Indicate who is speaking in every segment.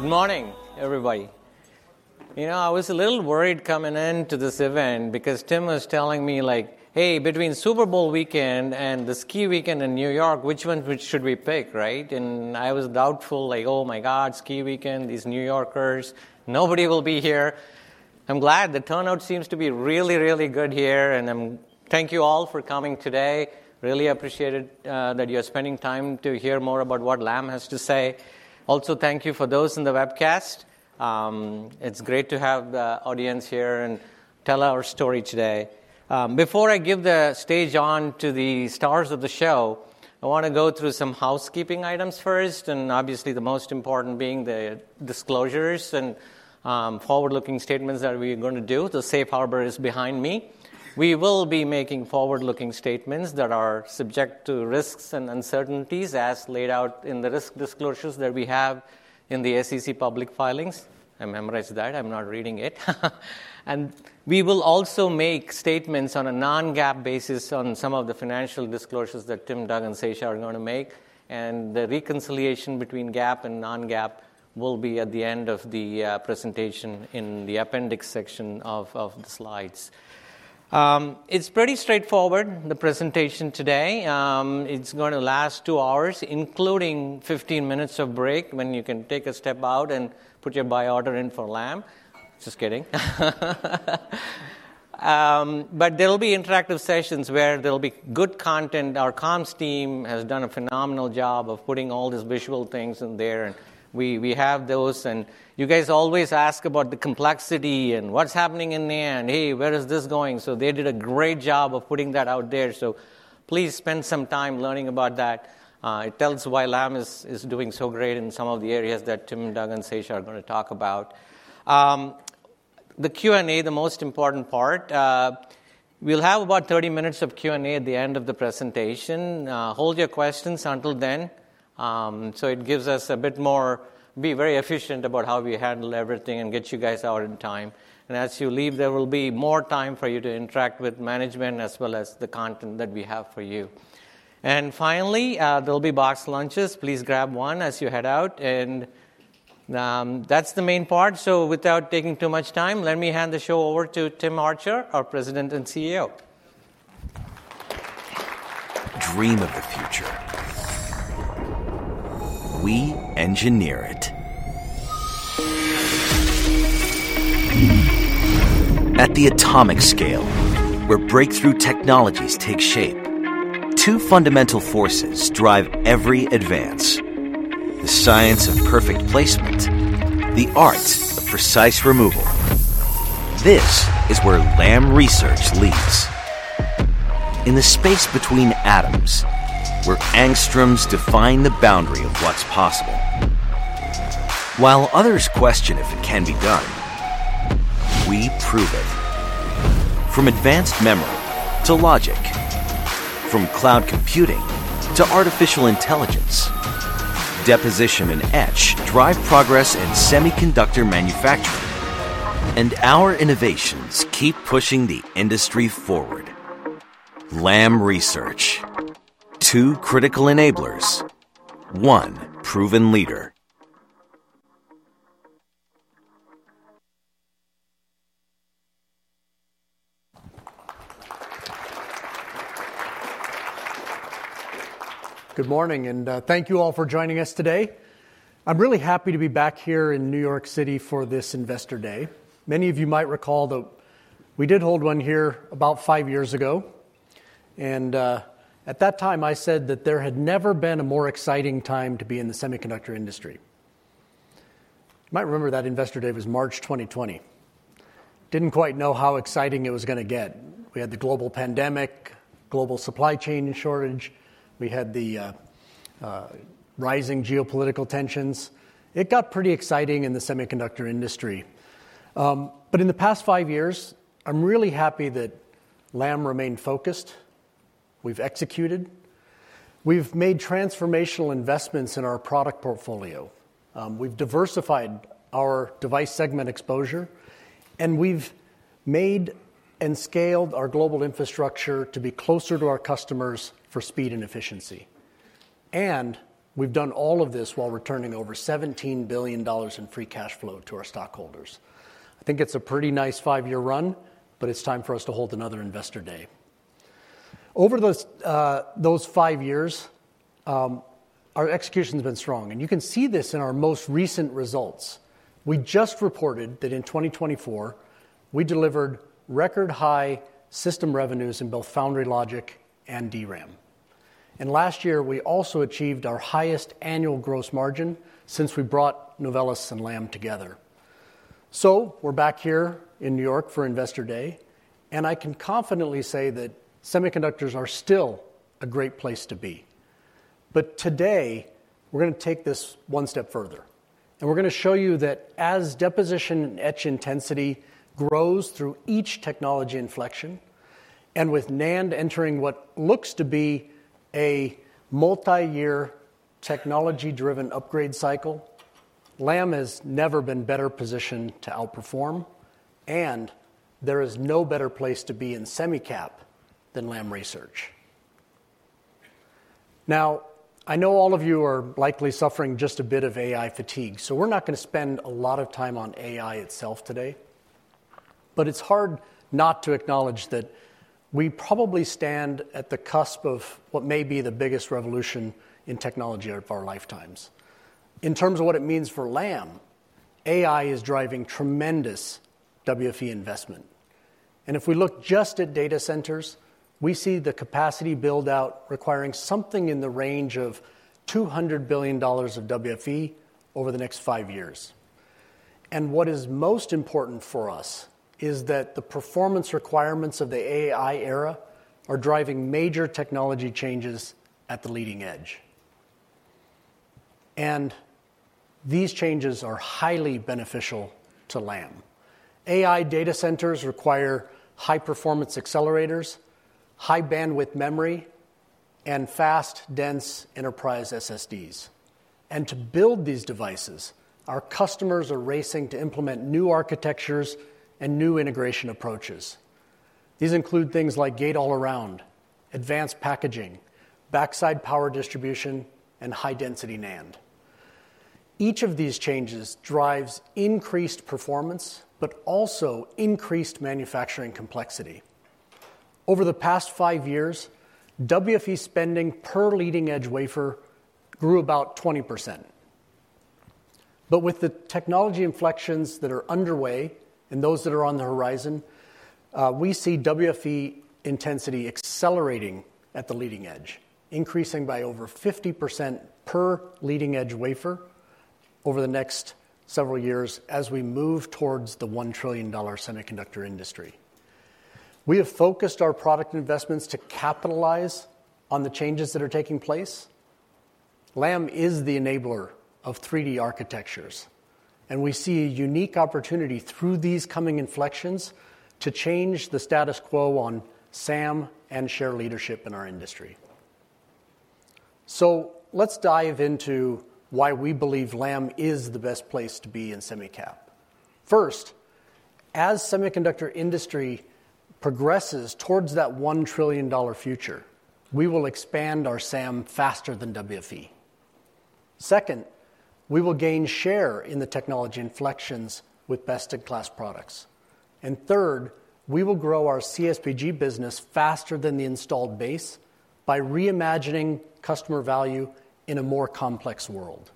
Speaker 1: Good morning, everybody. You know, I was a little worried coming into this event because Tim was telling me, like, hey, between Super Bowl weekend and the ski weekend in New York, which one should we pick, right? And I was doubtful, like, oh my God, ski weekend, these New Yorkers, nobody will be here. I'm glad the turnout seems to be really, really good here. And thank you all for coming today. Really appreciated that you're spending time to hear more about what Lam has to say. Also, thank you for those in the webcast. It's great to have the audience here and tell our story today. Before I give the stage on to the stars of the show, I want to go through some housekeeping items first, and obviously the most important being the disclosures and forward-looking statements that we are going to do. The safe harbor is behind me. We will be making forward-looking statements that are subject to risks and uncertainties, as laid out in the risk disclosures that we have in the SEC public filings. I memorized that. I'm not reading it, and we will also make statements on a non-GAAP basis on some of the financial disclosures that Tim, Doug, and Seshasayee are going to make. And the reconciliation between GAAP and non-GAAP will be at the end of the presentation in the appendix section of the slides. It's pretty straightforward, the presentation today. It's going to last two hours, including 15 minutes of break when you can take a step out and put your buy order in for Lam. Just kidding, but there'll be interactive sessions where there'll be good content. Our comms team has done a phenomenal job of putting all these visual things in there. And we have those. And you guys always ask about the complexity and what's happening in there. And hey, where is this going? So they did a great job of putting that out there. So please spend some time learning about that. It tells why Lam is doing so great in some of the areas that Tim, Doug, and Seshasayee are going to talk about. The Q&A, the most important part. We'll have about 30 minutes of Q&A at the end of the presentation. Hold your questions until then. So it gives us a bit more be very efficient about how we handle everything and get you guys out in time. And as you leave, there will be more time for you to interact with management as well as the content that we have for you. And finally, there'll be box lunches. Please grab one as you head out. And that's the main part. So without taking too much time, let me hand the show over to Tim Archer, our President and CEO.
Speaker 2: Dream of the future. We engineer it. At the atomic scale, where breakthrough technologies take shape, two fundamental forces drive every advance: the science of perfect placement, the art of precise removal. This is where Lam Research leads. In the space between atoms, where angstroms define the boundary of what's possible. While others question if it can be done, we prove it. From advanced memory to logic, from cloud computing to artificial intelligence, deposition and etch drive progress in semiconductor manufacturing. And our innovations keep pushing the industry forward. Lam Research. Two critical enablers. One proven leader.
Speaker 3: Good morning. And thank you all for joining us today. I'm really happy to be back here in New York City for this Investor Day. Many of you might recall that we did hold one here about five years ago. And at that time, I said that there had never been a more exciting time to be in the semiconductor industry. You might remember that Investor Day was March 2020. Didn't quite know how exciting it was going to get. We had the global pandemic, global supply chain shortage. We had the rising geopolitical tensions. It got pretty exciting in the semiconductor industry. But in the past five years, I'm really happy that Lam remained focused. We've executed. We've made transformational investments in our product portfolio. We've diversified our device segment exposure. And we've made and scaled our global infrastructure to be closer to our customers for speed and efficiency. We've done all of this while returning over $17 billion in free cash flow to our stockholders. I think it's a pretty nice five-year run, but it's time for us to hold another Investor Day. Over those five years, our execution has been strong, and you can see this in our most recent results. We just reported that in 2024, we delivered record high system revenues in both Foundry Logic and DRAM, and last year, we also achieved our highest annual gross margin since we brought Novellus and Lam together, so we're back here in New York for Investor Day. And I can confidently say that semiconductors are still a great place to be, but today, we're going to take this one step further. And we're going to show you that as deposition and etch intensity grows through each technology inflection, and with NAND entering what looks to be a multi-year technology-driven upgrade cycle, Lam has never been better positioned to outperform. And there is no better place to be in semi-cap than Lam Research. Now, I know all of you are likely suffering just a bit of AI fatigue. So we're not going to spend a lot of time on AI itself today. But it's hard not to acknowledge that we probably stand at the cusp of what may be the biggest revolution in technology of our lifetimes. In terms of what it means for Lam, AI is driving tremendous WFE investment. And if we look just at data centers, we see the capacity build-out requiring something in the range of $200 billion of WFE over the next five years. What is most important for us is that the performance requirements of the AI era are driving major technology changes at the leading edge. These changes are highly beneficial to Lam. AI data centers require high-performance accelerators, high-bandwidth memory, and fast, dense enterprise SSDs. To build these devices, our customers are racing to implement new architectures and new integration approaches. These include things like gate all-around, advanced packaging, backside power distribution, and high-density NAND. Each of these changes drives increased performance, but also increased manufacturing complexity. Over the past five years, WFE spending per leading edge wafer grew about 20%. With the technology inflections that are underway and those that are on the horizon, we see WFE intensity accelerating at the leading edge, increasing by over 50% per leading edge wafer over the next several years as we move towards the $1 trillion semiconductor industry. We have focused our product investments to capitalize on the changes that are taking place. Lam is the enabler of 3D architectures. And we see a unique opportunity through these coming inflections to change the status quo on SAM and share leadership in our industry. So let's dive into why we believe Lam is the best place to be in semi-cap. First, as semiconductor industry progresses towards that $1 trillion future, we will expand our SAM faster than WFE. Second, we will gain share in the technology inflections with best-in-class products. And third, we will grow our CSBG business faster than the installed base by reimagining customer value in a more complex world.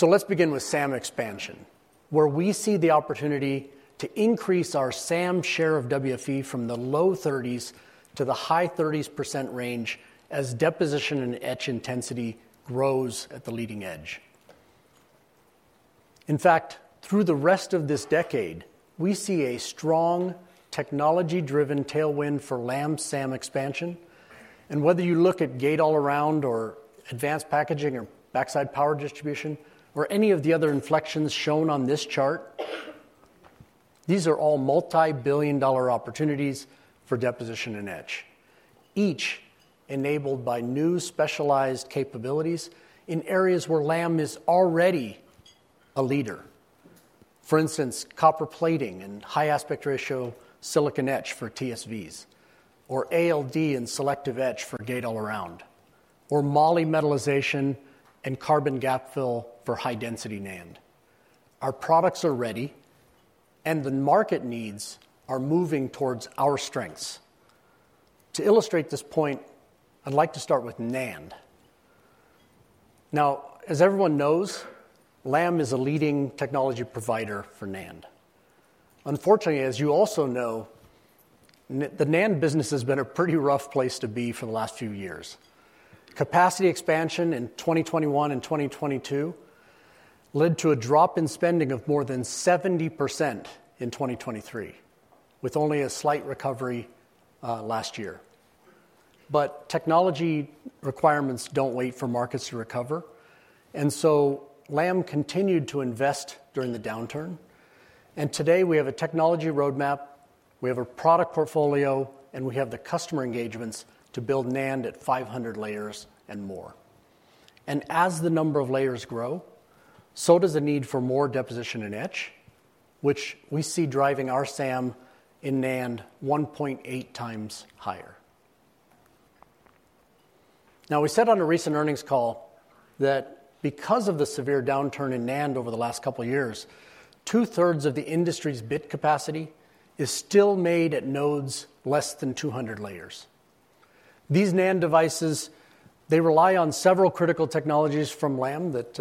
Speaker 3: Let's begin with SAM expansion, where we see the opportunity to increase our SAM share of WFE from the low 30s to the high 30s% range as deposition and etch intensity grows at the leading edge. In fact, through the rest of this decade, we see a strong technology-driven tailwind for Lam's SAM expansion. And whether you look at Gate-All-Around or Advanced Packaging or Backside Power Distribution or any of the other inflections shown on this chart, these are all multi-billion dollar opportunities for deposition and etch, each enabled by new specialized capabilities in areas where Lam is already a leader. For instance, copper plating and high aspect ratio silicon etch for TSVs, or ALD and selective etch for Gate-All-Around, or moly metallization and Carbon Gap Fill for high-density NAND. Our products are ready, and the market needs are moving towards our strengths. To illustrate this point, I'd like to start with NAND. Now, as everyone knows, Lam is a leading technology provider for NAND. Unfortunately, as you also know, the NAND business has been a pretty rough place to be for the last few years. Capacity expansion in 2021 and 2022 led to a drop in spending of more than 70% in 2023, with only a slight recovery last year. But technology requirements don't wait for markets to recover, and so Lam continued to invest during the downturn. And today, we have a technology roadmap. We have a product portfolio, and we have the customer engagements to build NAND at 500 layers and more. And as the number of layers grow, so does the need for more deposition and etch, which we see driving our SAM in NAND 1.8 times higher. Now, we said on a recent earnings call that because of the severe downturn in NAND over the last couple of years, two-thirds of the industry's bit capacity is still made at nodes less than 200 layers. These NAND devices, they rely on several critical technologies from Lam that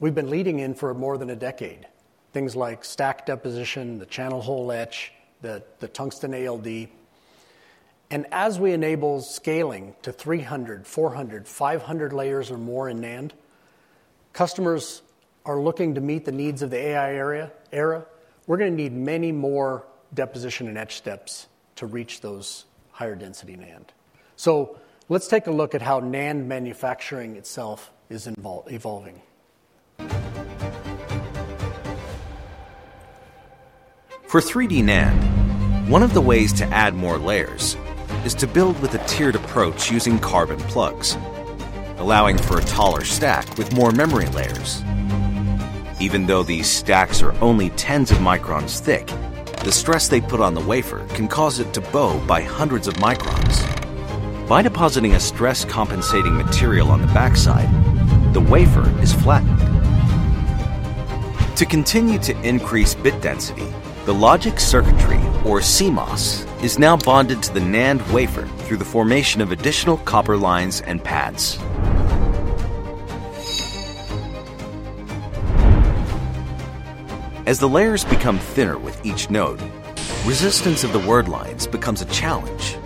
Speaker 3: we've been leading in for more than a decade, things like stack deposition, the channel hole etch, the tungsten ALD. And as we enable scaling to 300, 400, 500 layers or more in NAND, customers are looking to meet the needs of the AI era. We're going to need many more deposition and etch steps to reach those higher density NAND. So let's take a look at how NAND manufacturing itself is evolving.
Speaker 2: For 3D NAND, one of the ways to add more layers is to build with a tiered approach using carbon plugs, allowing for a taller stack with more memory layers. Even though these stacks are only tens of microns thick, the stress they put on the wafer can cause it to bow by hundreds of microns. By depositing a stress-compensating material on the backside, the wafer is flattened. To continue to increase bit density, the logic circuitry, or CMOS, is now bonded to the NAND wafer through the formation of additional copper lines and pads. As the layers become thinner with each node, resistance of the word lines becomes a challenge.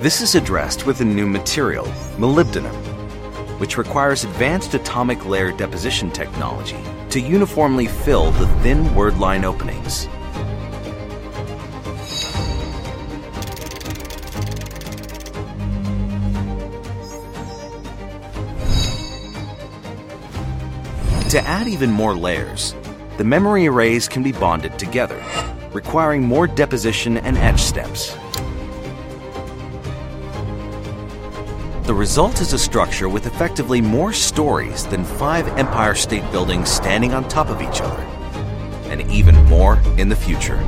Speaker 2: This is addressed with a new material, molybdenum, which requires advanced atomic layer deposition technology to uniformly fill the thin word line openings. To add even more layers, the memory arrays can be bonded together, requiring more deposition and etch steps. The result is a structure with effectively more stories than five Empire State Buildings standing on top of each other, and even more in the future.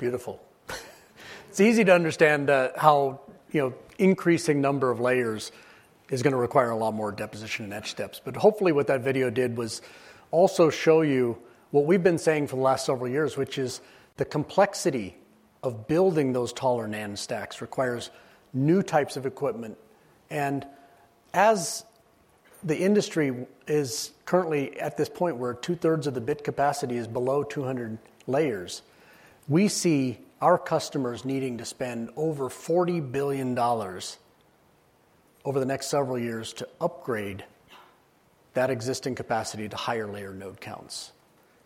Speaker 3: Beautiful. It's easy to understand how increasing the number of layers is going to require a lot more deposition and etch steps, but hopefully, what that video did was also show you what we've been saying for the last several years, which is the complexity of building those taller NAND stacks requires new types of equipment, and as the industry is currently at this point where two-thirds of the bit capacity is below 200 layers, we see our customers needing to spend over $40 billion over the next several years to upgrade that existing capacity to higher layer node counts.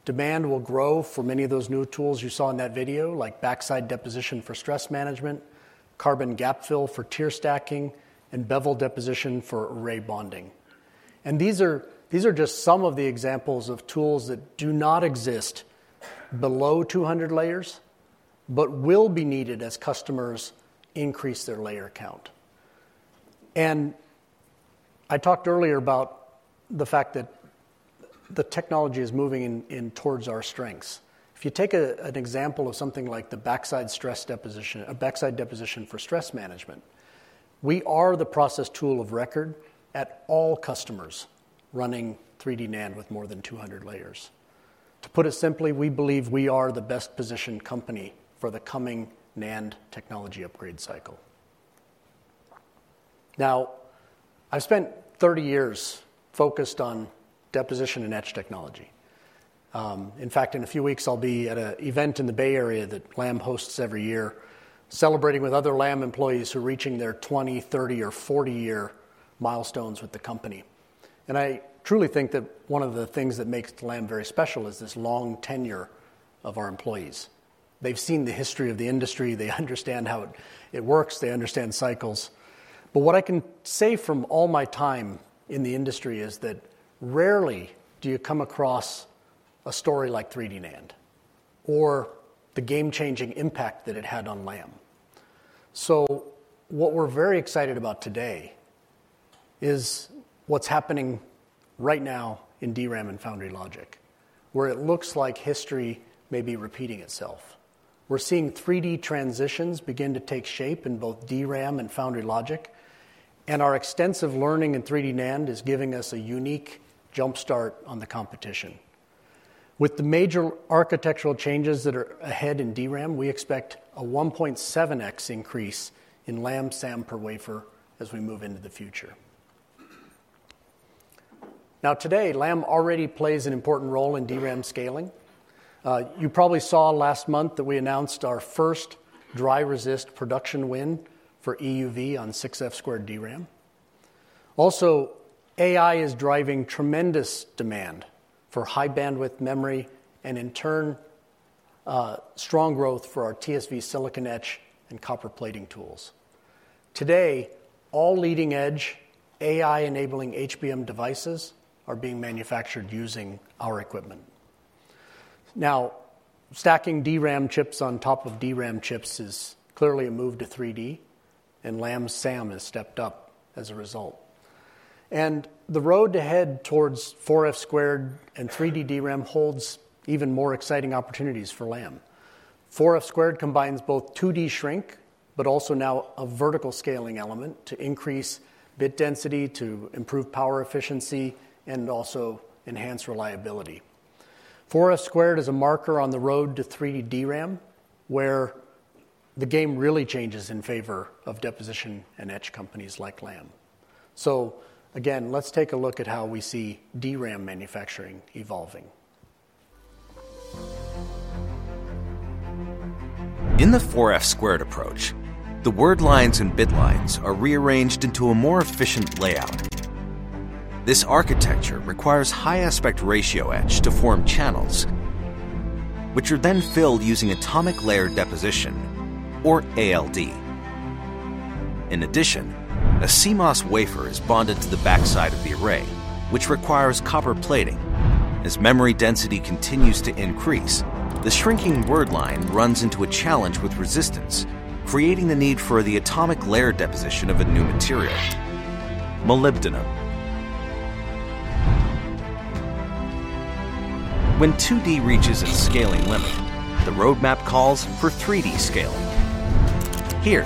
Speaker 3: Demand will grow for many of those new tools you saw in that video, like backside deposition for stress management, carbon gap fill for tier stacking, and bevel deposition for array bonding. These are just some of the examples of tools that do not exist below 200 layers, but will be needed as customers increase their layer count. I talked earlier about the fact that the technology is moving towards our strengths. If you take an example of something like the backside stress deposition, a backside deposition for stress management, we are the process tool of record at all customers running 3D NAND with more than 200 layers. To put it simply, we believe we are the best positioned company for the coming NAND technology upgrade cycle. Now, I've spent 30 years focused on deposition and etch technology. In fact, in a few weeks, I'll be at an event in the Bay Area that Lam hosts every year, celebrating with other Lam employees who are reaching their 20, 30, or 40-year milestones with the company. And I truly think that one of the things that makes Lam very special is this long tenure of our employees. They've seen the history of the industry. They understand how it works. They understand cycles. But what I can say from all my time in the industry is that rarely do you come across a story like 3D NAND or the game-changing impact that it had on Lam. So what we're very excited about today is what's happening right now in DRAM and Foundry Logic, where it looks like history may be repeating itself. We're seeing 3D transitions begin to take shape in both DRAM and Foundry Logic. And our extensive learning in 3D NAND is giving us a unique jumpstart on the competition. With the major architectural changes that are ahead in DRAM, we expect a 1.7x increase in Lam's SAM per wafer as we move into the future. Now, today, Lam already plays an important role in DRAM scaling. You probably saw last month that we announced our first dry-resist production win for EUV on 6F squared DRAM. Also, AI is driving tremendous demand for high-bandwidth memory and, in turn, strong growth for our TSV silicon etch and copper plating tools. Today, all leading edge AI-enabling HBM devices are being manufactured using our equipment. Now, stacking DRAM chips on top of DRAM chips is clearly a move to 3D, and Lam's SAM has stepped up as a result, and the road ahead towards 4F squared and 3D DRAM holds even more exciting opportunities for Lam. 4F squared combines both 2D shrink, but also now a vertical scaling element to increase bit density, to improve power efficiency, and also enhance reliability. 4F squared is a marker on the road to 3D DRAM, where the game really changes in favor of deposition and etch companies like Lam. So again, let's take a look at how we see DRAM manufacturing evolving. In the 4F Squared approach, the word lines and bit lines are rearranged into a more efficient layout. This architecture requires high-aspect ratio etch to form channels, which are then filled using atomic layer deposition, or ALD. In addition, a CMOS wafer is bonded to the backside of the array, which requires copper plating. As memory density continues to increase, the shrinking word line runs into a challenge with resistance, creating the need for the atomic layer deposition of a new material, molybdenum. When 2D reaches its scaling limit, the roadmap calls for 3D scaling. Here,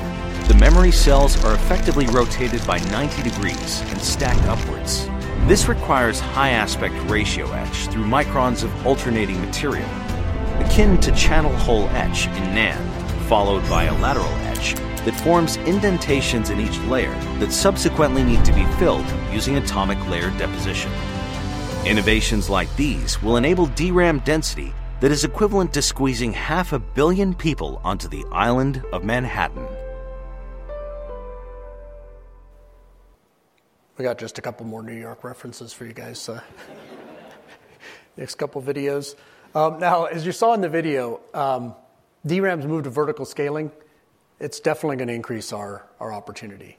Speaker 3: the memory cells are effectively rotated by 90 degrees and stacked upwards. This requires high-aspect ratio etch through microns of alternating material, akin to channel hole etch in NAND, followed by a lateral etch that forms indentations in each layer that subsequently need to be filled using atomic layer deposition. Innovations like these will enable DRAM density that is equivalent to squeezing 500,000,000 people onto the island of Manhattan.
Speaker 2: We got just a couple more New York references for you guys next couple of videos. Now, as you saw in the video, DRAM's moved to vertical scaling. It's definitely going to increase our opportunity.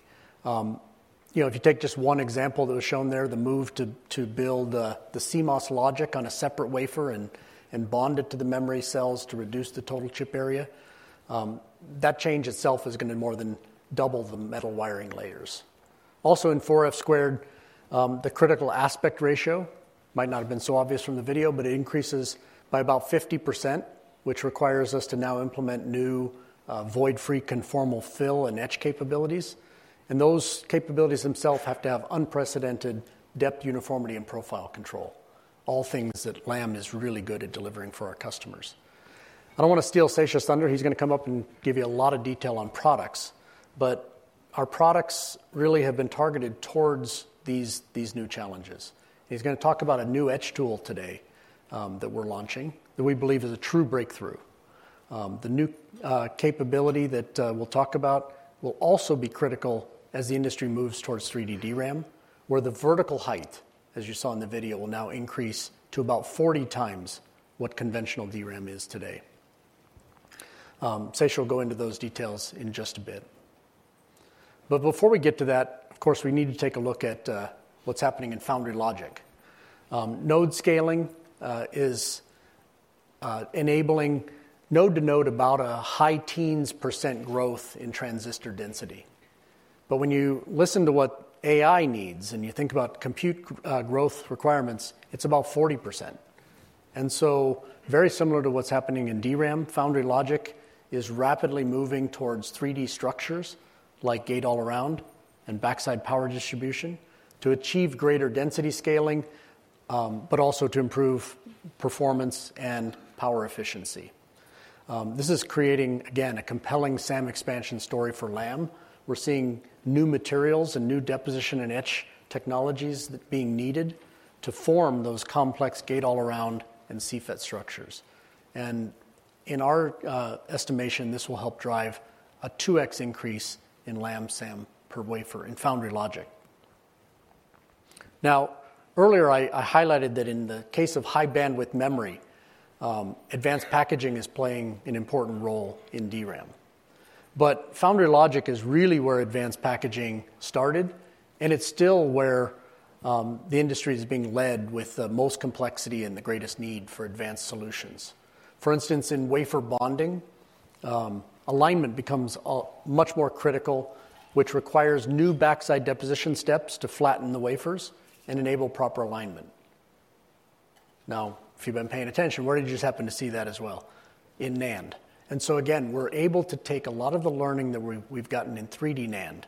Speaker 2: If you take just one example that was shown there, the move to build the CMOS logic on a separate wafer and bond it to the memory cells to reduce the total chip area, that change itself is going to more than double the metal wiring layers. Also, in 4F squared, the critical aspect ratio might not have been so obvious from the video, but it increases by about 50%, which requires us to now implement new void-free conformal fill and etch capabilities. And those capabilities themselves have to have unprecedented depth uniformity and profile control, all things that Lam is really good at delivering for our customers. I don't want to steal Seshasayee's thunder. He's going to come up and give you a lot of detail on products. But our products really have been targeted towards these new challenges. He's going to talk about a new etch tool today that we're launching that we believe is a true breakthrough. The new capability that we'll talk about will also be critical as the industry moves towards 3D DRAM, where the vertical height, as you saw in the video, will now increase to about 40 times what conventional DRAM is today. Sesha will go into those details in just a bit. But before we get to that, of course, we need to take a look at what's happening in Foundry Logic. Node scaling is enabling node to node about a high teens % growth in transistor density. But when you listen to what AI needs and you think about compute growth requirements, it's about 40%. Very similar to what's happening in DRAM, Foundry Logic is rapidly moving towards 3D structures like gate all around and backside power distribution to achieve greater density scaling, but also to improve performance and power efficiency. This is creating, again, a compelling SAM expansion story for Lam. We're seeing new materials and new deposition and etch technologies being needed to form those complex gate all around and CFET structures. In our estimation, this will help drive a 2x increase in Lam's SAM per wafer in Foundry Logic. Now, earlier, I highlighted that in the case of high bandwidth memory, advanced packaging is playing an important role in DRAM. Foundry Logic is really where advanced packaging started, and it's still where the industry is being led with the most complexity and the greatest need for advanced solutions. For instance, in wafer bonding, alignment becomes much more critical, which requires new backside deposition steps to flatten the wafers and enable proper alignment. Now, if you've been paying attention, where did you just happen to see that as well? In NAND. And so, again, we're able to take a lot of the learning that we've gotten in 3D NAND,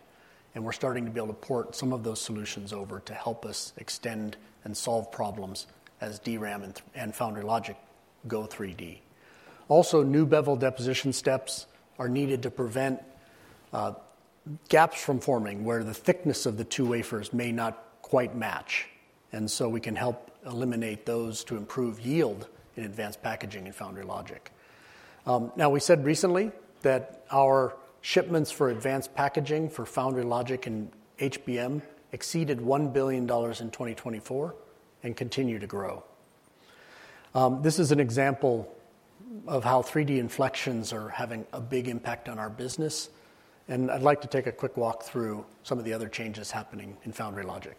Speaker 2: and we're starting to be able to port some of those solutions over to help us extend and solve problems as DRAM and Foundry Logic go 3D. Also, new bevel deposition steps are needed to prevent gaps from forming where the thickness of the two wafers may not quite match. And so we can help eliminate those to improve yield in Advanced Packaging in Foundry Logic. Now, we said recently that our shipments for Advanced Packaging for Foundry Logic and HBM exceeded $1 billion in 2024 and continue to grow. This is an example of how 3D inflections are having a big impact on our business, and I'd like to take a quick walk through some of the other changes happening in Foundry Logic.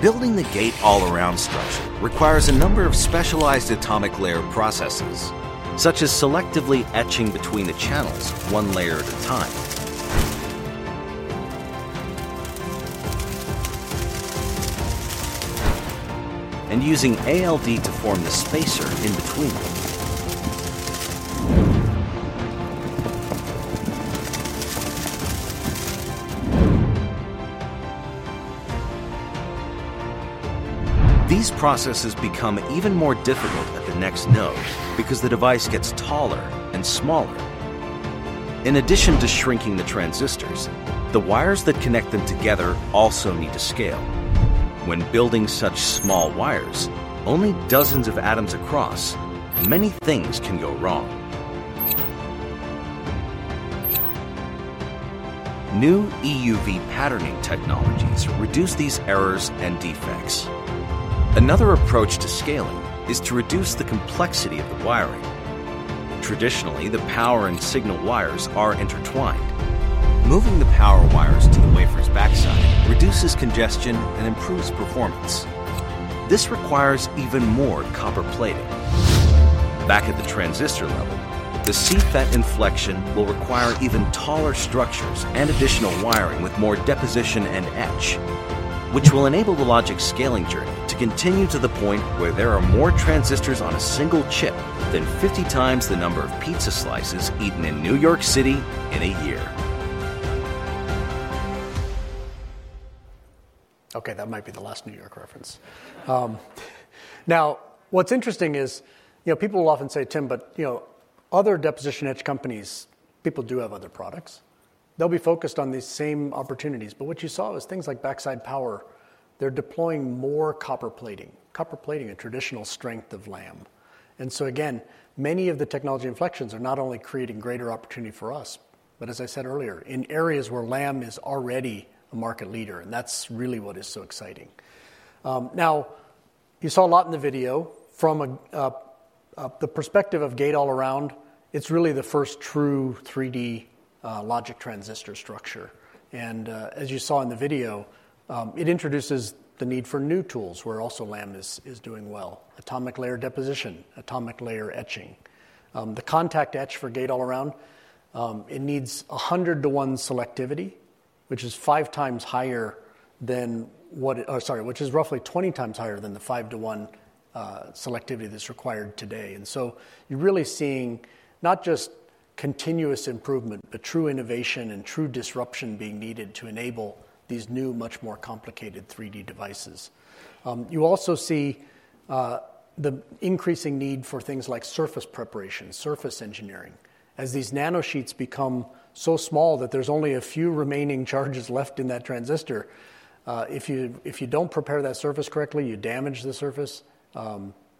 Speaker 2: Building the Gate-All-Around structure requires a number of specialized atomic layer processes, such as selectively etching between the channels one layer at a time, and using ALD to form the spacer in between. These processes become even more difficult at the next node because the device gets taller and smaller. In addition to shrinking the transistors, the wires that connect them together also need to scale. When building such small wires, only dozens of atoms across, many things can go wrong. New EUV patterning technologies reduce these errors and defects. Another approach to scaling is to reduce the complexity of the wiring. Traditionally, the power and signal wires are intertwined. Moving the power wires to the wafer's backside reduces congestion and improves performance. This requires even more copper plating. Back at the transistor level, the CFET inflection will require even taller structures and additional wiring with more deposition and etch, which will enable the logic scaling journey to continue to the point where there are more transistors on a single chip than 50 times the number of pizza slices eaten in New York City in a year.
Speaker 3: Okay, that might be the last New York reference. Now, what's interesting is people will often say, "Tim, but other deposition etch companies, people do have other products." They'll be focused on these same opportunities. But what you saw is things like backside power. They're deploying more copper plating, copper plating a traditional strength of Lam. And so again, many of the technology inflections are not only creating greater opportunity for us, but as I said earlier, in areas where Lam is already a market leader. And that's really what is so exciting. Now, you saw a lot in the video. From the perspective of Gate-All-Around, it's really the first true 3D logic transistor structure. And as you saw in the video, it introduces the need for new tools where also Lam is doing well: atomic layer deposition, atomic layer etching. The contact etch for gate all around, it needs 100 to 1 selectivity, which is five times higher than what sorry, which is roughly 20 times higher than the 5 to 1 selectivity that's required today. And so you're really seeing not just continuous improvement, but true innovation and true disruption being needed to enable these new, much more complicated 3D devices. You also see the increasing need for things like surface preparation, surface engineering, as these nanosheets become so small that there's only a few remaining charges left in that transistor. If you don't prepare that surface correctly, you damage the surface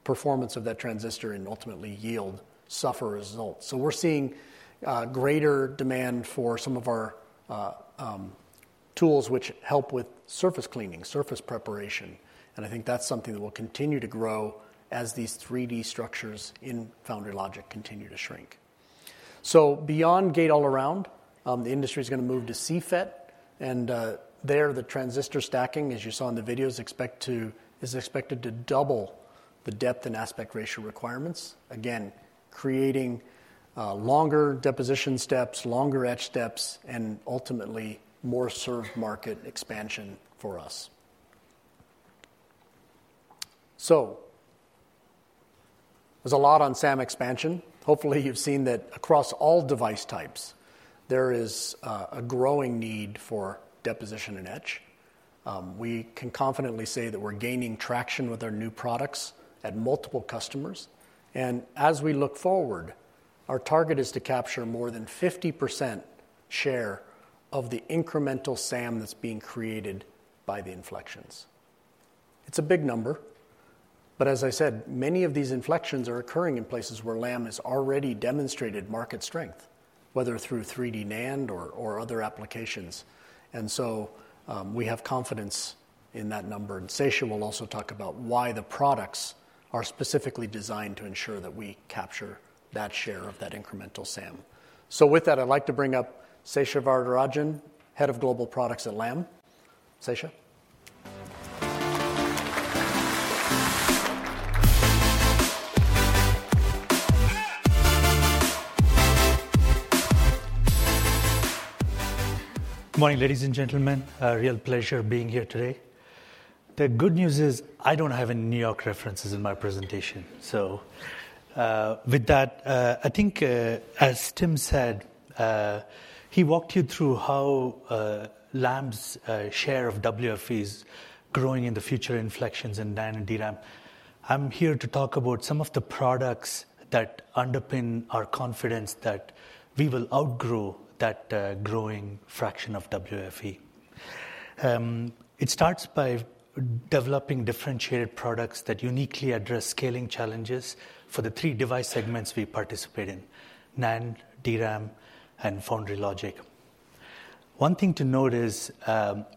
Speaker 3: performance of that transistor and ultimately yield suffer results. So we're seeing greater demand for some of our tools which help with surface cleaning, surface preparation. And I think that's something that will continue to grow as these 3D structures in Foundry Logic continue to shrink. So beyond Gate-All-Around, the industry is going to move to CFET. And there, the transistor stacking, as you saw in the videos, is expected to double the depth and aspect ratio requirements, again, creating longer deposition steps, longer etch steps, and ultimately more served market expansion for us. So there's a lot on SAM expansion. Hopefully, you've seen that across all device types, there is a growing need for deposition and etch. We can confidently say that we're gaining traction with our new products at multiple customers. And as we look forward, our target is to capture more than 50% share of the incremental SAM that's being created by the inflections. It's a big number. But as I said, many of these inflections are occurring in places where Lam has already demonstrated market strength, whether through 3D NAND or other applications. And so we have confidence in that number. And Sesha will also talk about why the products are specifically designed to ensure that we capture that share of that incremental SAM. So with that, I'd like to bring up Sesha Varadarajan, head of global products at Lam. Sesha.
Speaker 4: Good morning, ladies and gentlemen. A real pleasure being here today. The good news is I don't have any New York references in my presentation. So with that, I think as Tim said, he walked you through how Lam's share of WFE is growing in the future inflections in NAND and DRAM. I'm here to talk about some of the products that underpin our confidence that we will outgrow that growing fraction of WFE. It starts by developing differentiated products that uniquely address scaling challenges for the three device segments we participate in: NAND, DRAM, and Foundry Logic. One thing to note is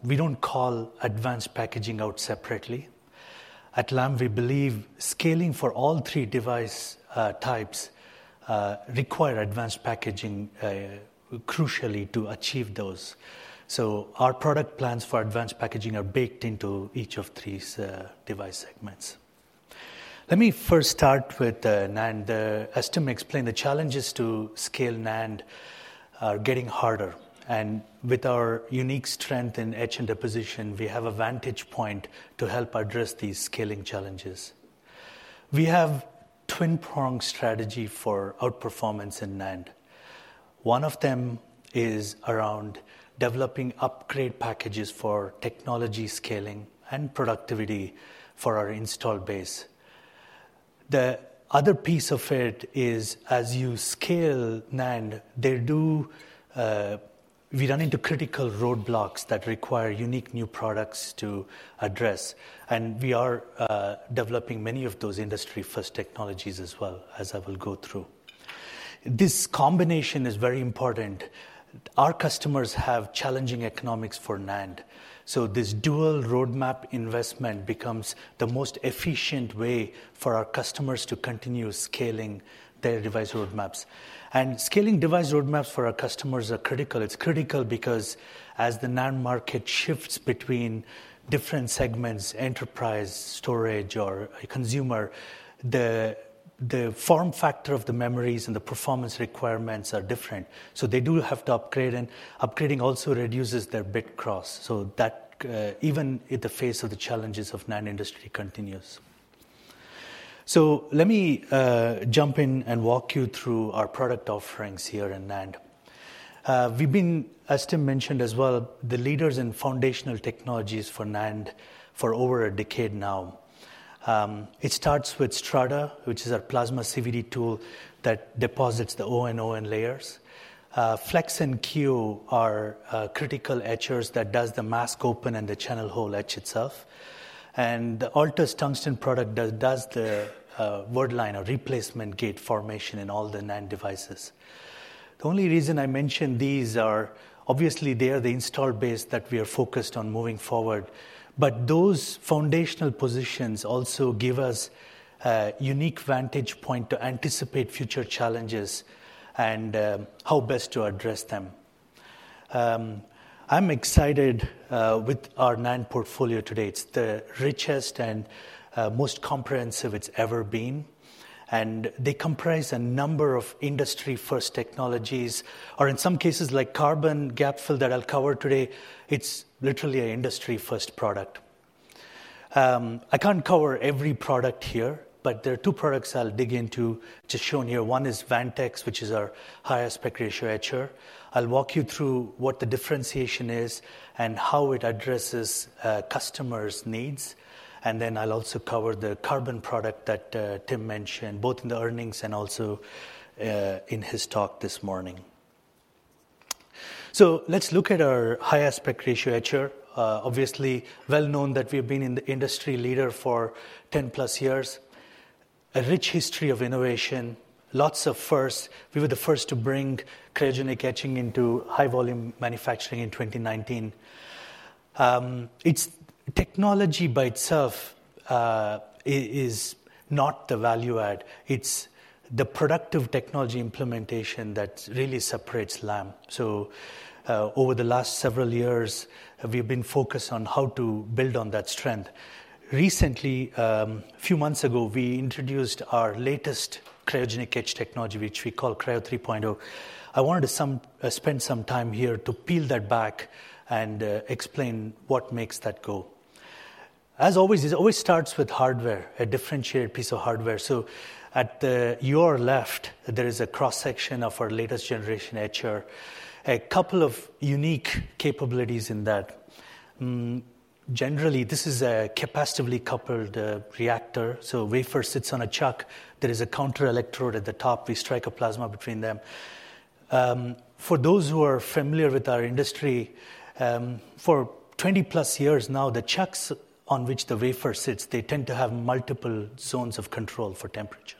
Speaker 4: we don't call advanced packaging out separately. At Lam, we believe scaling for all three device types requires advanced packaging crucially to achieve those. So our product plans for advanced packaging are baked into each of these device segments. Let me first start with NAND. As Tim explained, the challenges to scale NAND are getting harder, and with our unique strength in etch and deposition, we have a vantage point to help address these scaling challenges. We have a twin-pronged strategy for outperformance in NAND. One of them is around developing upgrade packages for technology scaling and productivity for our installed base. The other piece of it is as you scale NAND, we run into critical roadblocks that require unique new products to address, and we are developing many of those industry-first technologies as well, as I will go through. This combination is very important. Our customers have challenging economics for NAND. So this dual roadmap investment becomes the most efficient way for our customers to continue scaling their device roadmaps, and scaling device roadmaps for our customers are critical. It's critical because as the NAND market shifts between different segments, enterprise, storage, or consumer, the form factor of the memories and the performance requirements are different. So they do have to upgrade. And upgrading also reduces their bit costs. So that, even in the face of the challenges of NAND industry, continues. So let me jump in and walk you through our product offerings here in NAND. We've been, as Tim mentioned as well, the leaders in foundational technologies for NAND for over a decade now. It starts with Strata, which is our plasma CVD tool that deposits the O and N layers. Flex and Kiyo are critical etchers that do the mask open and the channel hole etch itself. And the Altus tungsten product does the word line or replacement gate formation in all the NAND devices. The only reason I mention these are obviously they are the installed base that we are focused on moving forward. But those foundational positions also give us a unique vantage point to anticipate future challenges and how best to address them. I'm excited with our NAND portfolio today. It's the richest and most comprehensive it's ever been. And they comprise a number of industry-first technologies, or in some cases, like carbon gap fill that I'll cover today. It's literally an industry-first product. I can't cover every product here, but there are two products I'll dig into to show in here. One is Vantex, which is our high aspect ratio etcher. I'll walk you through what the differentiation is and how it addresses customers' needs. And then I'll also cover the carbon product that Tim mentioned, both in the earnings and also in his talk this morning. So let's look at our high aspect ratio etcher. Obviously, well known that we have been in the industry leader for 10 plus years. A rich history of innovation, lots of firsts. We were the first to bring cryogenic etching into high volume manufacturing in 2019. Its technology by itself is not the value add. It's the productive technology implementation that really separates Lam. So over the last several years, we have been focused on how to build on that strength. Recently, a few months ago, we introduced our latest cryogenic etch technology, which we call Cryo 3.0. I wanted to spend some time here to peel that back and explain what makes that go. As always, it always starts with hardware, a differentiated piece of hardware. So at your left, there is a cross-section of our latest generation etcher, a couple of unique capabilities in that. Generally, this is a capacitively coupled reactor. So a wafer sits on a chuck. There is a counter electrode at the top. We strike a plasma between them. For those who are familiar with our industry, for 20 plus years now, the chucks on which the wafer sits, they tend to have multiple zones of control for temperature.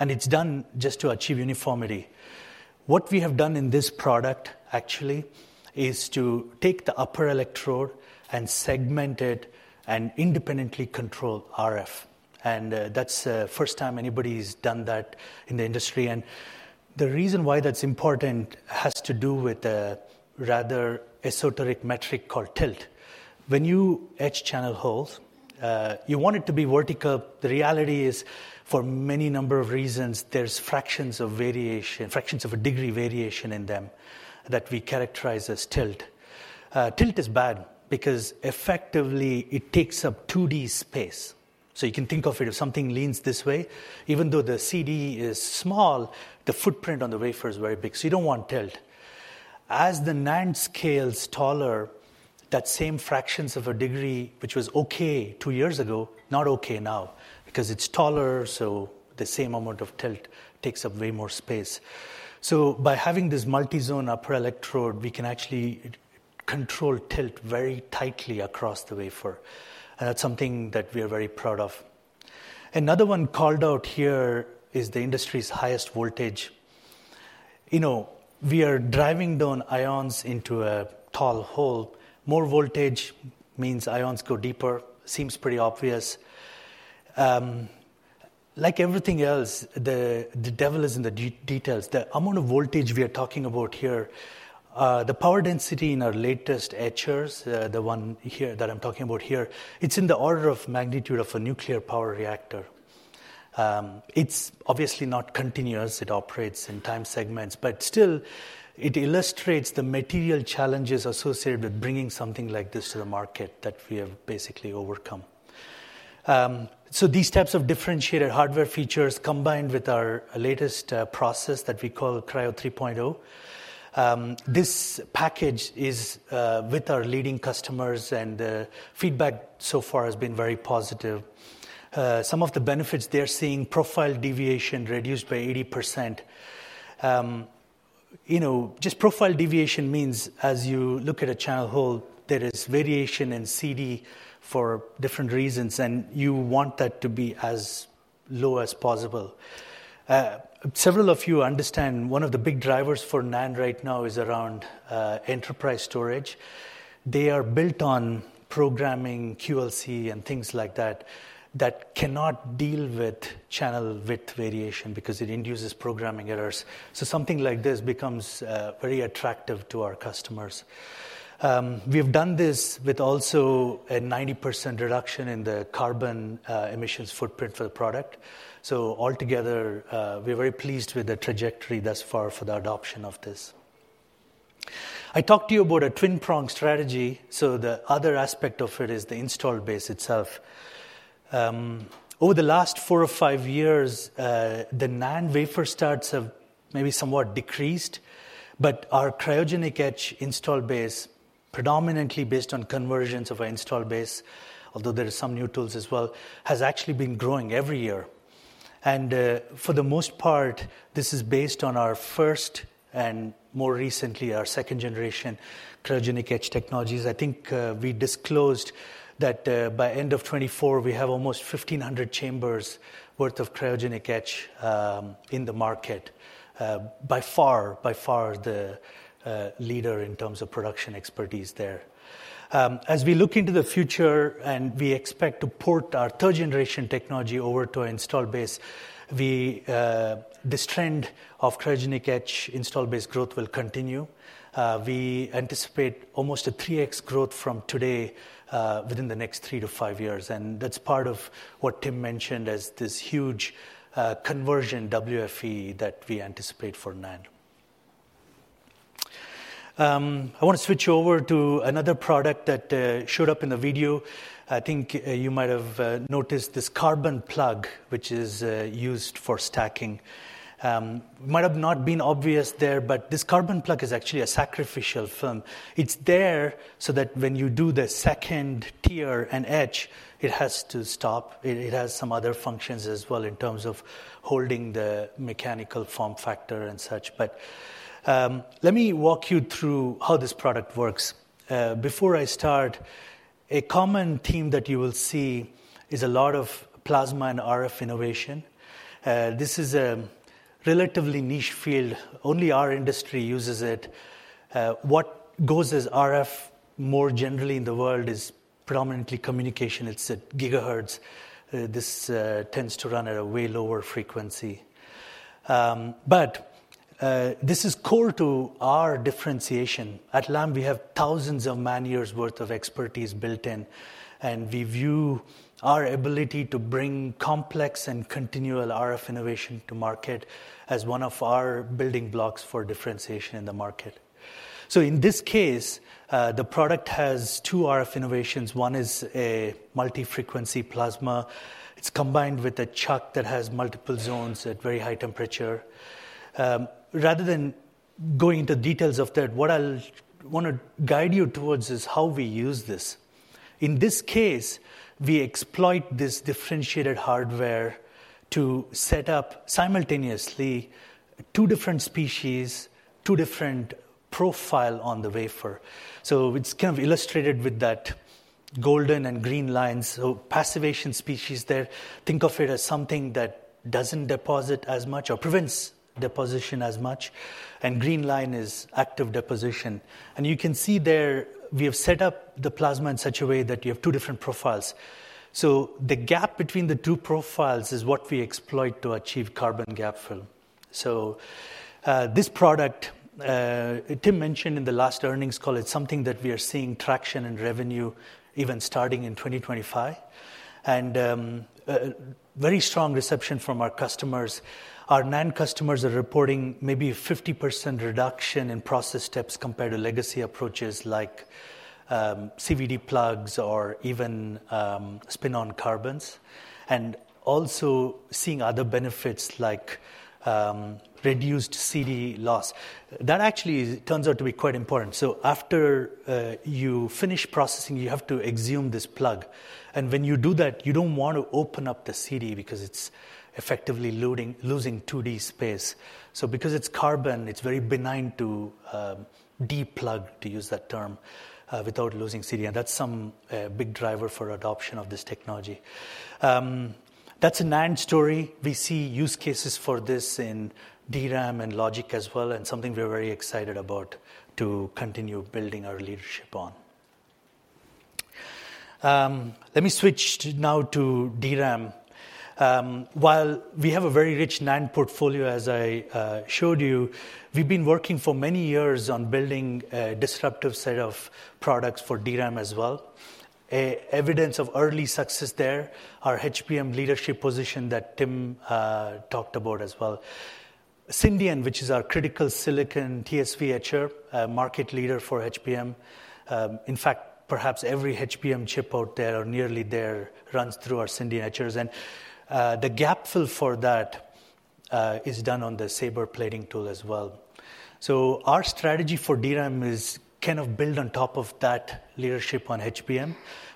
Speaker 4: And it's done just to achieve uniformity. What we have done in this product, actually, is to take the upper electrode and segment it and independently control RF. And that's the first time anybody has done that in the industry. And the reason why that's important has to do with a rather esoteric metric called tilt. When you etch channel holes, you want it to be vertical. The reality is, for many number of reasons, there's fractions of variation, fractions of a degree variation in them that we characterize as tilt. Tilt is bad because effectively it takes up 2D space. So you can think of it if something leans this way, even though the CD is small, the footprint on the wafer is very big. So you don't want tilt. As the NAND scales taller, that same fractions of a degree, which was okay two years ago, not okay now, because it's taller, so the same amount of tilt takes up way more space. So by having this multi-zone upper electrode, we can actually control tilt very tightly across the wafer. And that's something that we are very proud of. Another one called out here is the industry's highest voltage. We are driving down ions into a tall hole. More voltage means ions go deeper. Seems pretty obvious. Like everything else, the devil is in the details. The amount of voltage we are talking about here, the power density in our latest etchers, the one here that I'm talking about here, it's in the order of magnitude of a nuclear power reactor. It's obviously not continuous. It operates in time segments, but still, it illustrates the material challenges associated with bringing something like this to the market that we have basically overcome, so these types of differentiated hardware features combined with our latest process that we call Cryo 3.0, this package is with our leading customers. And the feedback so far has been very positive. Some of the benefits they're seeing, profile deviation reduced by 80%. Just profile deviation means as you look at a channel hole, there is variation in CD for different reasons, and you want that to be as low as possible. Several of you understand one of the big drivers for NAND right now is around enterprise storage. They are built on programming QLC and things like that that cannot deal with channel width variation because it induces programming errors. So something like this becomes very attractive to our customers. We have done this with also a 90% reduction in the carbon emissions footprint for the product. So altogether, we're very pleased with the trajectory thus far for the adoption of this. I talked to you about a twin-pronged strategy. So the other aspect of it is the installed base itself. Over the last four or five years, the NAND wafer starts have maybe somewhat decreased. But our cryogenic etch installed base, predominantly based on conversions of our installed base, although there are some new tools as well, has actually been growing every year. For the most part, this is based on our first and more recently our second generation cryogenic etch technologies. I think we disclosed that by end of 2024, we have almost 1,500 chambers worth of cryogenic etch in the market, by far, by far the leader in terms of production expertise there. As we look into the future and we expect to port our third generation technology over to our installed base, this trend of cryogenic etch installed base growth will continue. We anticipate almost a 3x growth from today within the next three to five years. That's part of what Tim mentioned as this huge conversion WFE that we anticipate for NAND. I want to switch over to another product that showed up in the video. I think you might have noticed this carbon plug, which is used for stacking. It might have not been obvious there, but this carbon plug is actually a sacrificial film. It's there so that when you do the second tier and etch, it has to stop. It has some other functions as well in terms of holding the mechanical form factor and such. But let me walk you through how this product works. Before I start, a common theme that you will see is a lot of plasma and RF innovation. This is a relatively niche field. Only our industry uses it. What goes as RF more generally in the world is predominantly communication. It's at gigahertz. This tends to run at a way lower frequency. But this is core to our differentiation. At Lam, we have thousands of man-years' worth of expertise built in. And we view our ability to bring complex and continual RF innovation to market as one of our building blocks for differentiation in the market. So in this case, the product has two RF innovations. One is a multi-frequency plasma. It's combined with a chuck that has multiple zones at very high temperature. Rather than going into details of that, what I want to guide you towards is how we use this. In this case, we exploit this differentiated hardware to set up simultaneously two different species, two different profiles on the wafer. So it's kind of illustrated with that golden and green lines. So passivation species there, think of it as something that doesn't deposit as much or prevents deposition as much. And green line is active deposition. And you can see there we have set up the plasma in such a way that you have two different profiles. The gap between the two profiles is what we exploit to achieve carbon gap fill. This product, Tim mentioned in the last earnings call, it's something that we are seeing traction and revenue even starting in 2025, and very strong reception from our customers. Our NAND customers are reporting maybe 50% reduction in process steps compared to legacy approaches like CVD plugs or even spin-on carbons, and also seeing other benefits like reduced CD loss. That actually turns out to be quite important. After you finish processing, you have to exhume this plug, and when you do that, you don't want to open up the CD because it's effectively losing 2D space. Because it's carbon, it's very benign to de-plug, to use that term, without losing CD. That's some big driver for adoption of this technology. That's a NAND story. We see use cases for this in DRAM and logic as well, and something we are very excited about to continue building our leadership on. Let me switch now to DRAM. While we have a very rich NAND portfolio, as I showed you, we've been working for many years on building a disruptive set of products for DRAM as well. Evidence of early success there, our HBM leadership position that Tim talked about as well. Syndion, which is our critical silicon TSV etcher, market leader for HBM. In fact, perhaps every HBM chip out there or nearly there runs through our Syndion etchers. And the gap fill for that is done on the Sabre plating tool as well. Our strategy for DRAM is kind of built on top of that leadership on HBM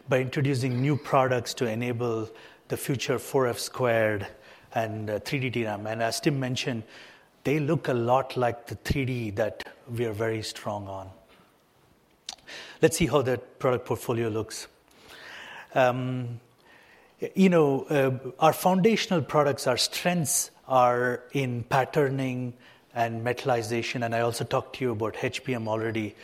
Speaker 4: by introducing new products to enable the future 4F squared and 3D DRAM. As Tim mentioned, they look a lot like the 3D that we are very strong on. Let's see how that product portfolio looks. Our foundational products, our strengths are in patterning and metallization. I also talked to you about HBM already.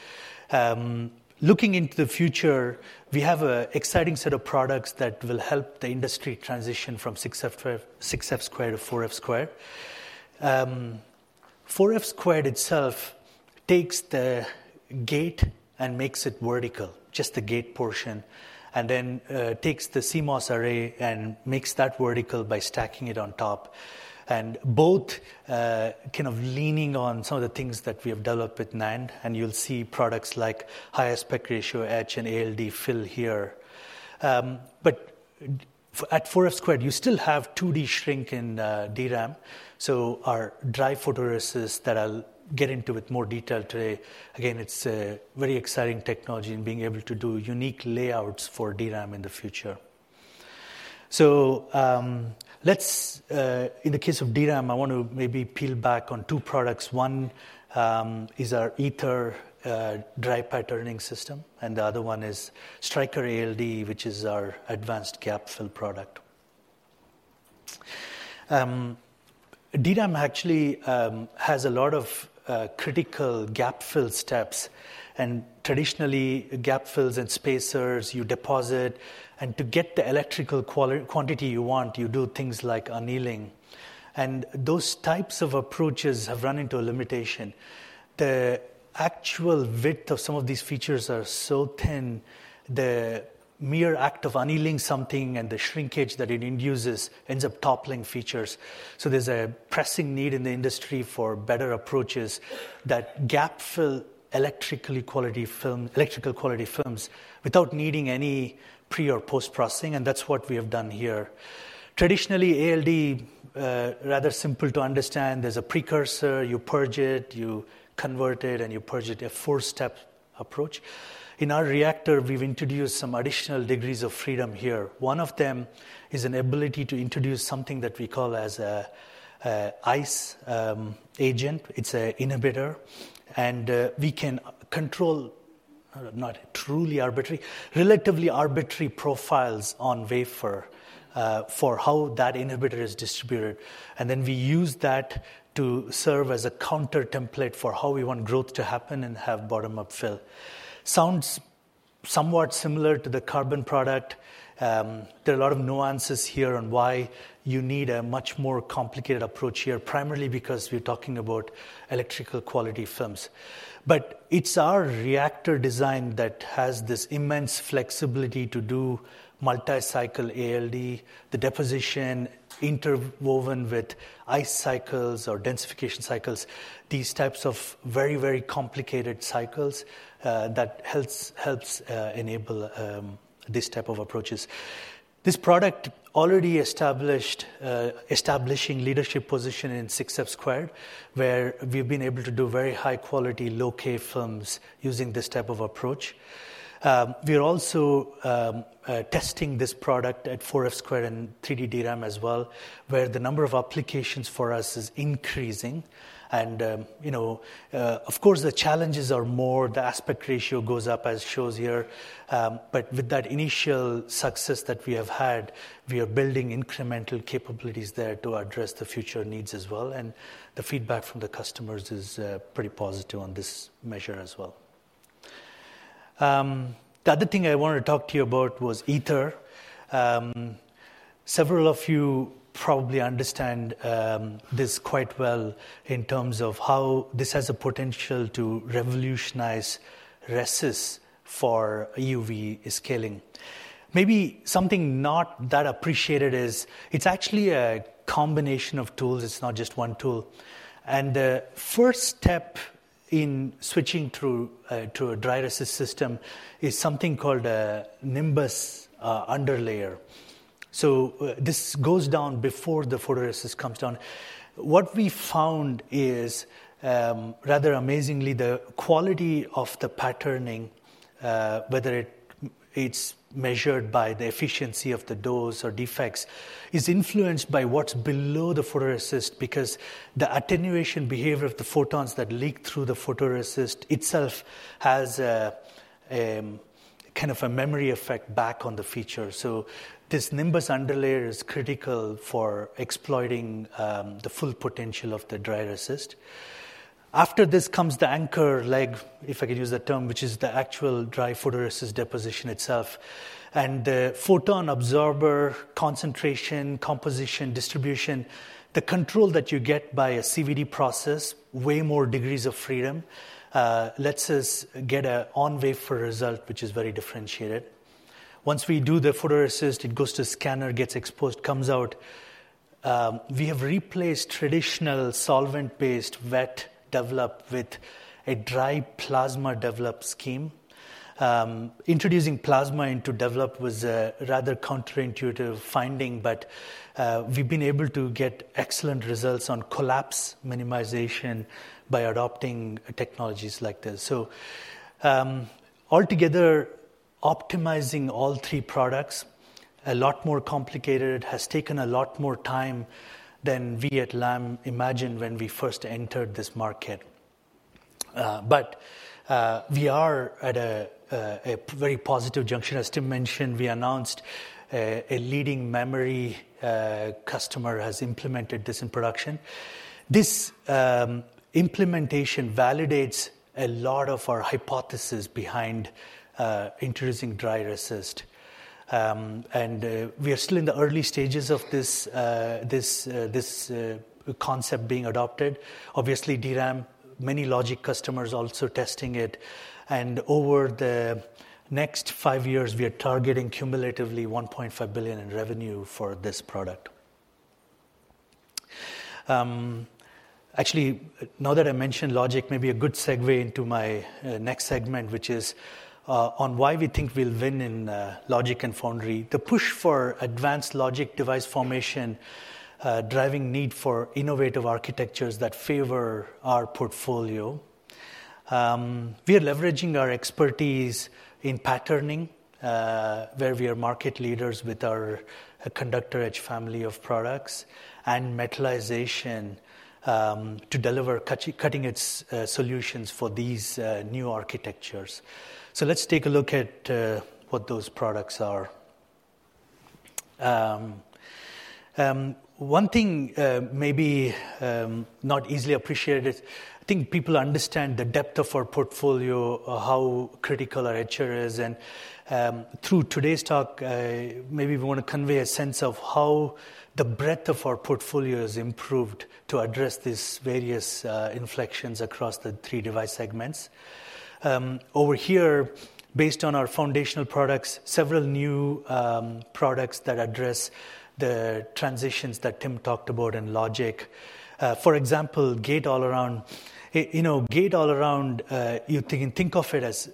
Speaker 4: Looking into the future, we have an exciting set of products that will help the industry transition from 6F squared to 4F squared. 4F squared itself takes the gate and makes it vertical, just the gate portion, and then takes the CMOS array and makes that vertical by stacking it on top. Both kind of leaning on some of the things that we have developed with NAND. You'll see products like high aspect ratio etch and ALD fill here. But at 4F squared, you still have 2D shrink in DRAM. So our dry photoresist that I'll get into with more detail today, again, it's a very exciting technology in being able to do unique layouts for DRAM in the future. So in the case of DRAM, I want to maybe peel back on two products. One is our Aether dry patterning system. And the other one is Striker ALD, which is our advanced gap fill product. DRAM actually has a lot of critical gap fill steps. And traditionally, gap fills and spacers, you deposit. And to get the electrical quantity you want, you do things like annealing. And those types of approaches have run into a limitation. The actual width of some of these features are so thin, the mere act of annealing something and the shrinkage that it induces ends up toppling features. So there's a pressing need in the industry for better approaches that gap fill electrical quality films without needing any pre or post-processing. And that's what we have done here. Traditionally, ALD, rather simple to understand, there's a precursor. You purge it, you convert it, and you purge it. A four-step approach. In our reactor, we've introduced some additional degrees of freedom here. One of them is an ability to introduce something that we call as an ICE agent. It's an inhibitor. And we can control, not truly arbitrary, relatively arbitrary profiles on wafer for how that inhibitor is distributed. And then we use that to serve as a counter template for how we want growth to happen and have bottom-up fill. Sounds somewhat similar to the carbon product. There are a lot of nuances here on why you need a much more complicated approach here, primarily because we're talking about electrical quality films, but it's our reactor design that has this immense flexibility to do multi-cycle ALD, the deposition interwoven with etch cycles or densification cycles, these types of very, very complicated cycles that helps enable this type of approaches. This product already established a leadership position in 6F squared, where we've been able to do very high-quality low-K films using this type of approach. We are also testing this product at 4F squared and 3D DRAM as well, where the number of applications for us is increasing, and of course, the challenges are more. The aspect ratio goes up, as shown here, but with that initial success that we have had, we are building incremental capabilities there to address the future needs as well. The feedback from the customers is pretty positive on this measure as well. The other thing I wanted to talk to you about was Aether. Several of you probably understand this quite well in terms of how this has a potential to revolutionize resist for EUV scaling. Maybe something not that appreciated is it's actually a combination of tools. It's not just one tool. The first step in switching to a dry resist system is something called a Nimbus underlayer. So this goes down before the photoresist comes down. What we found is, rather amazingly, the quality of the patterning, whether it's measured by the efficiency of the dose or defects, is influenced by what's below the photoresist because the attenuation behavior of the photons that leak through the photoresist itself has kind of a memory effect back on the feature. This Nimbus underlayer is critical for exploiting the full potential of the dry resist. After this comes the anchor leg, if I can use that term, which is the actual dry photoresist deposition itself. The photon absorber concentration, composition, distribution, the control that you get by a CVD process, way more degrees of freedom, lets us get an on-wafer result, which is very differentiated. Once we do the photoresist, it goes to scanner, gets exposed, comes out. We have replaced traditional solvent-based wet develop with a dry plasma develop scheme. Introducing plasma into develop was a rather counterintuitive finding. We've been able to get excellent results on collapse minimization by adopting technologies like this. Altogether, optimizing all three products, a lot more complicated, has taken a lot more time than we at Lam imagined when we first entered this market. We are at a very positive junction. As Tim mentioned, we announced a leading memory customer has implemented this in production. This implementation validates a lot of our hypothesis behind introducing dry resist. And we are still in the early stages of this concept being adopted. Obviously, DRAM, many logic customers also testing it. And over the next five years, we are targeting cumulatively $1.5 billion in revenue for this product. Actually, now that I mentioned logic, maybe a good segue into my next segment, which is on why we think we'll win in logic and foundry. The push for advanced logic device formation driving the need for innovative architectures that favor our portfolio. We are leveraging our expertise in patterning, where we are market leaders with our conductor etch family of products and metallization to deliver cutting-edge solutions for these new architectures. So let's take a look at what those products are. One thing maybe not easily appreciated, I think people understand the depth of our portfolio, how critical our HR is. And through today's talk, maybe we want to convey a sense of how the breadth of our portfolio has improved to address these various inflections across the three device segments. Over here, based on our foundational products, several new products that address the transitions that Tim talked about in logic. For example, Gate-All-Around. Gate-All-Around, you think of it as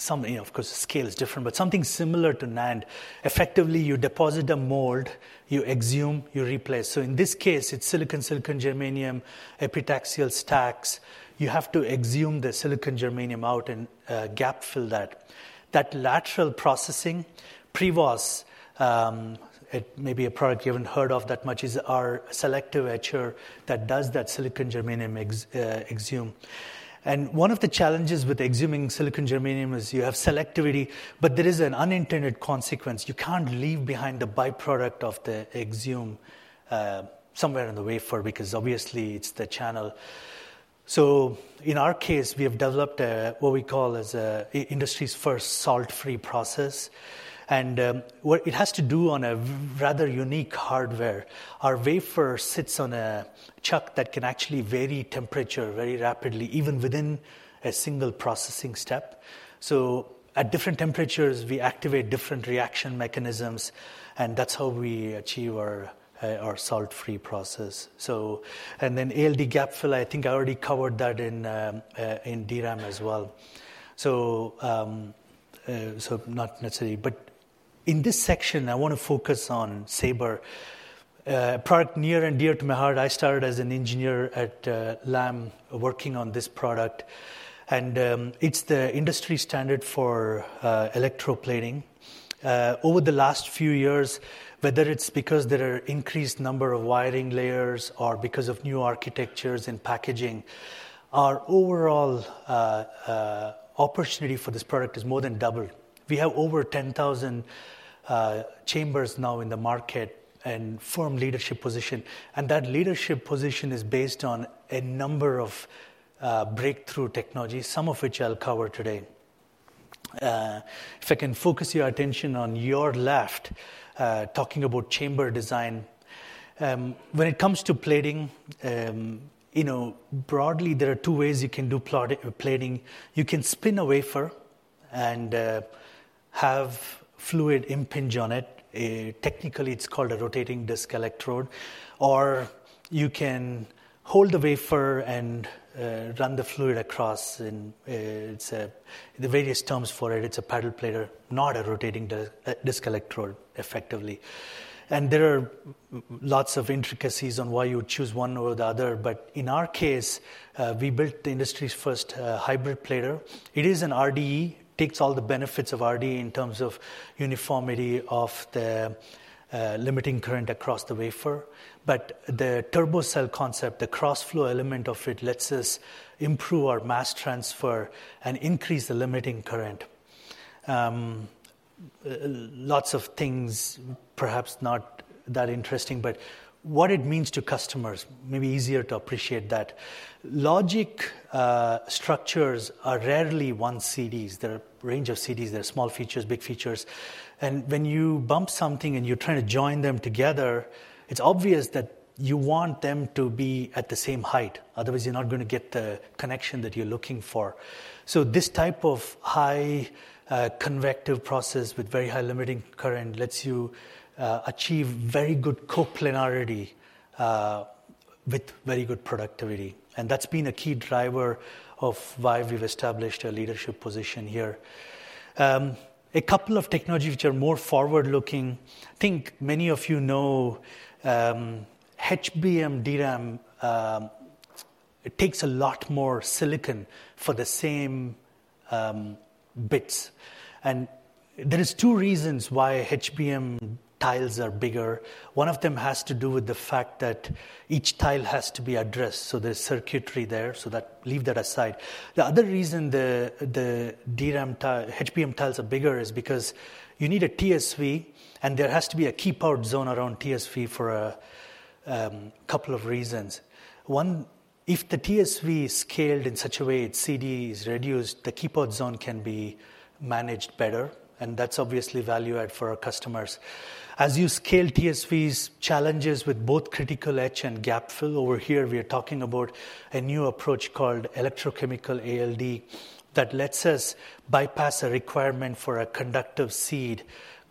Speaker 4: something, of course, the scale is different, but something similar to NAND. Effectively, you deposit a mold, you exhume, you replace. So in this case, it's silicon, silicon-germanium, epitaxial stacks. You have to exhume the silicon germanium out and gap fill that. That lateral processing, Prevos, it may be a product you haven't heard of that much, is our selective etcher that does that silicon germanium exhume. And one of the challenges with exhuming silicon germanium is you have selectivity, but there is an unintended consequence. You can't leave behind the byproduct of the exhume somewhere in the wafer because obviously it's the channel. So in our case, we have developed what we call as an industry's first salt-free process. And it has to do on a rather unique hardware. Our wafer sits on a chuck that can actually vary temperature very rapidly, even within a single processing step. So at different temperatures, we activate different reaction mechanisms. And that's how we achieve our salt-free process. And then ALD gap fill, I think I already covered that in DRAM as well. So not necessarily. But in this section, I want to focus on Sabre. A product near and dear to my heart. I started as an engineer at Lam working on this product. And it's the industry standard for electroplating. Over the last few years, whether it's because there are increased number of wiring layers or because of new architectures in packaging, our overall opportunity for this product is more than doubled. We have over 10,000 chambers now in the market and firm leadership position. And that leadership position is based on a number of breakthrough technologies, some of which I'll cover today. If I can focus your attention on your left, talking about chamber design. When it comes to plating, broadly, there are two ways you can do plating. You can spin a wafer and have fluid impinge on it. Technically, it's called a rotating disk electrode. Or you can hold a wafer and run the fluid across. And the various terms for it, it's a paddle plater, not a rotating disk electrode, effectively. And there are lots of intricacies on why you would choose one or the other. But in our case, we built the industry's first hybrid plater. It is an RDE. It takes all the benefits of RDE in terms of uniformity of the limiting current across the wafer. But the TurboCell concept, the crossflow element of it, lets us improve our mass transfer and increase the limiting current. Lots of things, perhaps not that interesting. But what it means to customers, maybe easier to appreciate that. Logic structures are rarely one CDs. There are a range of CDs. There are small features, big features. And when you bump something and you're trying to join them together, it's obvious that you want them to be at the same height. Otherwise, you're not going to get the connection that you're looking for. So this type of high convective process with very high limiting current lets you achieve very good coplanarity with very good productivity. And that's been a key driver of why we've established a leadership position here. A couple of technologies which are more forward-looking. I think many of you know HBM DRAM. It takes a lot more silicon for the same bits. And there are two reasons why HBM tiles are bigger. One of them has to do with the fact that each tile has to be addressed. So there's circuitry there. So leave that aside. The other reason the HBM tiles are bigger is because you need a TSV. There has to be a keep-out zone around TSV for a couple of reasons. One, if the TSV is scaled in such a way, its CD is reduced, the keep-out zone can be managed better. That's obviously value-add for our customers. As you scale TSVs, challenges with both critical edge and gap fill. Over here, we are talking about a new approach called electrochemical ALD that lets us bypass a requirement for a conductive seed,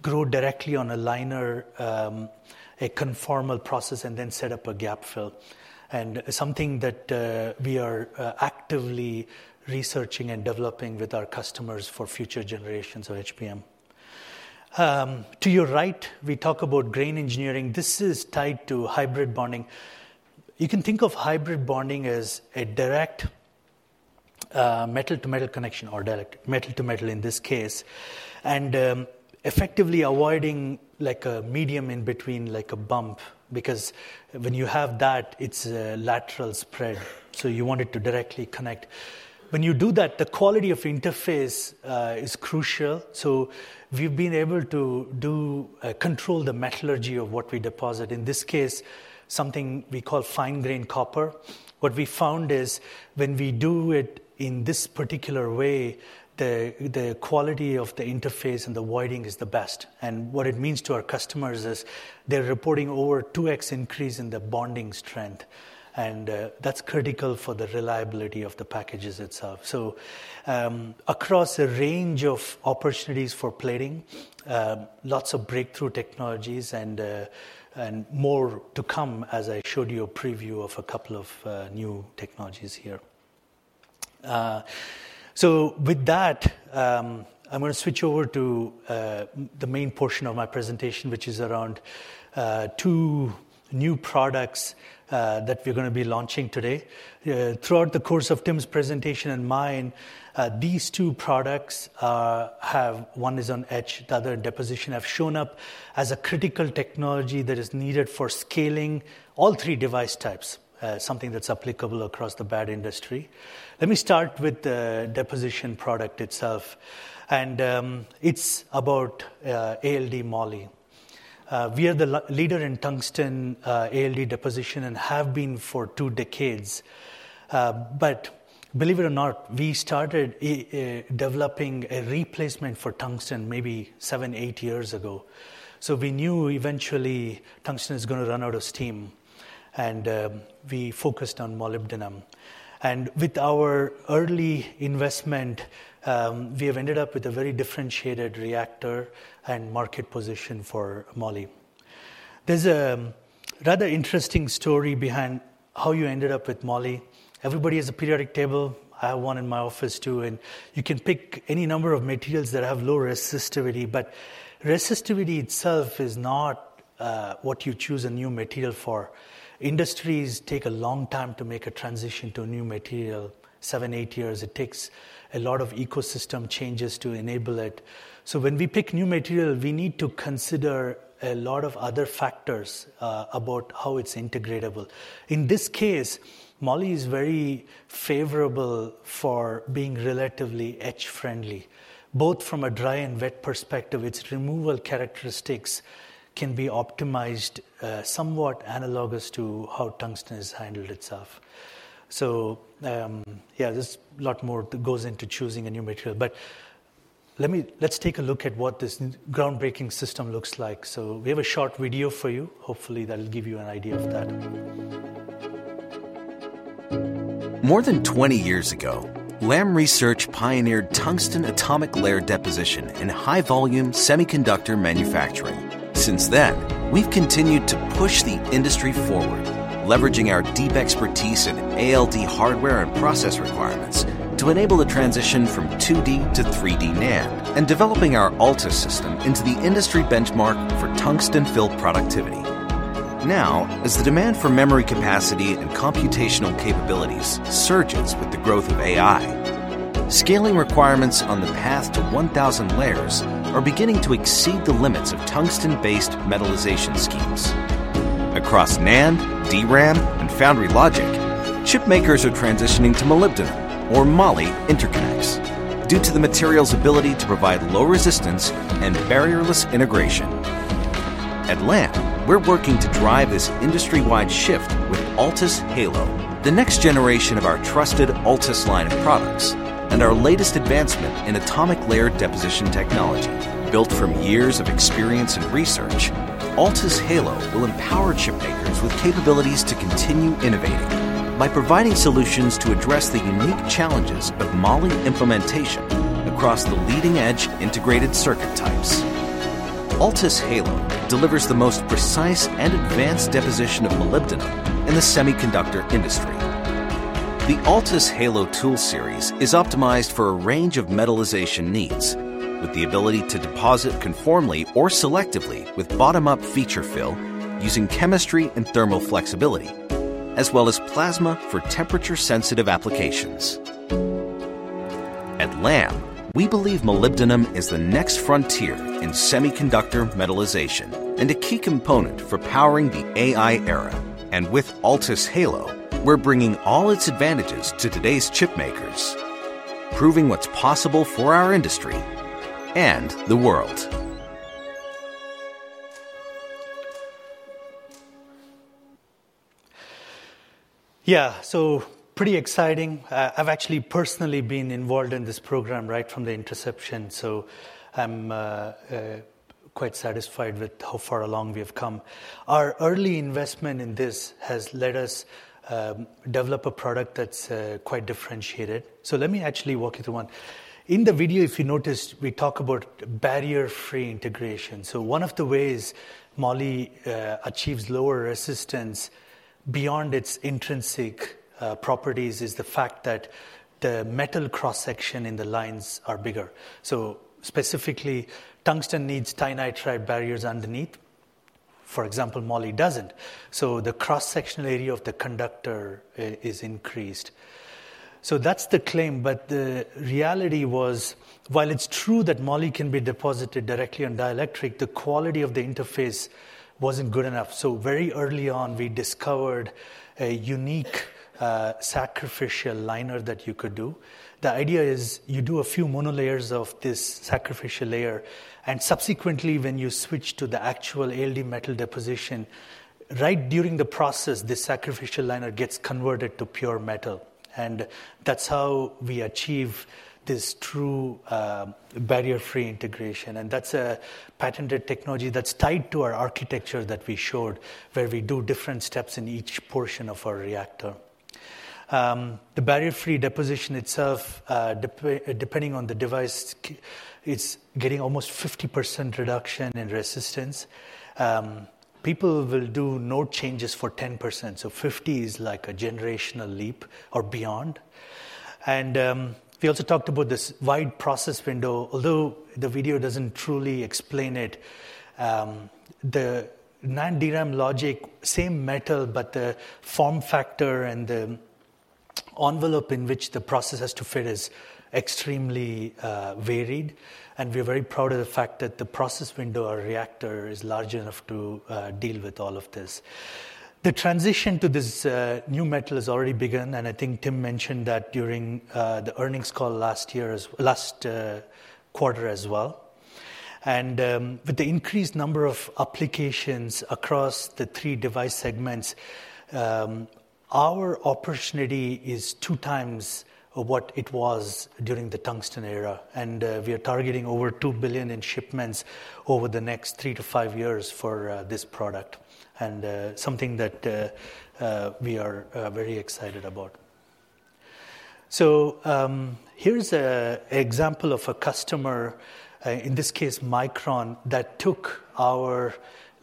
Speaker 4: grow directly on a liner, a conformal process, and then set up a gap fill. It's something that we are actively researching and developing with our customers for future generations of HBM. To your right, we talk about grain engineering. This is tied to hybrid bonding. You can think of hybrid bonding as a direct metal-to-metal connection or direct metal-to-metal in this case, and effectively avoiding a medium in between like a bump. Because when you have that, it's a lateral spread. So you want it to directly connect. When you do that, the quality of interface is crucial. So we've been able to control the metallurgy of what we deposit. In this case, something we call fine-grain copper. What we found is when we do it in this particular way, the quality of the interface and the wiring is the best. And what it means to our customers is they're reporting over 2x increase in the bonding strength. And that's critical for the reliability of the packages itself. Across a range of opportunities for plating, lots of breakthrough technologies and more to come, as I showed you a preview of a couple of new technologies here. With that, I'm going to switch over to the main portion of my presentation, which is around two new products that we're going to be launching today. Throughout the course of Tim's presentation and mine, these two products, one is on etch, the other deposition, have shown up as a critical technology that is needed for scaling all three device types, something that's applicable across the fab industry. Let me start with the deposition product itself. It's about ALD Moly. We are the leader in tungsten ALD deposition and have been for two decades. Believe it or not, we started developing a replacement for tungsten maybe seven, eight years ago. So we knew eventually Tungsten is going to run out of steam. And we focused on Molybdenum. And with our early investment, we have ended up with a very differentiated reactor and market position for Moly. There's a rather interesting story behind how you ended up with Moly. Everybody has a periodic table. I have one in my office too. And you can pick any number of materials that have low resistivity. But resistivity itself is not what you choose a new material for. Industries take a long time to make a transition to a new material, seven, eight years. It takes a lot of ecosystem changes to enable it. So when we pick new material, we need to consider a lot of other factors about how it's integratable. In this case, Moly is very favorable for being relatively edge-friendly. Both from a dry and wet perspective, its removal characteristics can be optimized somewhat analogous to how Tungsten has handled itself. So yeah, there's a lot more that goes into choosing a new material. But let's take a look at what this groundbreaking system looks like. So we have a short video for you. Hopefully, that'll give you an idea of that. More than 20 years ago, Lam Research pioneered Tungsten atomic layer deposition in high-volume semiconductor manufacturing. Since then, we've continued to push the industry forward, leveraging our deep expertise in ALD hardware and process requirements to enable the transition from 2D to 3D NAND and developing our Altus system into the industry benchmark for Tungsten-filled productivity. Now, as the demand for memory capacity and computational capabilities surges with the growth of AI, scaling requirements on the path to 1,000 layers are beginning to exceed the limits of Tungsten-based metalization schemes. Across NAND, DRAM, and Foundry Logic, chip makers are transitioning to Molybdenum or Moly interconnects due to the material's ability to provide low resistance and barrierless integration. At Lam, we're working to drive this industry-wide shift with Altus Halo, the next generation of our trusted Altus line of products and our latest advancement in atomic layer deposition technology. Built from years of experience and research, Altus Halo will empower chip makers with capabilities to continue innovating by providing solutions to address the unique challenges of Moly implementation across the leading-edge integrated circuit types. Altus Halo delivers the most precise and advanced deposition of Molybdenum in the semiconductor industry. The Altus Halo tool series is optimized for a range of metallization needs, with the ability to deposit conformally or selectively with bottom-up feature fill using chemistry and thermal flexibility, as well as plasma for temperature-sensitive applications. At Lam, we believe Molybdenum is the next frontier in semiconductor metallization and a key component for powering the AI era, and with Altus Halo, we're bringing all its advantages to today's chip makers, proving what's possible for our industry and the world. Yeah, so pretty exciting. I've actually personally been involved in this program right from the inception, so I'm quite satisfied with how far along we have come. Our early investment in this has led us to develop a product that's quite differentiated, so let me actually walk you through one. In the video, if you noticed, we talk about barrier-free integration. So one of the ways Moly achieves lower resistance beyond its intrinsic properties is the fact that the metal cross-section in the lines is bigger. So specifically, Tungsten needs titanium nitride barriers underneath. For example, Moly doesn't. So the cross-sectional area of the conductor is increased. So that's the claim. But the reality was, while it's true that Moly can be deposited directly on dielectric, the quality of the interface wasn't good enough. So very early on, we discovered a unique sacrificial liner that you could do. The idea is you do a few monolayers of this sacrificial layer. And subsequently, when you switch to the actual ALD metal deposition, right during the process, this sacrificial liner gets converted to pure metal. And that's how we achieve this true barrier-free integration. That's a patented technology that's tied to our architecture that we showed, where we do different steps in each portion of our reactor. The barrier-free deposition itself, depending on the device, is getting almost 50% reduction in resistance. People will do no changes for 10%. 50 is like a generational leap or beyond. We also talked about this wide process window. Although the video doesn't truly explain it, the non-DRAM logic, same metal, but the form factor and the envelope in which the process has to fit is extremely varied. We're very proud of the fact that the process window or reactor is large enough to deal with all of this. The transition to this new metal has already begun. I think Tim mentioned that during the earnings call last year, last quarter as well. With the increased number of applications across the three device segments, our opportunity is two times what it was during the Tungsten era. We are targeting over $2 billion in shipments over the next three to five years for this product, and something that we are very excited about. Here's an example of a customer, in this case, Micron, that took our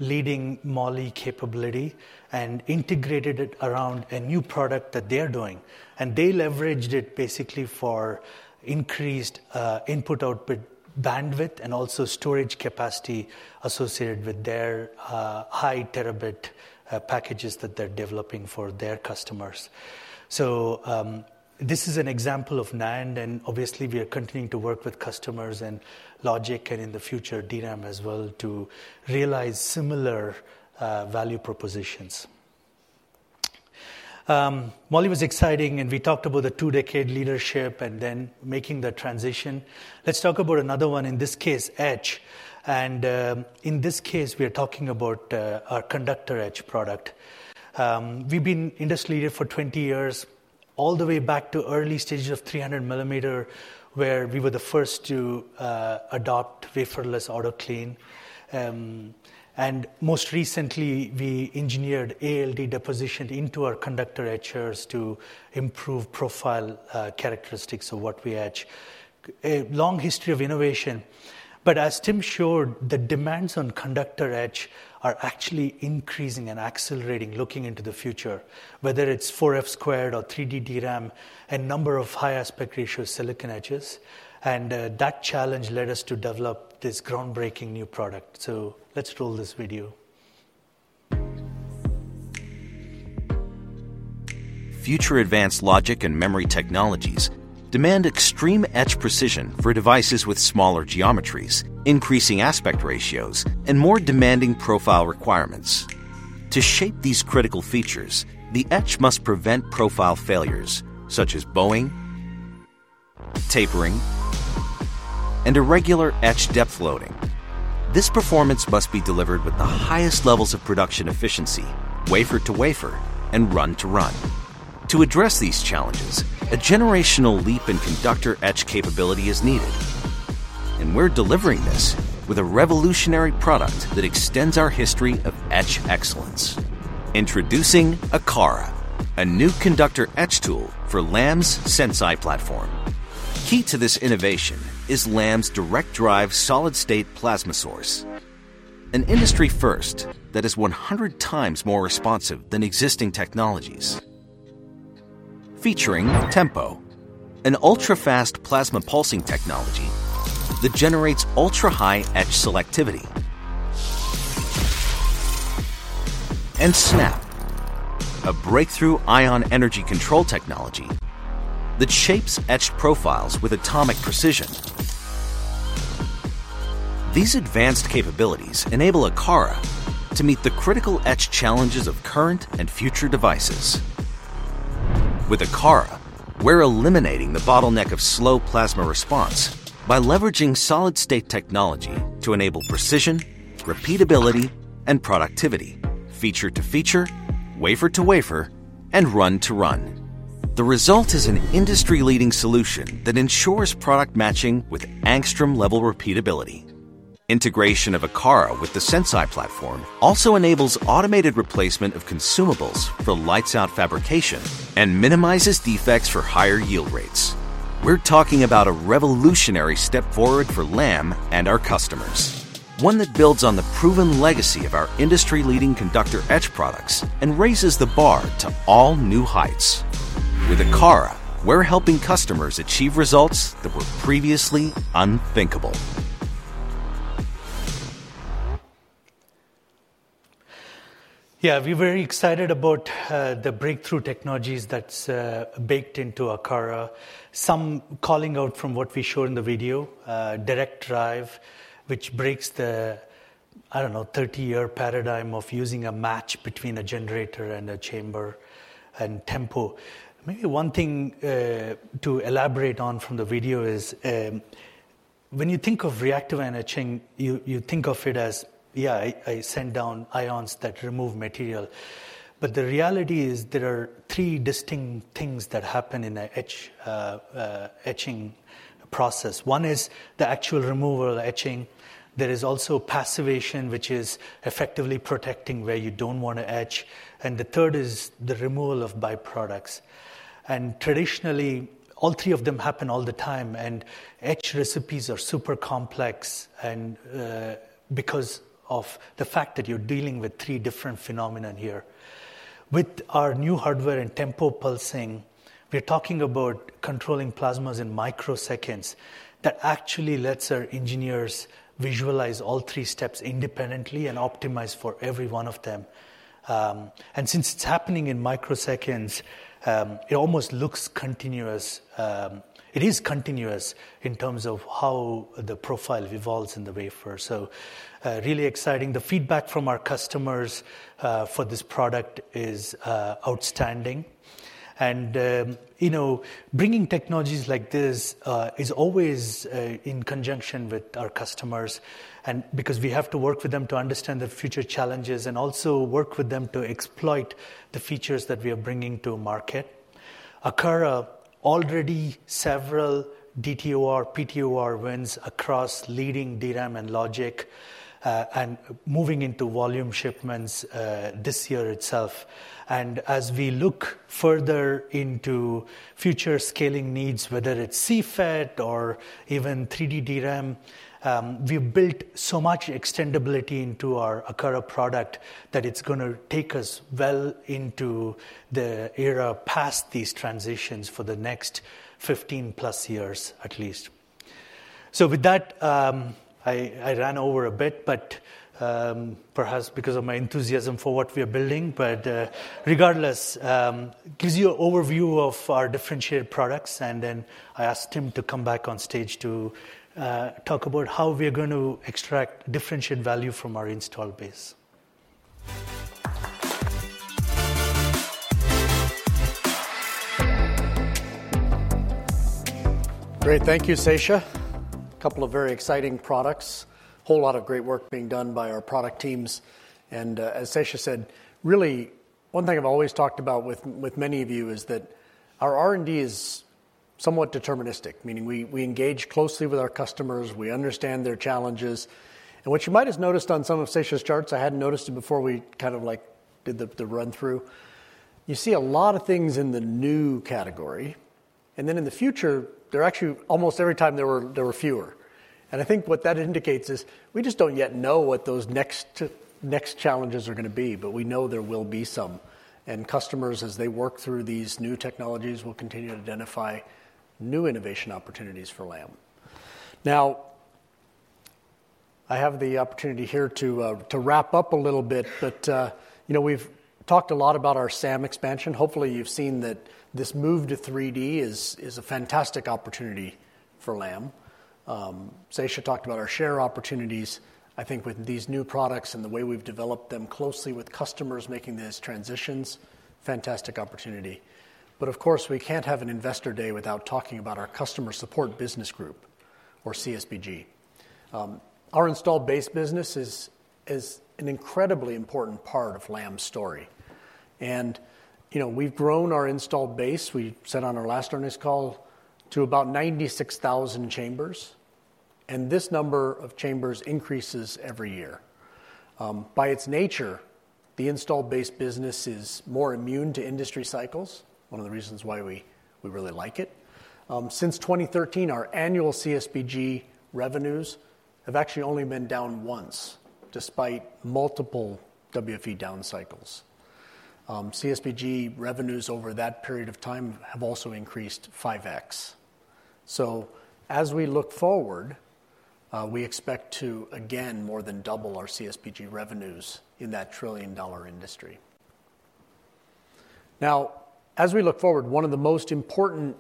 Speaker 4: leading Moly capability and integrated it around a new product that they're doing. They leveraged it basically for increased input-output bandwidth and also storage capacity associated with their high terabit packages that they're developing for their customers. This is an example of NAND. Obviously, we are continuing to work with customers and logic and in the future DRAM as well to realize similar value propositions. Moly was exciting. We talked about the two-decade leadership and then making the transition. Let's talk about another one, in this case, etch. And in this case, we are talking about our conductor etch product. We've been industry-leading for 20 years, all the way back to early stages of 300-millimeter, where we were the first to adopt Waferless AutoClean. And most recently, we engineered ALD deposition into our conductor etchers to improve profile characteristics of what we etch. A long history of innovation. But as Tim showed, the demands on conductor etch are actually increasing and accelerating, looking into the future, whether it's 4F squared or 3D DRAM, a number of high-aspect-ratio silicon etches. And that challenge led us to develop this groundbreaking new product. So let's roll this video. Future advanced logic and memory technologies demand extreme etch precision for devices with smaller geometries, increasing aspect ratios, and more demanding profile requirements. To shape these critical features, the etch must prevent profile failures, such as bowing, tapering, and irregular edge depth loading. This performance must be delivered with the highest levels of production efficiency, wafer to wafer, and run to run. To address these challenges, a generational leap in conductor etch capability is needed. And we're delivering this with a revolutionary product that extends our history of etch excellence. Introducing Argos, a new conductor etch tool for Lam's Sensei platform. Key to this innovation is Lam's Direct Drive solid-state plasma source, an industry-first technology that is 100 times more responsive than existing technologies. Featuring Tempo, an ultra-fast plasma pulsing technology that generates ultra-high etch selectivity. And Snap, a breakthrough ion energy control technology that shapes etch profiles with atomic precision. These advanced capabilities enable Argos to meet the critical etch challenges of current and future devices. With Argos, we're eliminating the bottleneck of slow plasma response by leveraging solid-state technology to enable precision, repeatability, and productivity. Feature to feature, wafer to wafer, and run to run. The result is an industry-leading solution that ensures product matching with angstrom-level repeatability. Integration of Argos with the Sensei platform also enables automated replacement of consumables for lights-out fabrication and minimizes defects for higher yield rates. We're talking about a revolutionary step forward for Lam and our customers, one that builds on the proven legacy of our industry-leading conductor etch products and raises the bar to all new heights. With Argos, we're helping customers achieve results that were previously unthinkable. Yeah, we're very excited about the breakthrough technologies that are baked into Argos. Some callouts from what we showed in the video, Direct Drive, which breaks the, I don't know, 30-year paradigm of using a match between a generator and a chamber and Tempo. Maybe one thing to elaborate on from the video is when you think of reactive energy chains, you think of it as, yeah, I sent down ions that remove material. But the reality is there are three distinct things that happen in the etching process. One is the actual removal of etching. There is also passivation, which is effectively protecting where you don't want to etch. And the third is the removal of byproducts. And traditionally, all three of them happen all the time. And etch recipes are super complex because of the fact that you are dealing with three different phenomena here. With our new hardware and Tempo pulsing, we're talking about controlling plasmas in microseconds that actually lets our engineers visualize all three steps independently and optimize for every one of them. And since it's happening in microseconds, it almost looks continuous. It is continuous in terms of how the profile evolves in the wafer. So really exciting. The feedback from our customers for this product is outstanding. And bringing technologies like this is always in conjunction with our customers because we have to work with them to understand the future challenges and also work with them to exploit the features that we are bringing to market. Argos, already several DTOR, PTOR wins across leading DRAM and logic and moving into volume shipments this year itself. And as we look further into future scaling needs, whether it's CFET or even 3D DRAM, we've built so much extendability into our Argos product that it's going to take us well into the era past these transitions for the next 15-plus years, at least. So with that, I ran over a bit, but perhaps because of my enthusiasm for what we are building. But regardless, it gives you an overview of our differentiated products. And then I asked Tim to come back on stage to talk about how we are going to extract differentiated value from our installed base. Great. Thank you, Sesha. A couple of very exciting products, a whole lot of great work being done by our product teams. And as Sesha said, really, one thing I've always talked about with many of you is that our R&D is somewhat deterministic, meaning we engage closely with our customers. We understand their challenges. And what you might have noticed on some of Sesha's charts, I hadn't noticed it before we kind of did the run-through. You see a lot of things in the new category. And then in the future, they're actually almost every time there were fewer. And I think what that indicates is we just don't yet know what those next challenges are going to be. But we know there will be some. And customers, as they work through these new technologies, will continue to identify new innovation opportunities for Lam. Now, I have the opportunity here to wrap up a little bit. But we've talked a lot about our SAM expansion. Hopefully, you've seen that this move to 3D is a fantastic opportunity for Lam. Sesha talked about our share opportunities, I think, with these new products and the way we've developed them closely with customers making these transitions. Fantastic opportunity. But of course, we can't have an investor day without talking about our customer support business group, or CSBG. Our installed base business is an incredibly important part of Lam's story, and we've grown our installed base. We said on our last earnings call to about 96,000 chambers, and this number of chambers increases every year. By its nature, the installed base business is more immune to industry cycles, one of the reasons why we really like it. Since 2013, our annual CSBG revenues have actually only been down once, despite multiple WFE down cycles. CSBG revenues over that period of time have also increased 5x. So as we look forward, we expect to, again, more than double our CSBG revenues in that trillion-dollar industry. Now, as we look forward, one of the most important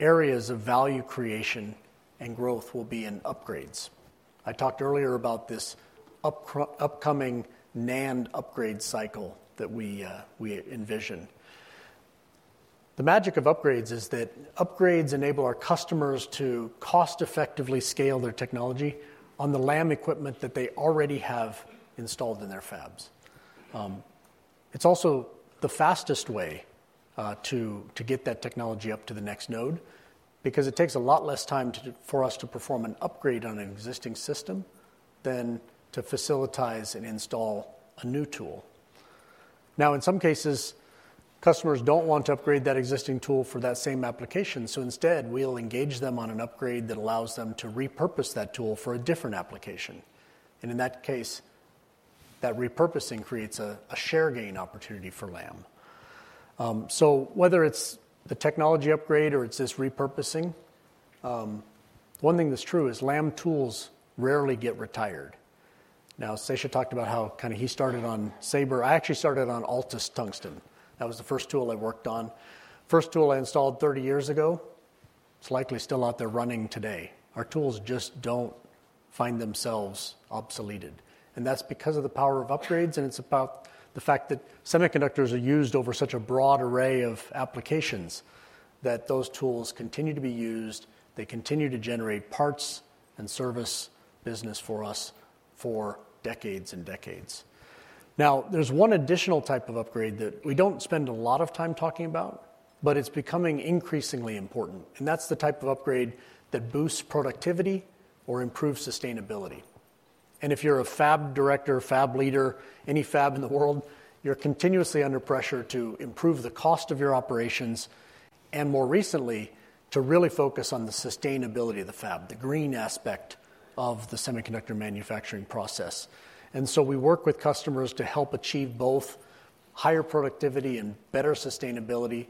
Speaker 4: areas of value creation and growth will be in upgrades. I talked earlier about this upcoming NAND upgrade cycle that we envision. The magic of upgrades is that upgrades enable our customers to cost-effectively scale their technology on the Lam equipment that they already have installed in their fabs. It's also the fastest way to get that technology up to the next node because it takes a lot less time for us to perform an upgrade on an existing system than to facilitate and install a new tool. Now, in some cases, customers don't want to upgrade that existing tool for that same application. So instead, we'll engage them on an upgrade that allows them to repurpose that tool for a different application. And in that case, that repurposing creates a share gain opportunity for Lam. So whether it's the technology upgrade or it's this repurposing, one thing that's true is Lam tools rarely get retired. Now, Sesha talked about how kind of he started on Sabre. I actually started on Altus Tungsten. That was the first tool I worked on, first tool I installed 30 years ago. It's likely still out there running today. Our tools just don't find themselves obsoleted. And that's because of the power of upgrades. And it's about the fact that semiconductors are used over such a broad array of applications that those tools continue to be used. They continue to generate parts and service business for us for decades and decades. Now, there's one additional type of upgrade that we don't spend a lot of time talking about, but it's becoming increasingly important, and that's the type of upgrade that boosts productivity or improves sustainability. And if you're a fab director, fab leader, any fab in the world, you're continuously under pressure to improve the cost of your operations and, more recently, to really focus on the sustainability of the fab, the green aspect of the semiconductor manufacturing process, and so we work with customers to help achieve both higher productivity and better sustainability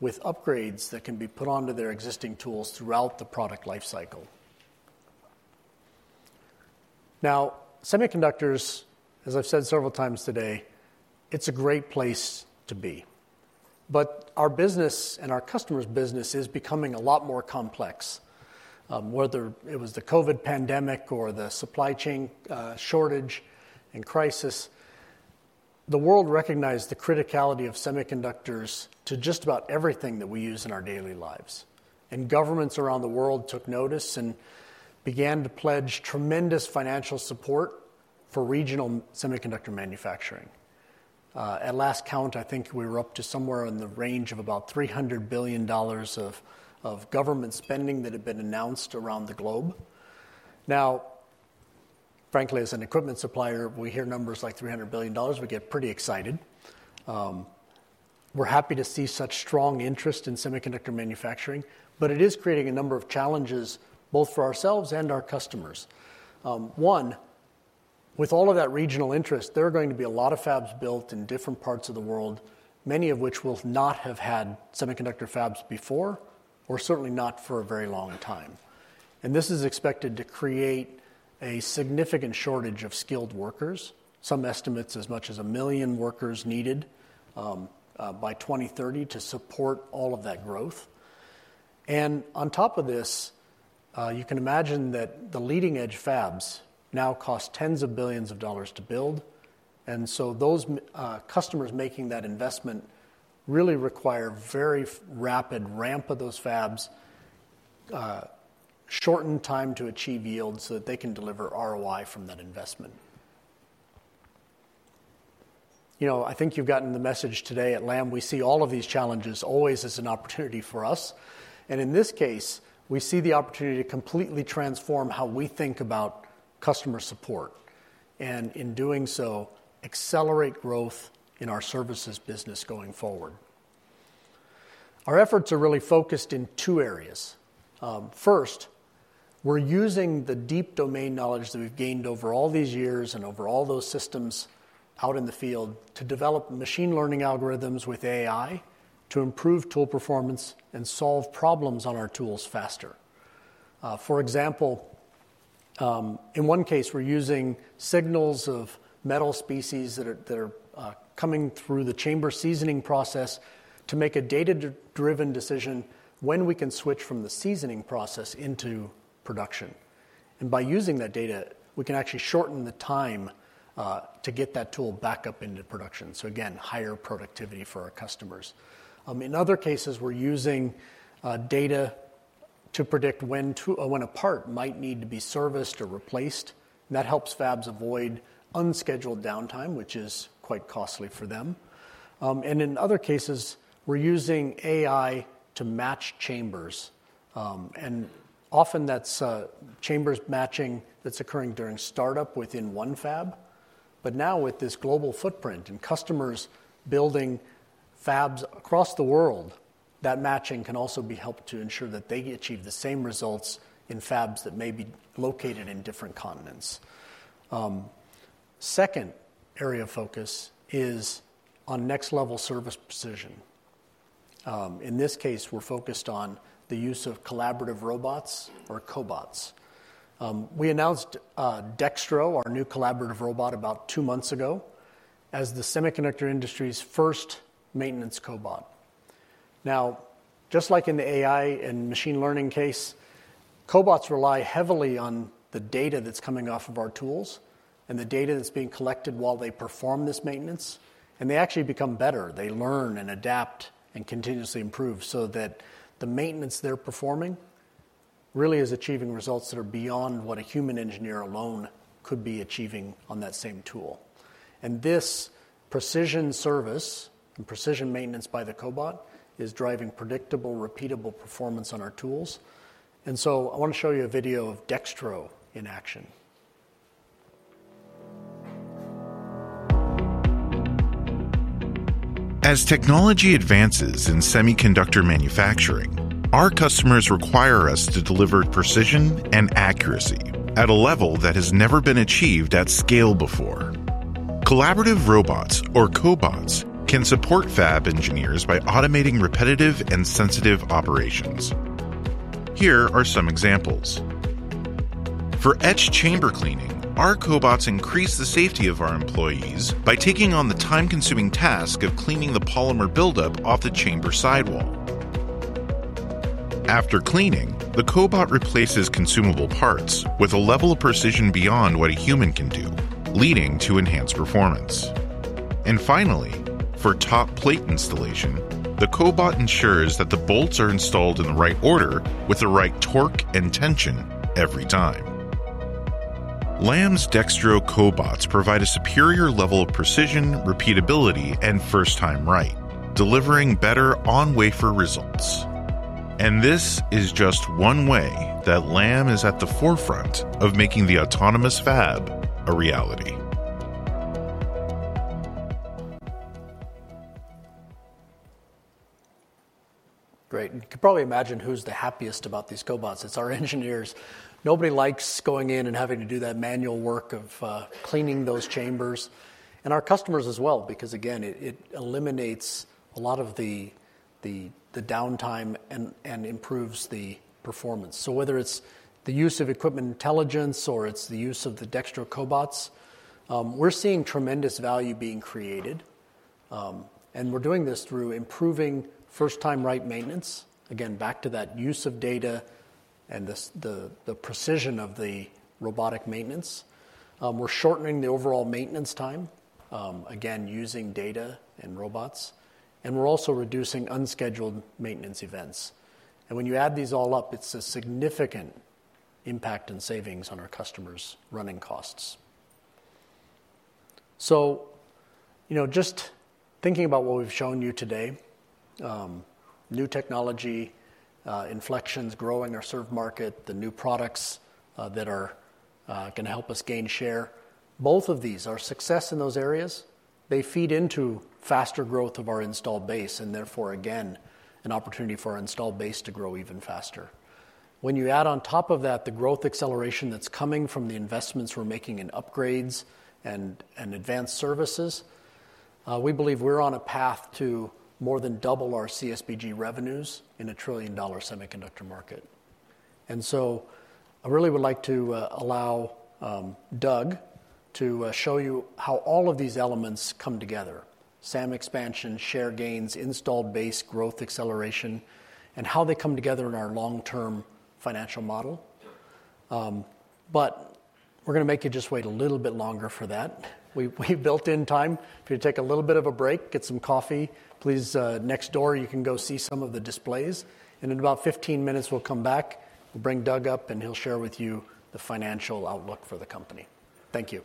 Speaker 4: with upgrades that can be put onto their existing tools throughout the product lifecycle. Now, semiconductors, as I've said several times today, it's a great place to be, but our business and our customers' business is becoming a lot more complex. Whether it was the COVID pandemic or the supply chain shortage and crisis, the world recognized the criticality of semiconductors to just about everything that we use in our daily lives. And governments around the world took notice and began to pledge tremendous financial support for regional semiconductor manufacturing. At last count, I think we were up to somewhere in the range of about $300 billion of government spending that had been announced around the globe. Now, frankly, as an equipment supplier, we hear numbers like $300 billion, we get pretty excited. We're happy to see such strong interest in semiconductor manufacturing. But it is creating a number of challenges both for ourselves and our customers. One, with all of that regional interest, there are going to be a lot of fabs built in different parts of the world, many of which will not have had semiconductor fabs before or certainly not for a very long time. And this is expected to create a significant shortage of skilled workers, some estimates as much as a million workers needed by 2030 to support all of that growth. And on top of this, you can imagine that the leading-edge fabs now cost tens of billions of dollars to build. And so those customers making that investment really require very rapid ramp of those fabs, shortened time to achieve yield so that they can deliver ROI from that investment. I think you've gotten the message today at Lam. We see all of these challenges always as an opportunity for us. In this case, we see the opportunity to completely transform how we think about customer support and, in doing so, accelerate growth in our services business going forward. Our efforts are really focused in two areas. First, we're using the deep domain knowledge that we've gained over all these years and over all those systems out in the field to develop machine learning algorithms with AI to improve tool performance and solve problems on our tools faster. For example, in one case, we're using signals of metal species that are coming through the chamber seasoning process to make a data-driven decision when we can switch from the seasoning process into production. By using that data, we can actually shorten the time to get that tool back up into production. Again, higher productivity for our customers. In other cases, we're using data to predict when a part might need to be serviced or replaced, and that helps fabs avoid unscheduled downtime, which is quite costly for them, and in other cases, we're using AI to match chambers, and often, that's chambers matching that's occurring during startup within one fab, but now, with this global footprint and customers building fabs across the world, that matching can also be helped to ensure that they achieve the same results in fabs that may be located in different continents. Second area of focus is on next-level service precision. In this case, we're focused on the use of collaborative robots or cobots. We announced Dextro, our new collaborative robot, about two months ago as the semiconductor industry's first maintenance cobot. Now, just like in the AI and machine learning case, cobots rely heavily on the data that's coming off of our tools and the data that's being collected while they perform this maintenance. And they actually become better. They learn and adapt and continuously improve so that the maintenance they're performing really is achieving results that are beyond what a human engineer alone could be achieving on that same tool. And this precision service and precision maintenance by the cobot is driving predictable, repeatable performance on our tools. And so I want to show you a video of Dextro in action. As technology advances in semiconductor manufacturing, our customers require us to deliver precision and accuracy at a level that has never been achieved at scale before. Collaborative robots, or cobots, can support fab engineers by automating repetitive and sensitive operations. Here are some examples. For etch chamber cleaning, our cobots increase the safety of our employees by taking on the time-consuming task of cleaning the polymer buildup off the chamber sidewall. After cleaning, the cobot replaces consumable parts with a level of precision beyond what a human can do, leading to enhanced performance. And finally, for top plate installation, the cobot ensures that the bolts are installed in the right order with the right torque and tension every time. Lam's Dextro cobots provide a superior level of precision, repeatability, and first-time right, delivering better outcomes for results. And this is just one way that Lam is at the forefront of making the autonomous fab a reality. Great. And you can probably imagine who's the happiest about these cobots. It's our engineers. Nobody likes going in and having to do that manual work of cleaning those chambers. Our customers as well because, again, it eliminates a lot of the downtime and improves the performance. Whether it's the use of Equipment Intelligence or it's the use of the Dextro cobots, we're seeing tremendous value being created. We're doing this through improving first-time right maintenance, again, back to that use of data and the precision of the robotic maintenance. We're shortening the overall maintenance time, again, using data and robots. We're also reducing unscheduled maintenance events. When you add these all up, it's a significant impact and savings on our customers' running costs. Just thinking about what we've shown you today, new technology, inflections growing our served market, the new products that are going to help us gain share, both of these are success in those areas. They feed into faster growth of our installed base and therefore, again, an opportunity for our installed base to grow even faster. When you add on top of that the growth acceleration that's coming from the investments we're making in upgrades and advanced services, we believe we're on a path to more than double our CSBG revenues in a trillion-dollar semiconductor market. And so I really would like to allow Doug to show you how all of these elements come together: SAM expansion, share gains, installed base growth acceleration, and how they come together in our long-term financial model. But we're going to make you just wait a little bit longer for that. We built in time. If you take a little bit of a break, get some coffee, please, next door, you can go see some of the displays. And in about 15 minutes, we'll come back. We'll bring Doug up, and he'll share with you the financial outlook for the company. Thank you.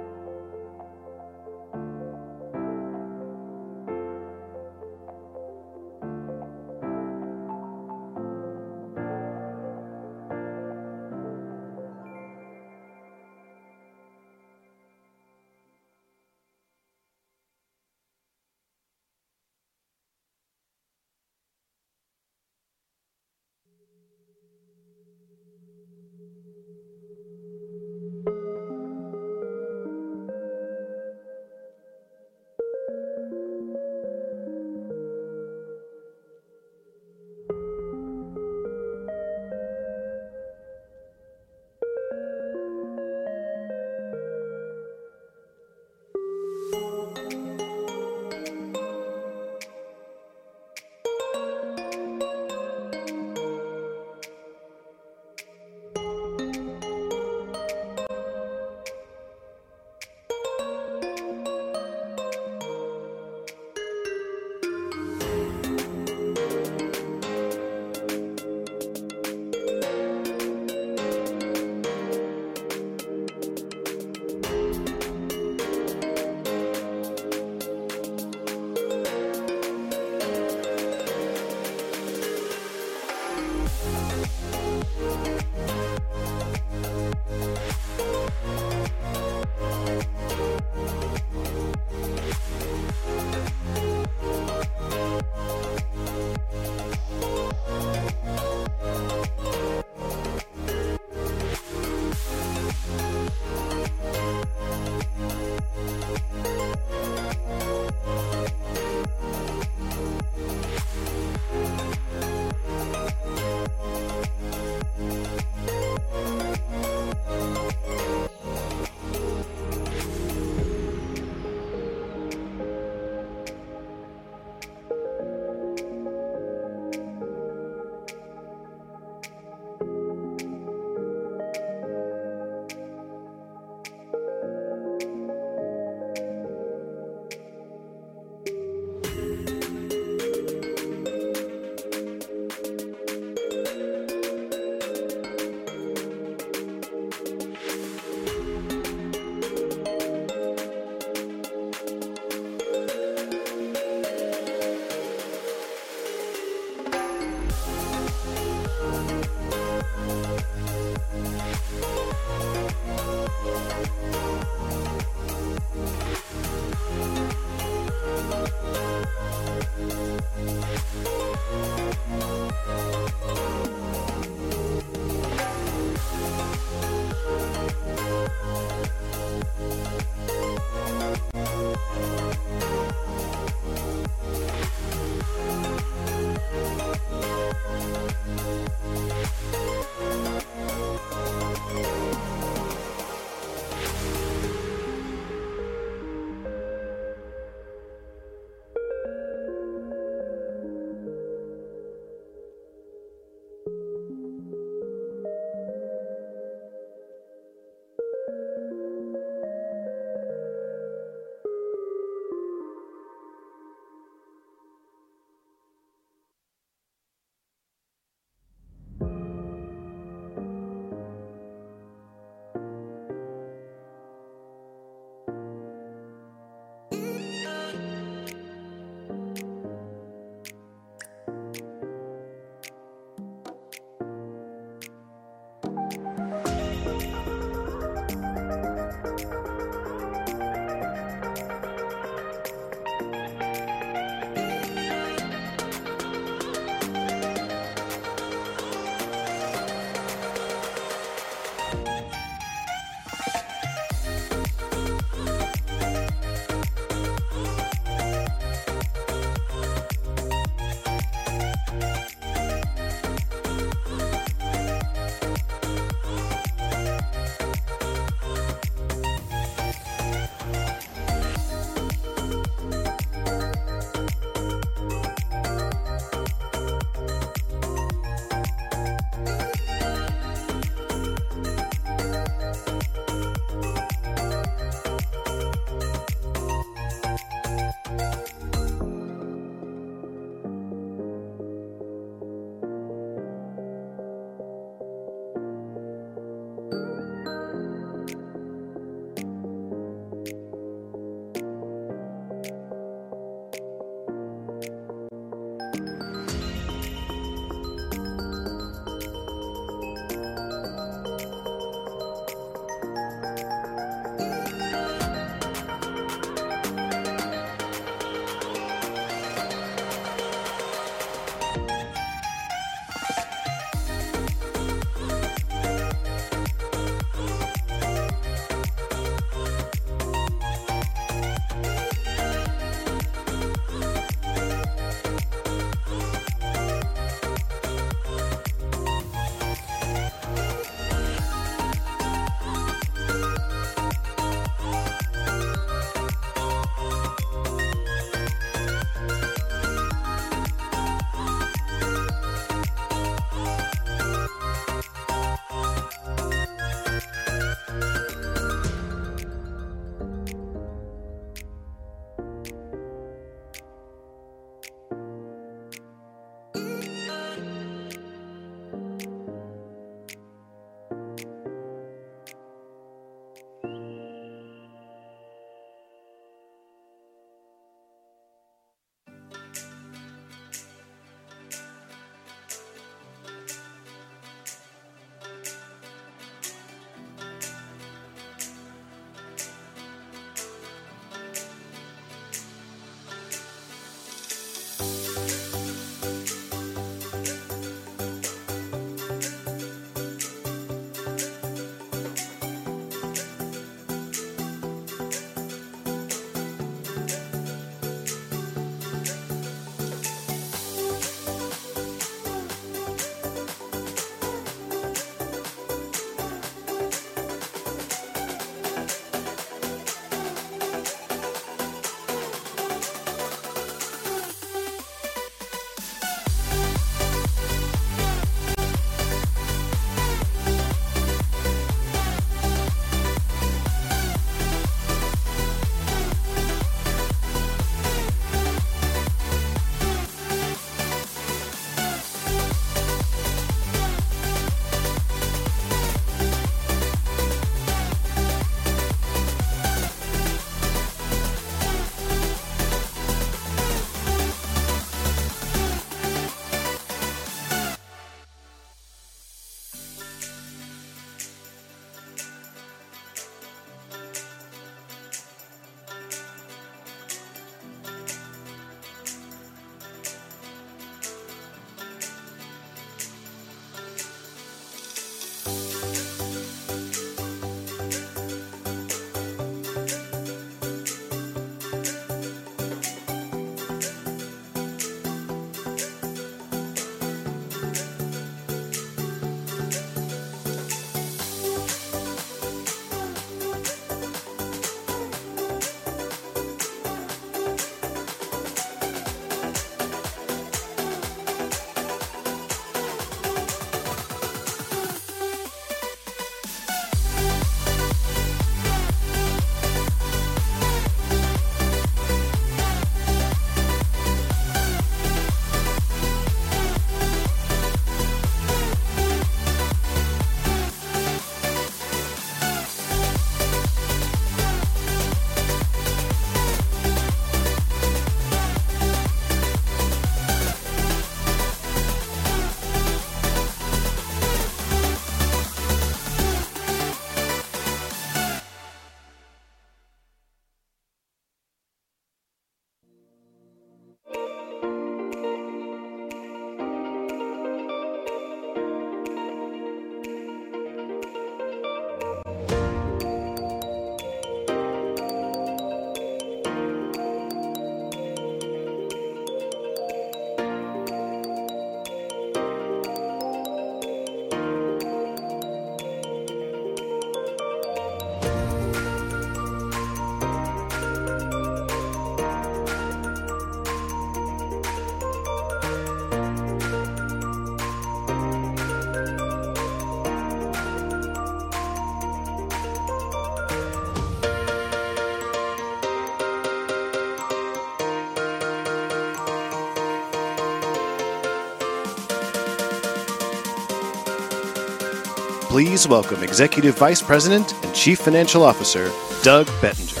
Speaker 4: Please welcome Executive Vice President and Chief Financial Officer, Doug Bettinger.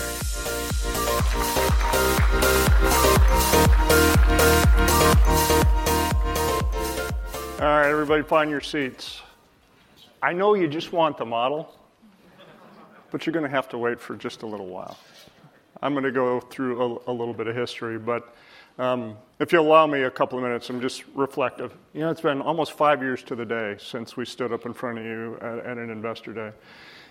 Speaker 4: All right, everybody, find your seats. I know you just want the model, but you're going to have to wait for just a little while. I'm going to go through a little bit of history, but if you'll allow me a couple of minutes, I'm just reflective. You know, it's been almost five years to the day since we stood up in front of you at an Investor Day,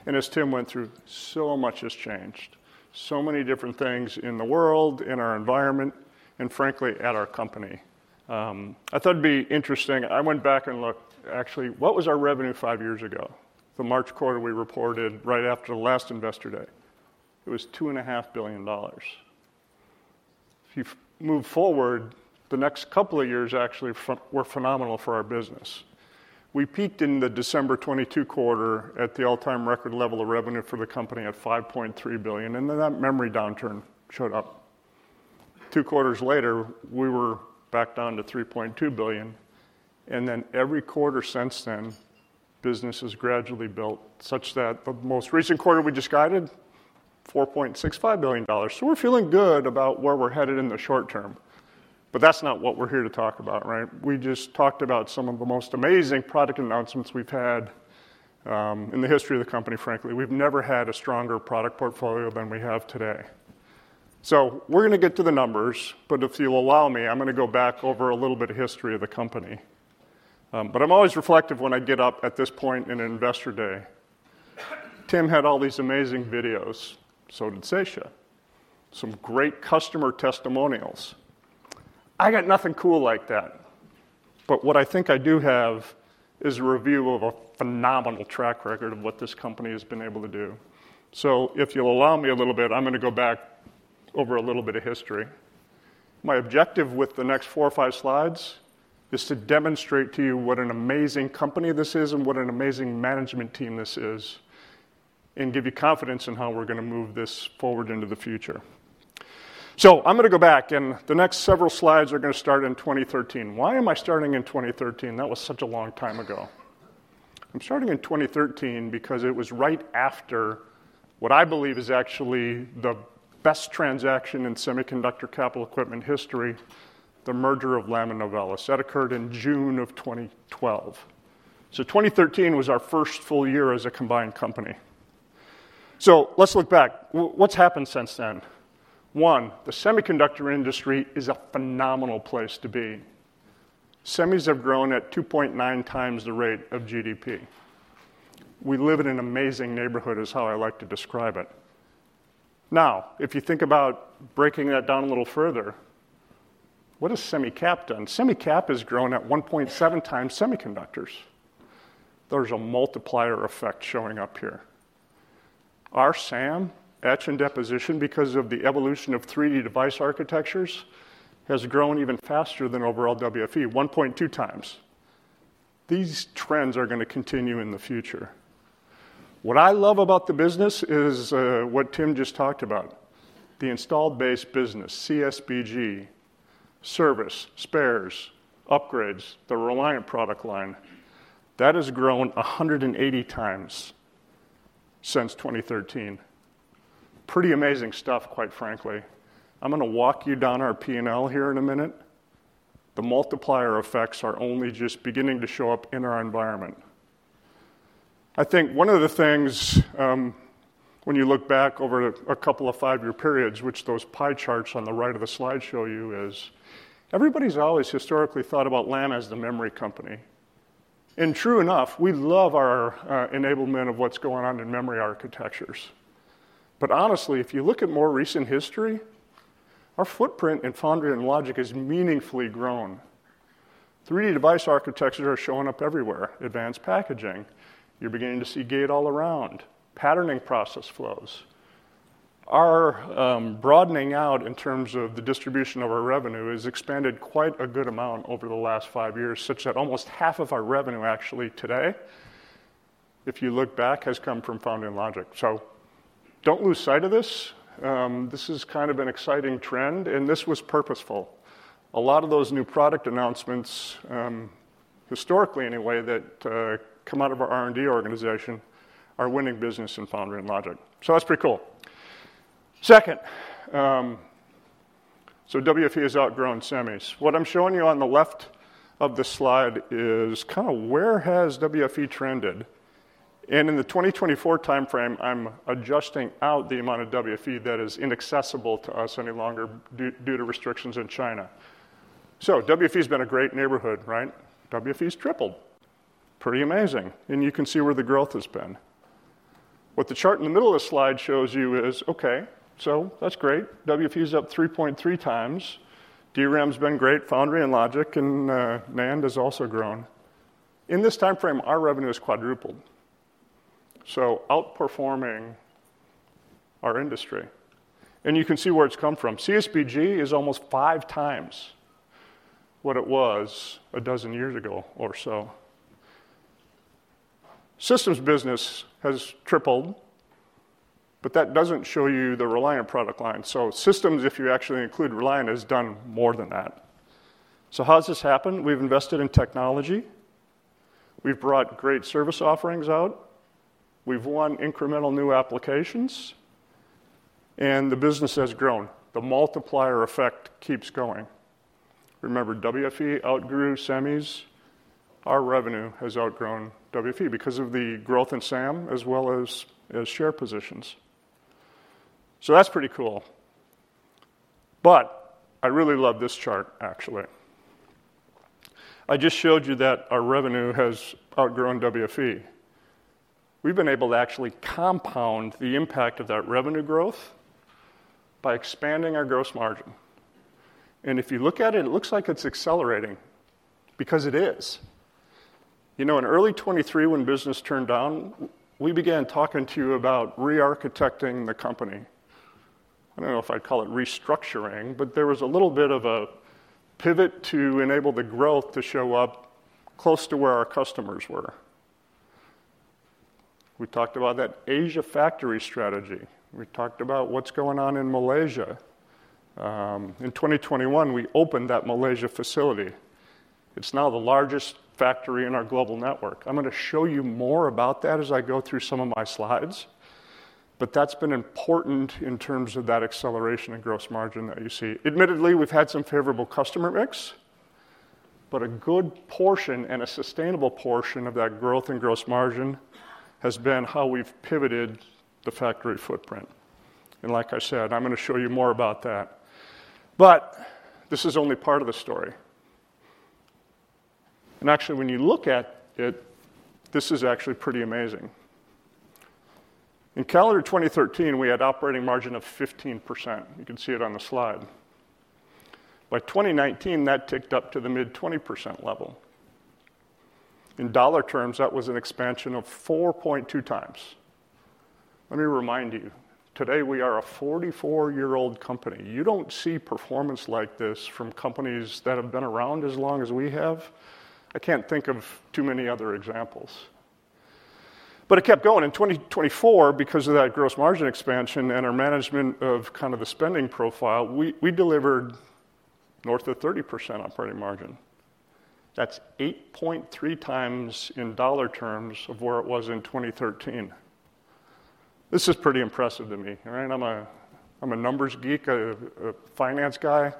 Speaker 4: and as Tim went through, so much has changed. So many different things in the world, in our environment, and frankly, at our company. I thought it'd be interesting. I went back and looked, actually, what was our revenue five years ago? The March quarter we reported right after the last Investor Day. It was $2.5 billion. If you move forward, the next couple of years actually were phenomenal for our business. We peaked in the December 2022 quarter at the all-time record level of revenue for the company at $5.3 billion, and then that memory downturn showed up. Two quarters later, we were back down to $3.2 billion, and then every quarter since then, business has gradually built such that the most recent quarter we just guided was $4.65 billion, so we're feeling good about where we're headed in the short term, but that's not what we're here to talk about, right? We just talked about some of the most amazing product announcements we've had in the history of the company, frankly. We've never had a stronger product portfolio than we have today. So we're going to get to the numbers, but if you'll allow me, I'm going to go back over a little bit of history of the company. But I'm always reflective when I get up at this point in an Investor Day. Tim had all these amazing videos, so did Sesha, some great customer testimonials. I got nothing cool like that. But what I think I do have is a review of a phenomenal track record of what this company has been able to do. So if you'll allow me a little bit, I'm going to go back over a little bit of history. My objective with the next four or five slides is to demonstrate to you what an amazing company this is and what an amazing management team this is, and give you confidence in how we're going to move this forward into the future. So I'm going to go back, and the next several slides are going to start in 2013. Why am I starting in 2013? That was such a long time ago. I'm starting in 2013 because it was right after what I believe is actually the best transaction in semiconductor capital equipment history, the merger of Lam and Novellus. That occurred in June of 2012. So 2013 was our first full year as a combined company. So let's look back. What's happened since then? One, the semiconductor industry is a phenomenal place to be. Semis have grown at 2.9 times the rate of GDP. We live in an amazing neighborhood, is how I like to describe it. Now, if you think about breaking that down a little further, what has Semicap done? Semicap has grown at 1.7 times semiconductors. There's a multiplier effect showing up here. Our SAM, etch and deposition, because of the evolution of 3D device architectures, has grown even faster than overall WFE, 1.2 times. These trends are going to continue in the future. What I love about the business is what Tim just talked about. The installed base business, CSBG, service, spares, upgrades, the Reliant product line, that has grown 180 times since 2013. Pretty amazing stuff, quite frankly. I'm going to walk you down our P&L here in a minute. The multiplier effects are only just beginning to show up in our environment. I think one of the things when you look back over a couple of five-year periods, which those pie charts on the right of the slide show you, is everybody's always historically thought about Lam as the memory company, and true enough, we love our enablement of what's going on in memory architectures. But honestly, if you look at more recent history, our footprint in foundry and logic has meaningfully grown. 3D device architectures are showing up everywhere. Advanced packaging. You're beginning to see gate-all-around. Patterning process flows. Our broadening out in terms of the distribution of our revenue has expanded quite a good amount over the last five years, such that almost half of our revenue actually today, if you look back, has come from foundry and logic. So don't lose sight of this. This is kind of an exciting trend, and this was purposeful. A lot of those new product announcements, historically anyway, that come out of our R&D organization are winning business in foundry and logic. So that's pretty cool. Second, so WFE has outgrown semis. What I'm showing you on the left of the slide is kind of where has WFE trended? In the 2024 timeframe, I'm adjusting out the amount of WFE that is inaccessible to us any longer due to restrictions in China. So WFE has been a great neighborhood, right? WFE has tripled. Pretty amazing. You can see where the growth has been. What the chart in the middle of the slide shows you is, okay, so that's great. WFE is up 3.3 times. DRAM has been great. Foundry and logic and NAND has also grown. In this timeframe, our revenue has quadrupled. So outperforming our industry. You can see where it's come from. CSBG is almost five times what it was a dozen years ago or so. Systems business has tripled, but that doesn't show you the Reliant product line. So systems, if you actually include Reliant, has done more than that. How's this happened? We've invested in technology. We've brought great service offerings out. We've won incremental new applications and the business has grown. The multiplier effect keeps going. Remember, WFE outgrew Semis. Our revenue has outgrown WFE because of the growth in SAM as well as share positions. So that's pretty cool. But I really love this chart, actually. I just showed you that our revenue has outgrown WFE. We've been able to actually compound the impact of that revenue growth by expanding our gross margin. And if you look at it, it looks like it's accelerating because it is. You know, in early 2023, when business turned down, we began talking to you about re-architecting the company. I don't know if I'd call it restructuring, but there was a little bit of a pivot to enable the growth to show up close to where our customers were. We talked about that Asia factory strategy. We talked about what's going on in Malaysia. In 2021, we opened that Malaysia facility. It's now the largest factory in our global network. I'm going to show you more about that as I go through some of my slides. But that's been important in terms of that acceleration in gross margin that you see. Admittedly, we've had some favorable customer mix, but a good portion and a sustainable portion of that growth in gross margin has been how we've pivoted the factory footprint. And like I said, I'm going to show you more about that. But this is only part of the story. And actually, when you look at it, this is actually pretty amazing. In calendar 2013, we had an operating margin of 15%. You can see it on the slide. By 2019, that ticked up to the mid-20% level. In dollar terms, that was an expansion of 4.2 times. Let me remind you, today we are a 44-year-old company. You don't see performance like this from companies that have been around as long as we have. I can't think of too many other examples. But it kept going. In 2024, because of that gross margin expansion and our management of kind of the spending profile, we delivered north of 30% operating margin. That's 8.3 times in dollar terms of where it was in 2013. This is pretty impressive to me, all right? I'm a numbers geek, a finance guy.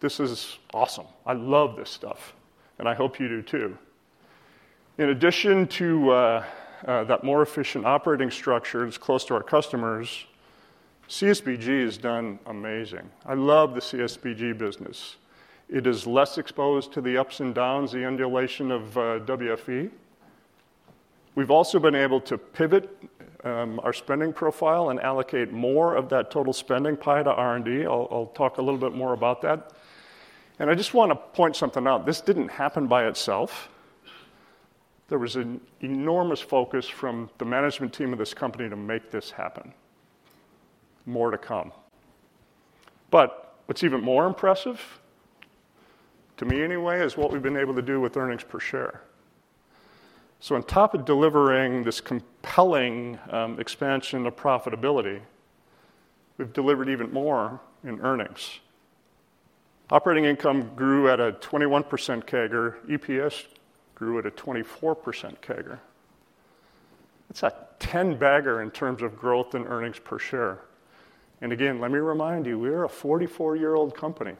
Speaker 4: This is awesome. I love this stuff, and I hope you do too. In addition to that more efficient operating structure that's close to our customers, CSBG has done amazing. I love the CSBG business. It is less exposed to the ups and downs, the undulation of WFE. We've also been able to pivot our spending profile and allocate more of that total spending pie to R&D. I'll talk a little bit more about that. And I just want to point something out. This didn't happen by itself. There was an enormous focus from the management team of this company to make this happen. More to come. But what's even more impressive, to me anyway, is what we've been able to do with earnings per share. So on top of delivering this compelling expansion of profitability, we've delivered even more in earnings. Operating income grew at a 21% CAGR. EPS grew at a 24% CAGR. It's a 10-bagger in terms of growth in earnings per share. And again, let me remind you, we are a 44-year-old company.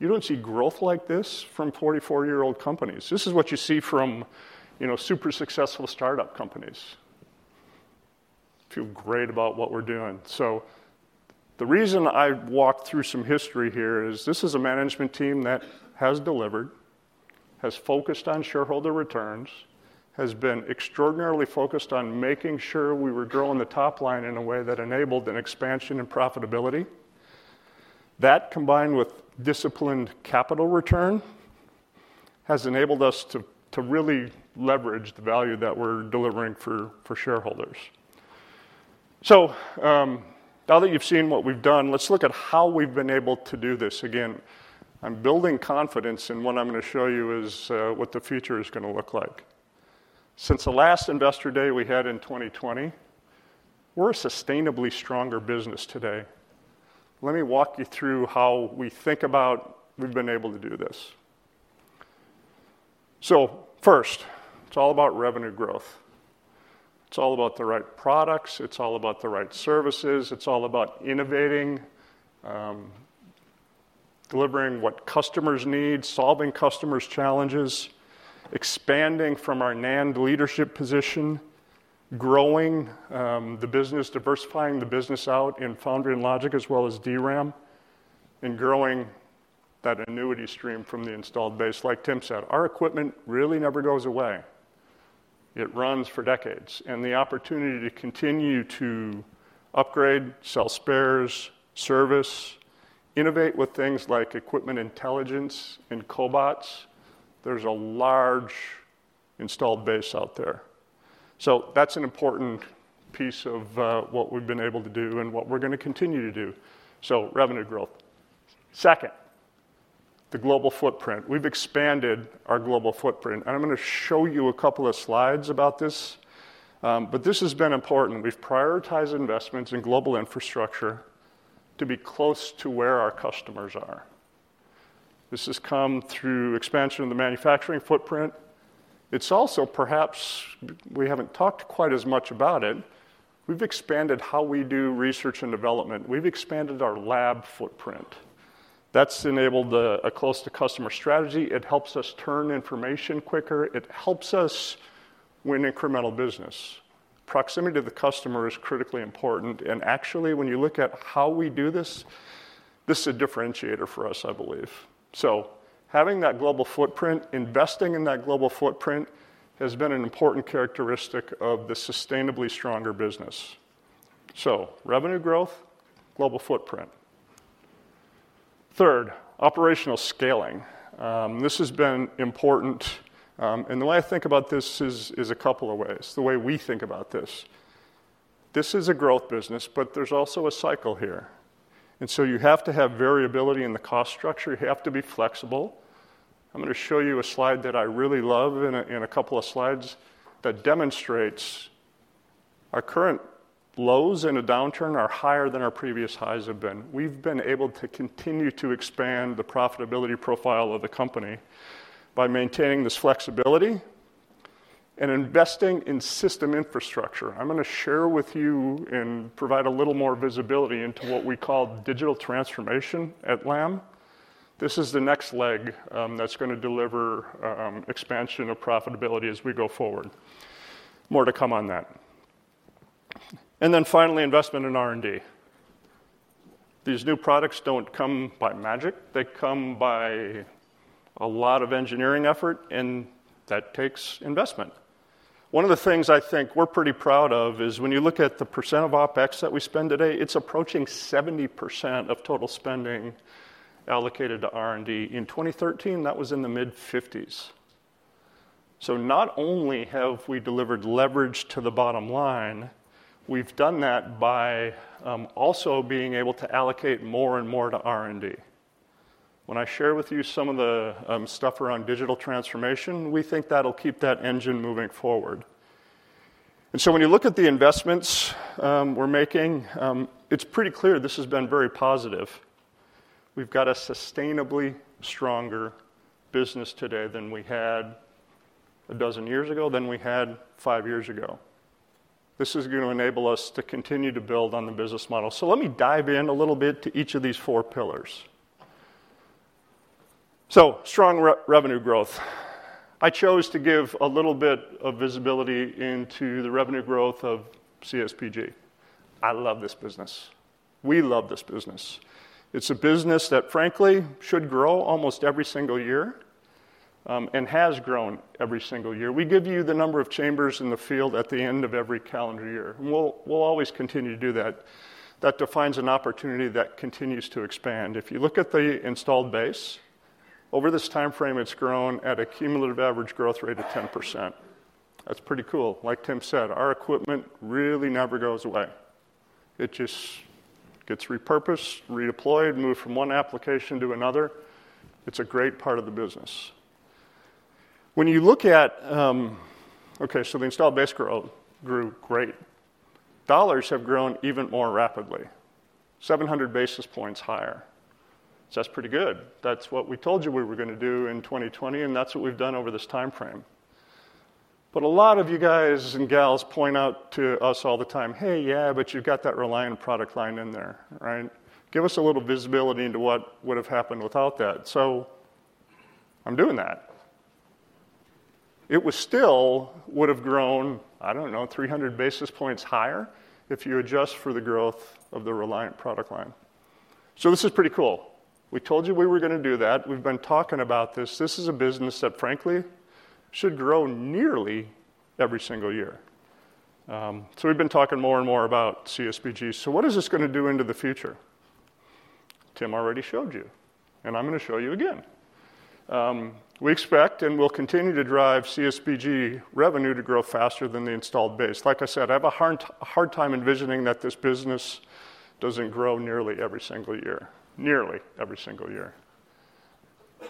Speaker 4: You don't see growth like this from 44-year-old companies. This is what you see from super successful startup companies. Feel great about what we're doing. So the reason I walked through some history here is this is a management team that has delivered, has focused on shareholder returns, has been extraordinarily focused on making sure we were growing the top line in a way that enabled an expansion in profitability. That combined with disciplined capital return has enabled us to really leverage the value that we're delivering for shareholders. So now that you've seen what we've done, let's look at how we've been able to do this. Again, I'm building confidence in what I'm going to show you is what the future is going to look like. Since the last Investor Day we had in 2020, we're a sustainably stronger business today. Let me walk you through how we think about how we've been able to do this. So first, it's all about revenue growth. It's all about the right products. It's all about the right services. It's all about innovating, delivering what customers need, solving customers' challenges, expanding from our NAND leadership position, growing the business, diversifying the business out in foundry and logic as well as DRAM, and growing that annuity stream from the installed base, like Tim said. Our equipment really never goes away. It runs for decades. And the opportunity to continue to upgrade, sell spares, service, innovate with things like Equipment Intelligence and cobots, there's a large installed base out there. So that's an important piece of what we've been able to do and what we're going to continue to do. So revenue growth. Second, the global footprint. We've expanded our global footprint. And I'm going to show you a couple of slides about this. But this has been important. We've prioritized investments in global infrastructure to be close to where our customers are. This has come through expansion of the manufacturing footprint. It's also, perhaps, we haven't talked quite as much about it. We've expanded how we do research and development. We've expanded our lab footprint. That's enabled a close-to-customer strategy. It helps us turn information quicker. It helps us win incremental business. Proximity to the customer is critically important, and actually, when you look at how we do this, this is a differentiator for us, I believe, so having that global footprint, investing in that global footprint has been an important characteristic of the sustainably stronger business, so revenue growth, global footprint. Third, operational scaling. This has been important, and the way I think about this is a couple of ways, the way we think about this. This is a growth business, but there's also a cycle here. And so you have to have variability in the cost structure. You have to be flexible. I'm going to show you a slide that I really love in a couple of slides that demonstrates our current lows and a downturn are higher than our previous highs have been. We've been able to continue to expand the profitability profile of the company by maintaining this flexibility and investing in system infrastructure. I'm going to share with you and provide a little more visibility into what we call digital transformation at Lam. This is the next leg that's going to deliver expansion of profitability as we go forward. More to come on that. And then finally, investment in R&D. These new products don't come by magic. They come by a lot of engineering effort, and that takes investment. One of the things I think we're pretty proud of is when you look at the percent of OpEx that we spend today, it's approaching 70% of total spending allocated to R&D. In 2013, that was in the mid-50s. So not only have we delivered leverage to the bottom line, we've done that by also being able to allocate more and more to R&D. When I share with you some of the stuff around digital transformation, we think that'll keep that engine moving forward. And so when you look at the investments we're making, it's pretty clear this has been very positive. We've got a sustainably stronger business today than we had a dozen years ago, than we had five years ago. This is going to enable us to continue to build on the business model. So let me dive in a little bit to each of these four pillars. So, strong revenue growth. I chose to give a little bit of visibility into the revenue growth of CSBG. I love this business. We love this business. It's a business that, frankly, should grow almost every single year and has grown every single year. We give you the number of chambers in the field at the end of every calendar year. We'll always continue to do that. That defines an opportunity that continues to expand. If you look at the installed base, over this timeframe, it's grown at a cumulative average growth rate of 10%. That's pretty cool. Like Tim said, our equipment really never goes away. It just gets repurposed, redeployed, moved from one application to another. It's a great part of the business. When you look at, okay, so the installed base grew great. Dollars have grown even more rapidly, 700 basis points higher. So that's pretty good. That's what we told you we were going to do in 2020, and that's what we've done over this timeframe. But a lot of you guys and gals point out to us all the time, "Hey, yeah, but you've got that Reliant product line in there," right? Give us a little visibility into what would have happened without that. So I'm doing that. It still would have grown, I don't know, 300 basis points higher if you adjust for the growth of the Reliant product line. So this is pretty cool. We told you we were going to do that. We've been talking about this. This is a business that, frankly, should grow nearly every single year. So we've been talking more and more about CSBG. So what is this going to do into the future? Tim already showed you, and I'm going to show you again. We expect and will continue to drive CSBG revenue to grow faster than the installed base. Like I said, I have a hard time envisioning that this business doesn't grow nearly every single year, nearly every single year.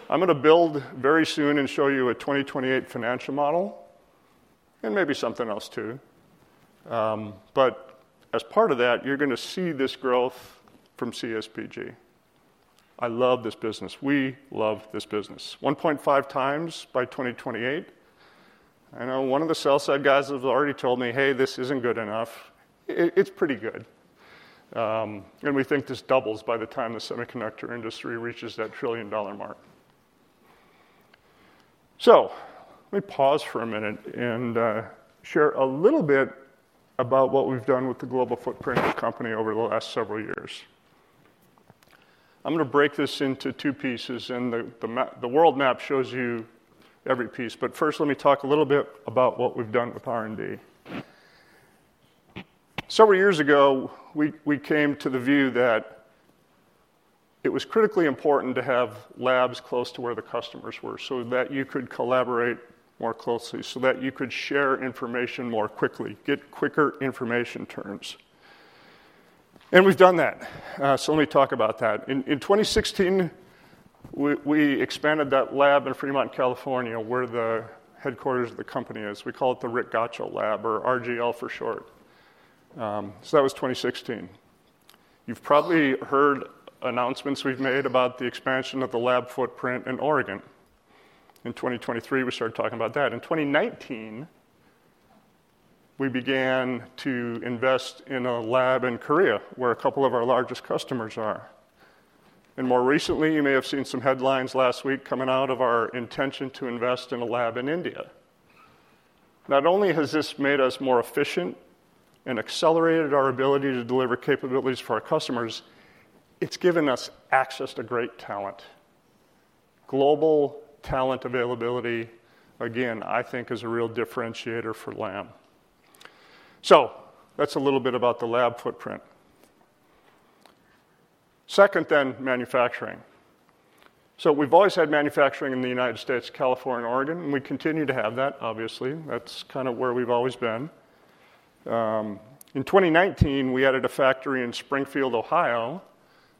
Speaker 4: I'm going to build very soon and show you a 2028 financial model and maybe something else too, but as part of that, you're going to see this growth from CSBG. I love this business. We love this business. 1.5 times by 2028. I know one of the sell-side guys has already told me, "Hey, this isn't good enough." It's pretty good. We think this doubles by the time the semiconductor industry reaches that trillion-dollar mark, so let me pause for a minute and share a little bit about what we've done with the global footprint of the company over the last several years. I'm going to break this into two pieces, and the world map shows you every piece, but first, let me talk a little bit about what we've done with R&D. Several years ago, we came to the view that it was critically important to have labs close to where the customers were so that you could collaborate more closely, so that you could share information more quickly, get quicker information turns, and we've done that, so let me talk about that. In 2016, we expanded that lab in Fremont, California, where the headquarters of the company is. We call it the Rick Gottscho Lab, or RGL for short, so that was 2016. You've probably heard announcements we've made about the expansion of the lab footprint in Oregon. In 2023, we started talking about that. In 2019, we began to invest in a lab in Korea, where a couple of our largest customers are. And more recently, you may have seen some headlines last week coming out of our intention to invest in a lab in India. Not only has this made us more efficient and accelerated our ability to deliver capabilities for our customers, it's given us access to great talent. Global talent availability, again, I think is a real differentiator for Lam. So that's a little bit about the lab footprint. Second, then manufacturing. So we've always had manufacturing in the United States, California, and Oregon, and we continue to have that, obviously. That's kind of where we've always been. In 2019, we added a factory in Springfield, Ohio,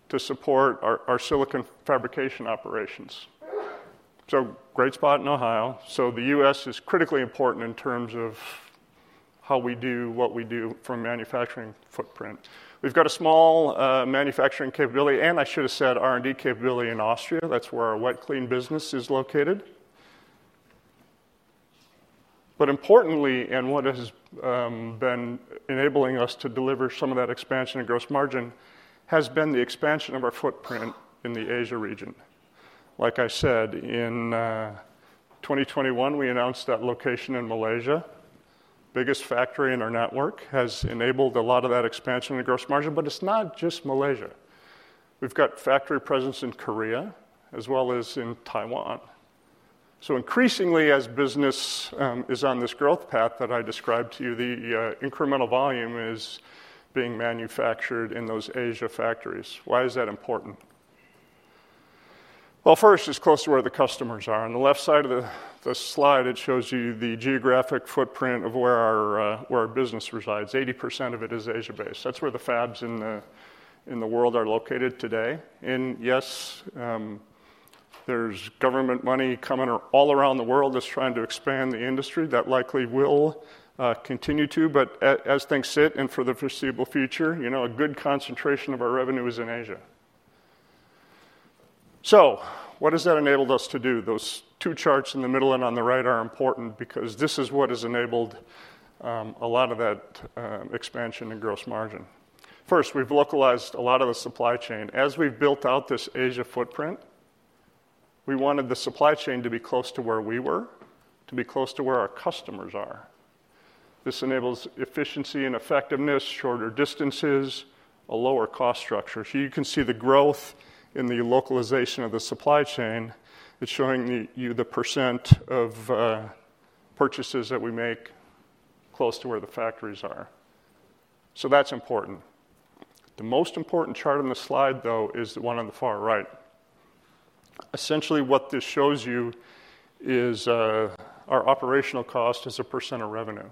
Speaker 4: to support our silicon fabrication operations. So great spot in Ohio. So the U.S. is critically important in terms of how we do what we do for manufacturing footprint. We've got a small manufacturing capability, and I should have said R&D capability in Austria. That's where our wet clean business is located. But importantly, and what has been enabling us to deliver some of that expansion and gross margin has been the expansion of our footprint in the Asia region. Like I said, in 2021, we announced that location in Malaysia. Biggest factory in our network has enabled a lot of that expansion and gross margin, but it's not just Malaysia. We've got factory presence in Korea as well as in Taiwan. So increasingly, as business is on this growth path that I described to you, the incremental volume is being manufactured in those Asia factories. Why is that important? Well, first, it's close to where the customers are. On the left side of the slide, it shows you the geographic footprint of where our business resides. 80% of it is Asia-based. That's where the fabs in the world are located today. And yes, there's government money coming all around the world that's trying to expand the industry. That likely will continue to, but as things sit and for the foreseeable future, a good concentration of our revenue is in Asia. So what has that enabled us to do? Those two charts in the middle and on the right are important because this is what has enabled a lot of that expansion and gross margin. First, we've localized a lot of the supply chain. As we've built out this Asia footprint, we wanted the supply chain to be close to where we were, to be close to where our customers are. This enables efficiency and effectiveness, shorter distances, a lower cost structure. So you can see the growth in the localization of the supply chain. It's showing you the percent of purchases that we make close to where the factories are. So that's important. The most important chart on the slide, though, is the one on the far right. Essentially, what this shows you is our operational cost as a percent of revenue.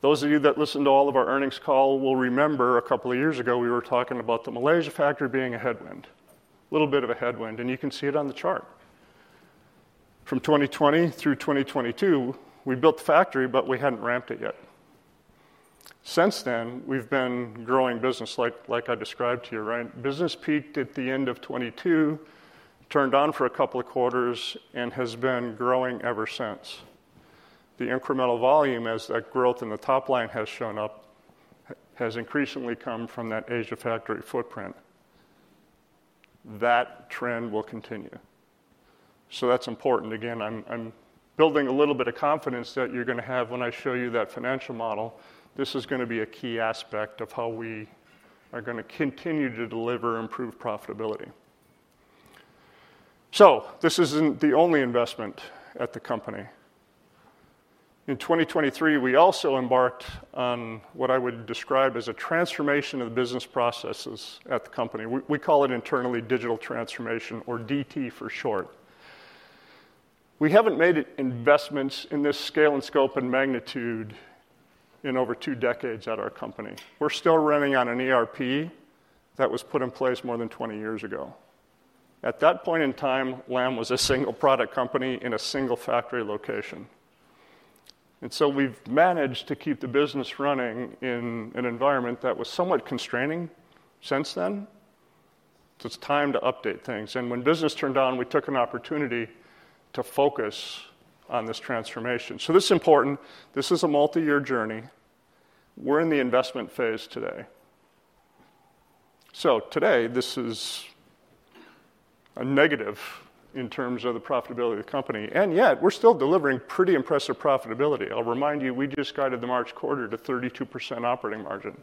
Speaker 4: Those of you that listen to all of our earnings call will remember a couple of years ago we were talking about the Malaysia factory being a headwind, a little bit of a headwind, and you can see it on the chart. From 2020 through 2022, we built the factory, but we hadn't ramped it yet. Since then, we've been growing business, like I described to you, right? Business peaked at the end of 2022, turned on for a couple of quarters, and has been growing ever since. The incremental volume, as that growth in the top line has shown up, has increasingly come from that Asia factory footprint. That trend will continue, so that's important. Again, I'm building a little bit of confidence that you're going to have when I show you that financial model. This is going to be a key aspect of how we are going to continue to deliver improved profitability, so this isn't the only investment at the company. In 2023, we also embarked on what I would describe as a transformation of the business processes at the company. We call it internally digital transformation, or DT for short. We haven't made investments in this scale and scope and magnitude in over two decades at our company. We're still running on an ERP that was put in place more than 20 years ago. At that point in time, Lam was a single product company in a single factory location, and so we've managed to keep the business running in an environment that was somewhat constraining since then, so it's time to update things, and when business turned on, we took an opportunity to focus on this transformation, so this is important. This is a multi-year journey. We're in the investment phase today, so today, this is a negative in terms of the profitability of the company, and yet, we're still delivering pretty impressive profitability. I'll remind you, we just guided the March quarter to 32% operating margin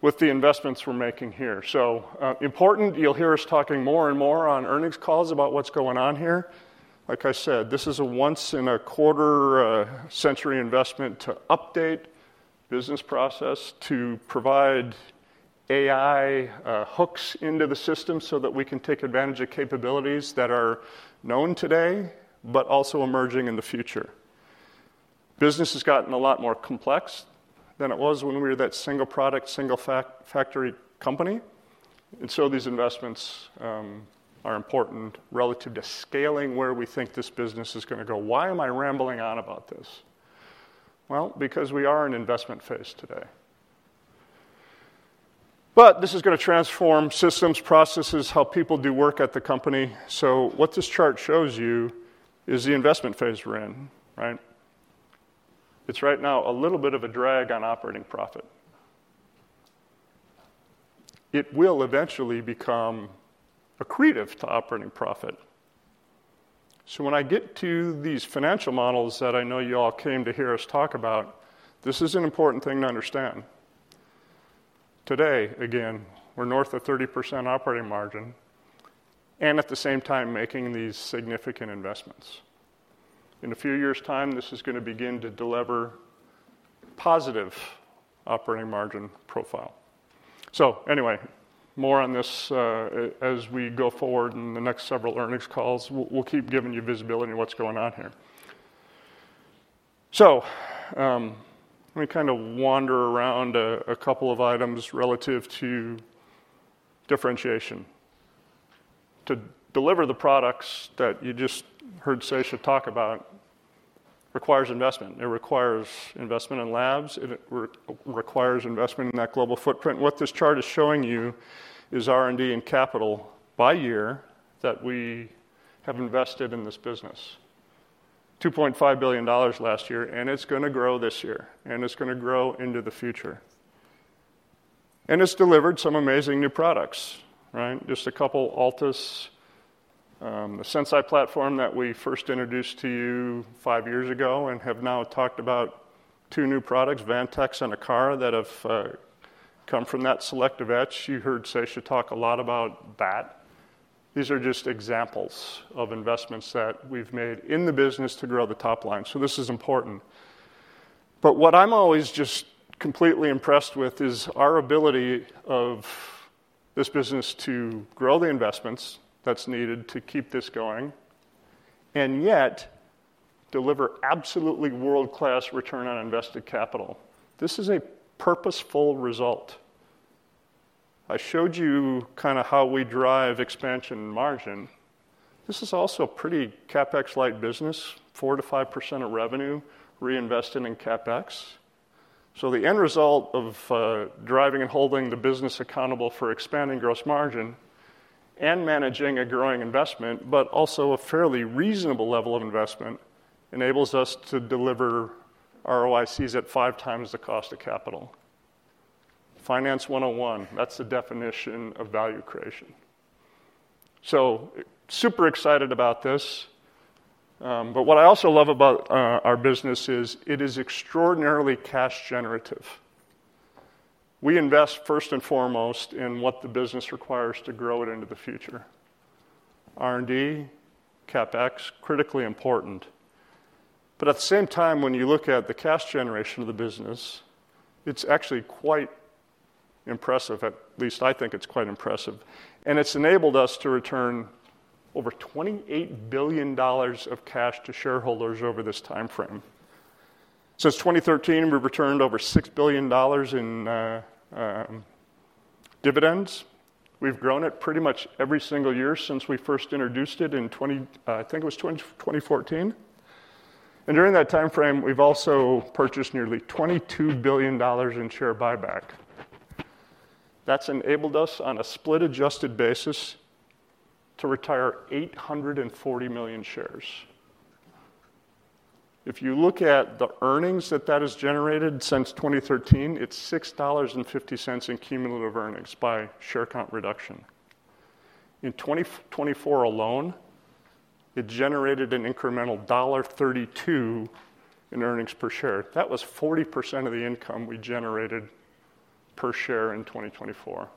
Speaker 4: with the investments we're making here, so important, you'll hear us talking more and more on earnings calls about what's going on here. Like I said, this is a once-in-a-quarter-century investment to update business process, to provide AI hooks into the system so that we can take advantage of capabilities that are known today, but also emerging in the future. Business has gotten a lot more complex than it was when we were that single product, single factory company, and so these investments are important relative to scaling where we think this business is going to go. Why am I rambling on about this? Well, because we are in investment phase today, but this is going to transform systems, processes, how people do work at the company, so what this chart shows you is the investment phase we're in, right? It's right now a little bit of a drag on operating profit. It will eventually become accretive to operating profit. So when I get to these financial models that I know you all came to hear us talk about, this is an important thing to understand. Today, again, we're north of 30% operating margin and at the same time making these significant investments. In a few years' time, this is going to begin to deliver positive operating margin profile. So anyway, more on this as we go forward in the next several earnings calls. We'll keep giving you visibility on what's going on here. So let me kind of wander around a couple of items relative to differentiation. To deliver the products that you just heard Sesha talk about requires investment. It requires investment in labs. It requires investment in that global footprint. What this chart is showing you is R&D and capital by year that we have invested in this business: $2.5 billion last year, and it's going to grow this year, and it's going to grow into the future, and it's delivered some amazing new products, right? Just a couple: Altus, the Sensei platform that we first introduced to you five years ago, and have now talked about two new products, Vantex and Argos, that have come from that selective etch. You heard Sesha talk a lot about that. These are just examples of investments that we've made in the business to grow the top line, so this is important, but what I'm always just completely impressed with is our ability of this business to grow the investments that's needed to keep this going, and yet deliver absolutely world-class return on invested capital. This is a purposeful result. I showed you kind of how we drive expansion and margin. This is also a pretty CapEx-like business: 4%-5% of revenue reinvested in CapEx. So the end result of driving and holding the business accountable for expanding gross margin and managing a growing investment, but also a fairly reasonable level of investment, enables us to deliver ROICs at five times the cost of capital. Finance 101, that's the definition of value creation. So super excited about this. But what I also love about our business is it is extraordinarily cash-generative. We invest first and foremost in what the business requires to grow it into the future. R&D, CapEx, critically important. But at the same time, when you look at the cash generation of the business, it's actually quite impressive. At least I think it's quite impressive. And it's enabled us to return over $28 billion of cash to shareholders over this timeframe. Since 2013, we've returned over $6 billion in dividends. We've grown it pretty much every single year since we first introduced it in, I think it was 2014. And during that timeframe, we've also purchased nearly $22 billion in share buyback. That's enabled us, on a split-adjusted basis, to retire 840 million shares. If you look at the earnings that that has generated since 2013, it's $6.50 in cumulative earnings by share count reduction. In 2024 alone, it generated an incremental $1.32 in earnings per share. That was 40% of the income we generated per share in 2024.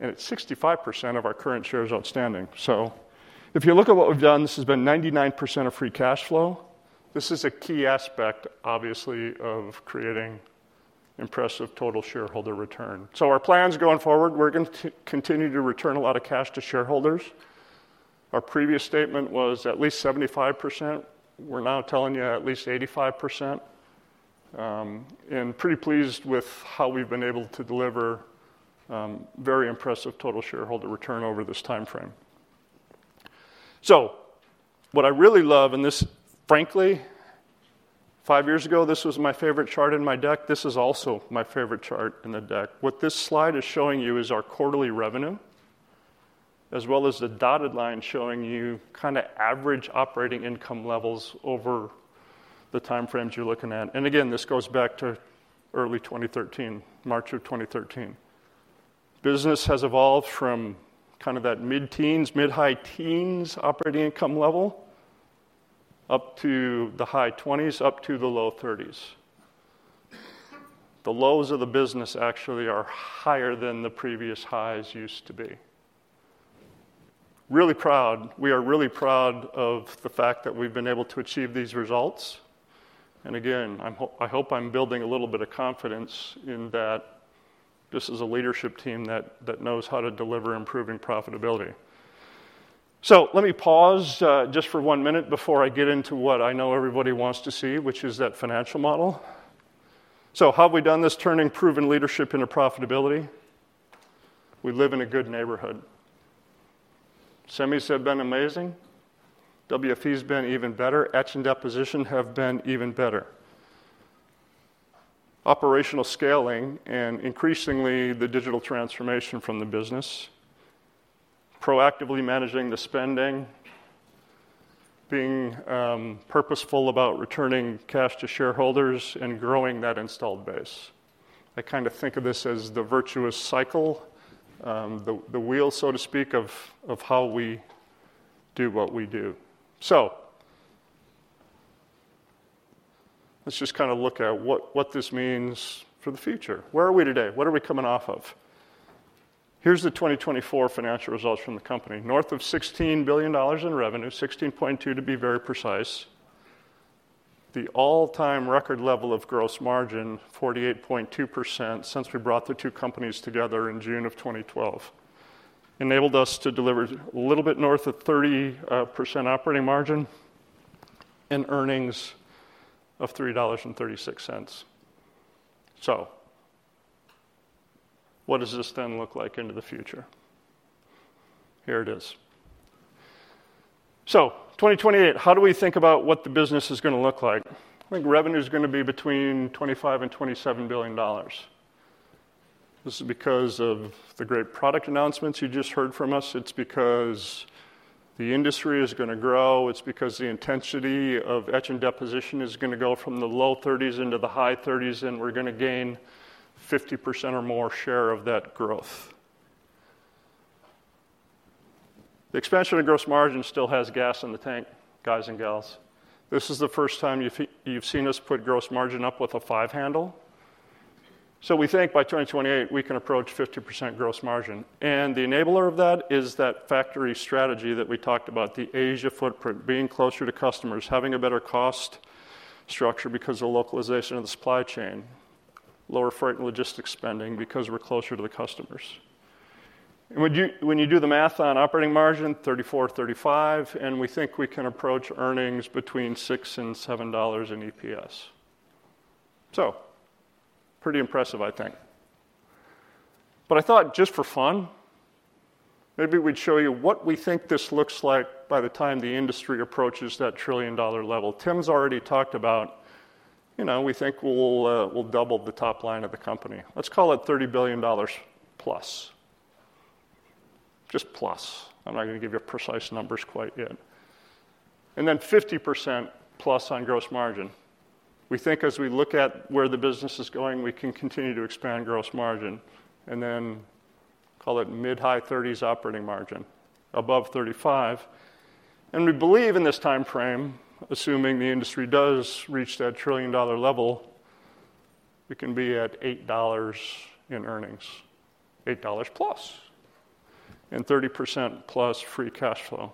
Speaker 4: And it's 65% of our current shares outstanding. So if you look at what we've done, this has been 99% of free cash flow. This is a key aspect, obviously, of creating impressive total shareholder return. So our plans going forward, we're going to continue to return a lot of cash to shareholders. Our previous statement was at least 75%. We're now telling you at least 85%, and pretty pleased with how we've been able to deliver very impressive total shareholder return over this timeframe, so what I really love, and this, frankly, five years ago, this was my favorite chart in my deck. This is also my favorite chart in the deck. What this slide is showing you is our quarterly revenue, as well as the dotted line showing you kind of average operating income levels over the timeframes you're looking at, and again, this goes back to early 2013, March of 2013. Business has evolved from kind of that mid-teens, mid-high teens operating income level up to the high 20s, up to the low 30s. The lows of the business actually are higher than the previous highs used to be. Really proud. We are really proud of the fact that we've been able to achieve these results. And again, I hope I'm building a little bit of confidence in that this is a leadership team that knows how to deliver improving profitability, so let me pause just for one minute before I get into what I know everybody wants to see, which is that financial model, so how have we done this turning proven leadership into profitability? We live in a good neighborhood. Semis have been amazing. WFE has been even better. Etch and Deposition have been even better. Operational scaling and increasingly the digital transformation from the business, proactively managing the spending, being purposeful about returning cash to shareholders, and growing that installed base. I kind of think of this as the virtuous cycle, the wheel, so to speak, of how we do what we do. So let's just kind of look at what this means for the future. Where are we today? What are we coming off of? Here's the 2024 financial results from the company: north of $16 billion in revenue, 16.2 to be very precise. The all-time record level of gross margin, 48.2% since we brought the two companies together in June of 2012, enabled us to deliver a little bit north of 30% operating margin and earnings of $3.36. So what does this then look like into the future? Here it is. So 2028, how do we think about what the business is going to look like? I think revenue is going to be between $25 and $27 billion. This is because of the great product announcements you just heard from us. It's because the industry is going to grow. It's because the intensity of etch and deposition is going to go from the low 30s into the high 30s, and we're going to gain 50% or more share of that growth. The expansion of gross margin still has gas in the tank, guys and gals. This is the first time you've seen us put gross margin up with a five handle. So we think by 2028, we can approach 50% gross margin. And the enabler of that is that factory strategy that we talked about, the Asia footprint, being closer to customers, having a better cost structure because of the localization of the supply chain, lower freight and logistics spending because we're closer to the customers. When you do the math on operating margin, 34%-35%, and we think we can approach earnings between $6 and $7 in EPS. So pretty impressive, I think. I thought, just for fun, maybe we'd show you what we think this looks like by the time the industry approaches that trillion-dollar level. Tim's already talked about, you know, we think we'll double the top line of the company. Let's call it $30 billion plus. Just plus. I'm not going to give you precise numbers quite yet. Then 50% plus on gross margin. We think as we look at where the business is going, we can continue to expand gross margin. Then call it mid-high 30s operating margin, above 35%. We believe in this timeframe, assuming the industry does reach that trillion-dollar level, we can be at $8 in earnings, $8 plus, and 30% plus free cash flow.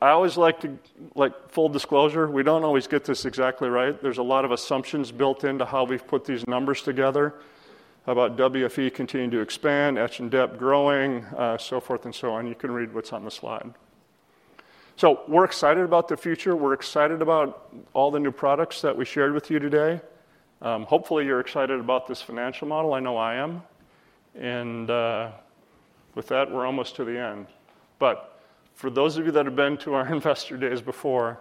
Speaker 4: I always like to, like full disclosure, we don't always get this exactly right. There's a lot of assumptions built into how we've put these numbers together about WFE continuing to expand, Etch and Dep growing, so forth and so on. You can read what's on the slide. We're excited about the future. We're excited about all the new products that we shared with you today. Hopefully, you're excited about this financial model. I know I am. With that, we're almost to the end. For those of you that have been to our investor days before,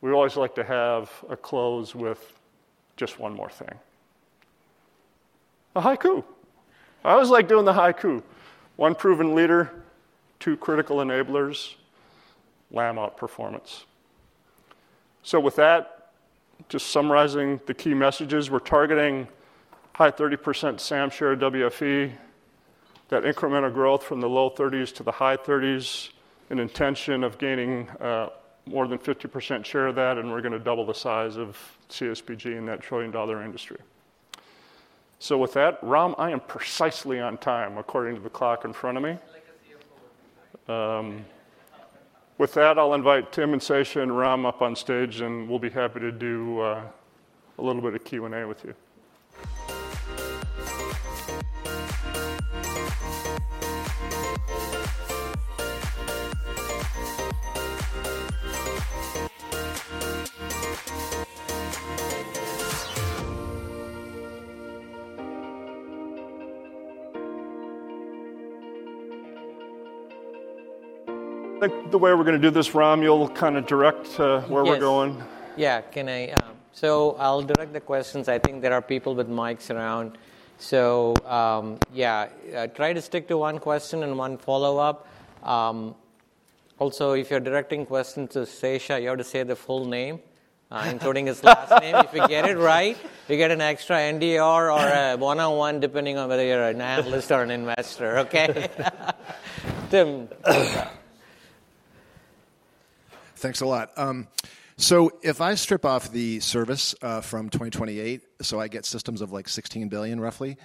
Speaker 4: we always like to have a close with just one more thing: a haiku. I always like doing the haiku. One proven leader, two critical enablers, Lam outperformance. So with that, just summarizing the key messages, we're targeting high 30% SAM share at WFE, that incremental growth from the low 30s to the high 30s, an intention of gaining more than 50% share of that, and we're going to double the size of CSBG in that trillion-dollar industry. So with that, Ram, I am precisely on time according to the clock in front of me. With that, I'll invite Tim and Sesha and Ram up on stage, and we'll be happy to do a little bit of Q&A with you. I think the way we're going to do this, Ram, you'll kind of direct to where we're going.
Speaker 1: Yeah, can I? So I'll direct the questions. I think there are people with mics around. So yeah, try to stick to one question and one follow-up. Also, if you're directing questions to Sesha, you have to say the full name, including his last name. If you get it right, you get an extra NDR or a one-on-one depending on whether you're an analyst or an investor, okay? Tim.
Speaker 3: Thanks a lot. So if I strip off the service from 2028, so I get systems of like $16 billion roughly.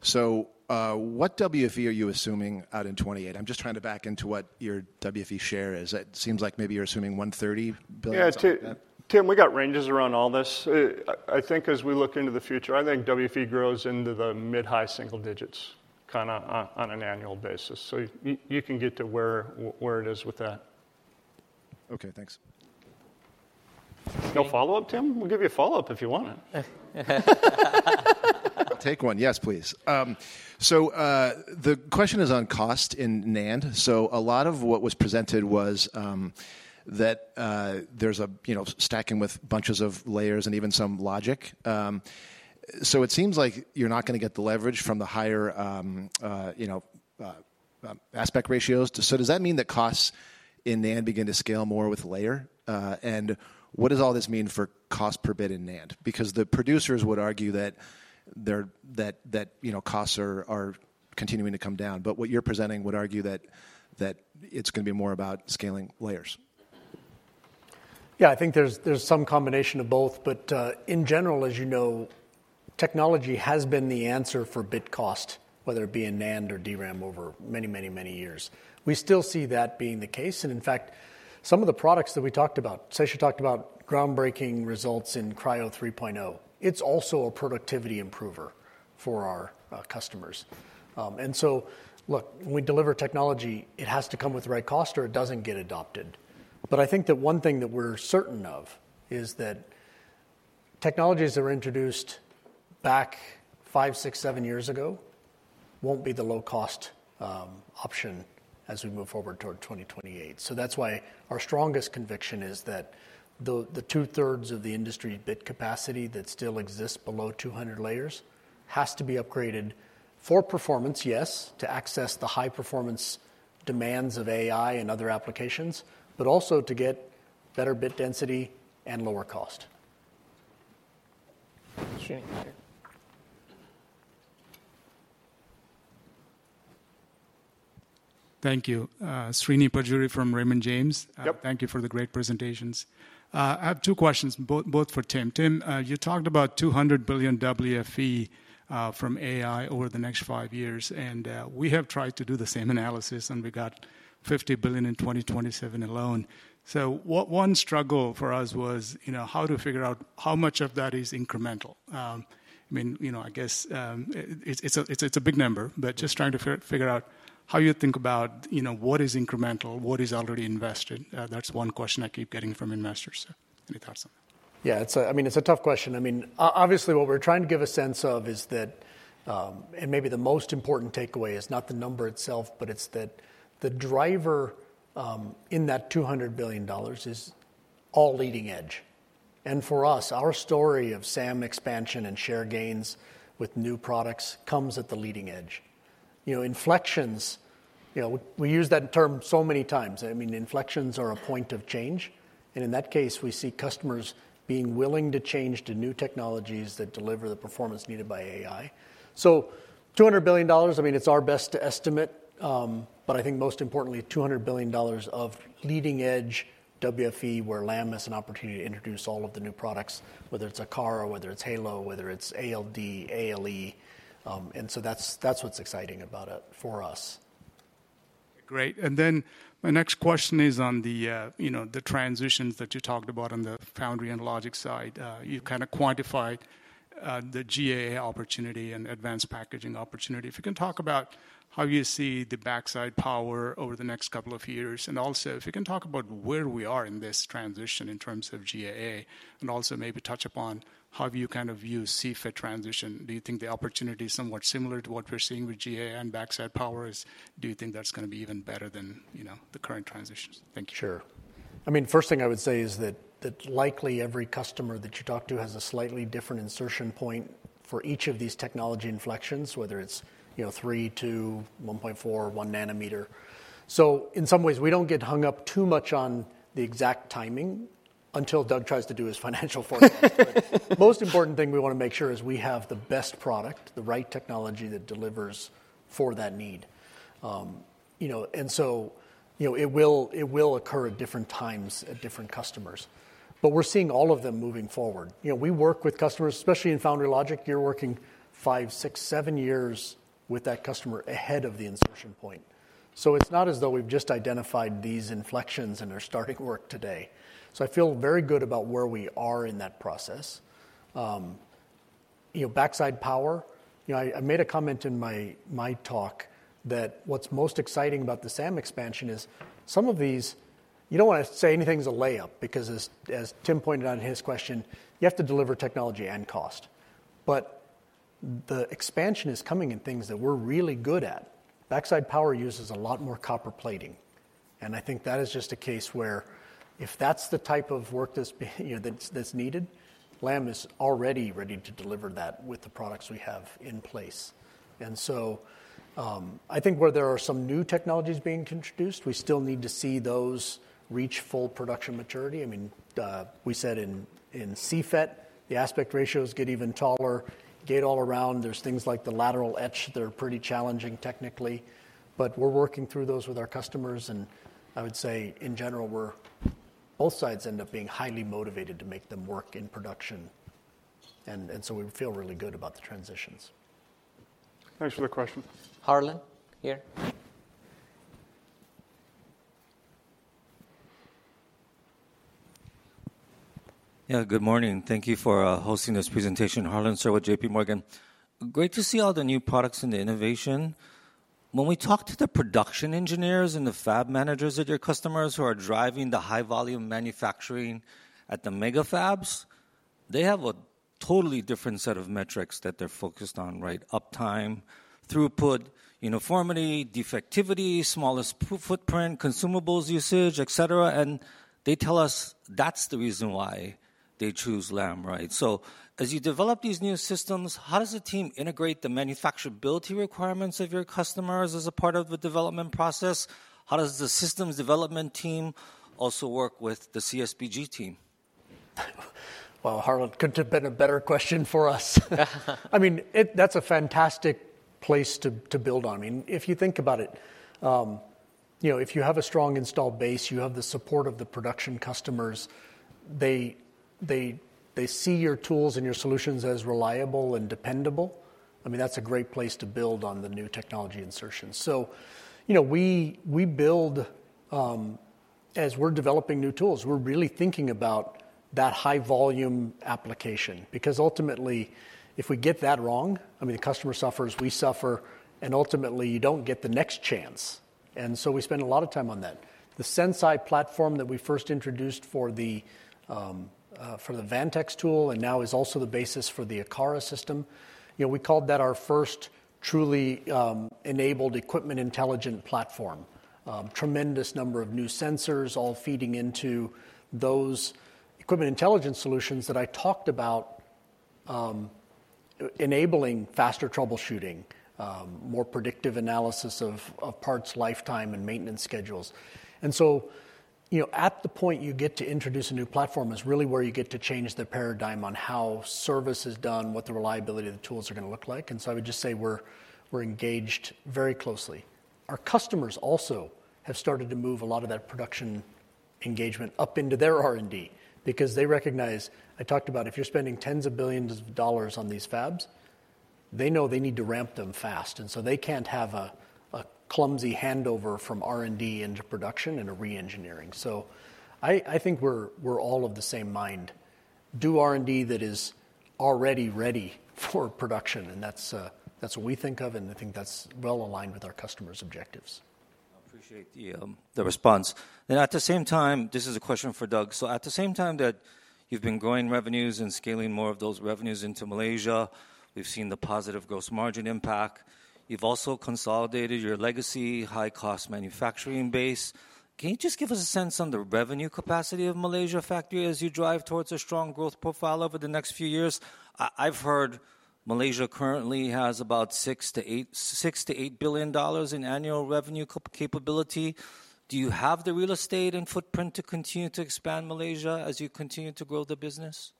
Speaker 3: So what WFE are you assuming out in 2028? I'm just trying to back into what your WFE share is. It seems like maybe you're assuming $130 billion.
Speaker 4: Yeah, Tim, we got ranges around all this. I think as we look into the future, I think WFE grows into the mid-high single digits kind of on an annual basis. So you can get to where it is with that. Okay, thanks.
Speaker 1: No follow-up, Tim? We'll give you a follow-up if you want it.
Speaker 5: Take one. Yes, please. The question is on cost in NAND. A lot of what was presented was that there's a stacking with bunches of layers and even some logic. It seems like you're not going to get the leverage from the higher aspect ratios. Does that mean that costs in NAND begin to scale more with layers? And what does all this mean for cost per bit in NAND? Because the producers would argue that costs are continuing to come down. What you're presenting would argue that it's going to be more about scaling layers.
Speaker 3: Yeah, I think there's some combination of both. In general, as you know, technology has been the answer for bit cost, whether it be in NAND or DRAM over many, many, many years. We still see that being the case. And in fact, some of the products that we talked about, Sesha talked about groundbreaking results in Cryo 3.0. It's also a productivity improver for our customers. And so look, when we deliver technology, it has to come with the right cost or it doesn't get adopted. But I think that one thing that we're certain of is that technologies that were introduced back five, six, seven years ago won't be the low-cost option as we move forward toward 2028. So that's why our strongest conviction is that the two-thirds of the industry bit capacity that still exists below 200 layers has to be upgraded for performance, yes, to access the high-performance demands of AI and other applications, but also to get better bit density and lower cost.
Speaker 5: Thank you. Srini Pajjuri from Raymond James. Thank you for the great presentations. I have two questions, both for Tim. Tim, you talked about $200 billion WFE from AI over the next five years, and we have tried to do the same analysis, and we got $50 billion in 2027 alone. So one struggle for us was how to figure out how much of that is incremental. I mean, I guess it's a big number, but just trying to figure out how you think about what is incremental, what is already invested. That's one question I keep getting from investors. Any thoughts on that?
Speaker 3: Yeah, I mean, it's a tough question. I mean, obviously, what we're trying to give a sense of is that, and maybe the most important takeaway is not the number itself, but it's that the driver in that $200 billion is all leading edge. And for us, our story of SAM expansion and share gains with new products comes at the leading edge. Inflections, we use that term so many times. I mean, inflections are a point of change. And in that case, we see customers being willing to change to new technologies that deliver the performance needed by AI. So $200 billion, I mean, it's our best estimate, but I think most importantly, $200 billion of leading edge WFE where LAM is an opportunity to introduce all of the new products, whether it's Argos or whether it's Halo, whether it's ALD, ALE. And so that's what's exciting about it for us.
Speaker 5: Great. And then my next question is on the transitions that you talked about on the foundry and logic side. You kind of quantified the GAA opportunity and advanced packaging opportunity. If you can talk about how you see the backside power over the nex couple of years? And also, if you can talk about where we are in this transition in terms of GAA and also maybe touch upon how you kind of view CFET transition. Do you think the opportunity is somewhat similar to what we're seeing with GAA and backside power? Do you think that's going to be even better than the current transitions?
Speaker 3: Thank you. Sure. I mean, first thing I would say is that likely every customer that you talk to has a slightly different insertion point for each of these technology inflections, whether it's three, two, one point four, one nanometer. So in some ways, we don't get hung up too much on the exact timing until Doug tries to do his financial forecast. Most important thing we want to make sure is we have the best product, the right technology that delivers for that need. It will occur at different times at different customers. But we're seeing all of them moving forward. We work with customers, especially in foundry logic. You're working five, six, seven years with that customer ahead of the insertion point. So it's not as though we've just identified these inflections and are starting work today. So I feel very good about where we are in that process. Backside power, I made a comment in my talk that what's most exciting about the SAM expansion is some of these. You don't want to say anything's a layup because as Tim pointed out in his question, you have to deliver technology and cost. But the expansion is coming in things that we're really good at. Backside power uses a lot more copper plating. I think that is just a case where if that's the type of work that's needed, Lam is already ready to deliver that with the products we have in place. And so I think where there are some new technologies being introduced, we still need to see those reach full production maturity. I mean, we said in CFET, the aspect ratios get even taller. Gate all around, there's things like the lateral etch that are pretty challenging technically. But we're working through those with our customers. And I would say in general, both sides end up being highly motivated to make them work in production. And so we feel really good about the transitions.
Speaker 6: Thanks for the question.
Speaker 1: Harlan here.
Speaker 7: Yeah, good morning. Thank you for hosting this presentation. Harlan Sur with J.P. Morgan. Great to see all the new products and the innovation. When we talk to the production engineers and the fab managers at your customers who are driving the high-volume manufacturing at the mega fabs, they have a totally different set of metrics that they're focused on, right? Uptime, throughput, uniformity, defectivity, smallest footprint, consumables usage, etc., and they tell us that's the reason why they choose LAM, right, so as you develop these new systems, how does the team integrate the manufacturability requirements of your customers as a part of the development process? How does the systems development team also work with the CSBG team?
Speaker 3: Well, Harlan, couldn't have been a better question for us. I mean, that's a fantastic place to build on. I mean, if you think about it, if you have a strong installed base, you have the support of the production customers, they see your tools and your solutions as reliable and dependable. I mean, that's a great place to build on the new technology insertion. So we build, as we're developing new tools, we're really thinking about that high-volume application. Because ultimately, if we get that wrong, I mean, the customer suffers, we suffer, and ultimately, you don't get the next chance. And so we spend a lot of time on that. The Sensei platform that we first introduced for the Vantex tool and now is also the basis for the Argos system, we called that our first truly enabled equipment intelligent platform. Tremendous number of new sensors all feeding into those Equipment Intelligence solutions that I talked about enabling faster troubleshooting, more predictive analysis of parts lifetime and maintenance schedules. And so at the point you get to introduce a new platform is really where you get to change the paradigm on how service is done, what the reliability of the tools are going to look like. And so I would just say we're engaged very closely. Our customers also have started to move a lot of that production engagement up into their R&D because they recognize, I talked about, if you're spending tens of billions of dollars on these fabs, they know they need to ramp them fast. And so they can't have a clumsy handover from R&D into production and a re-engineering. So I think we're all of the same mind. Do R&D that is already ready for production. And that's what we think of. And I think that's well aligned with our customers' objectives.
Speaker 7: I appreciate the response. At the same time, this is a question for Doug. So at the same time that you've been growing revenues and scaling more of those revenues into Malaysia, we've seen the positive gross margin impact. You've also consolidated your legacy high-cost manufacturing base. Can you just give us a sense on the revenue capacity of Malaysia factory as you drive towards a strong growth profile over the next few years? I've heard Malaysia currently has about $6-$8 billion in annual revenue capability. Do you have the real estate and footprint to continue to expand Malaysia as you continue to grow the business?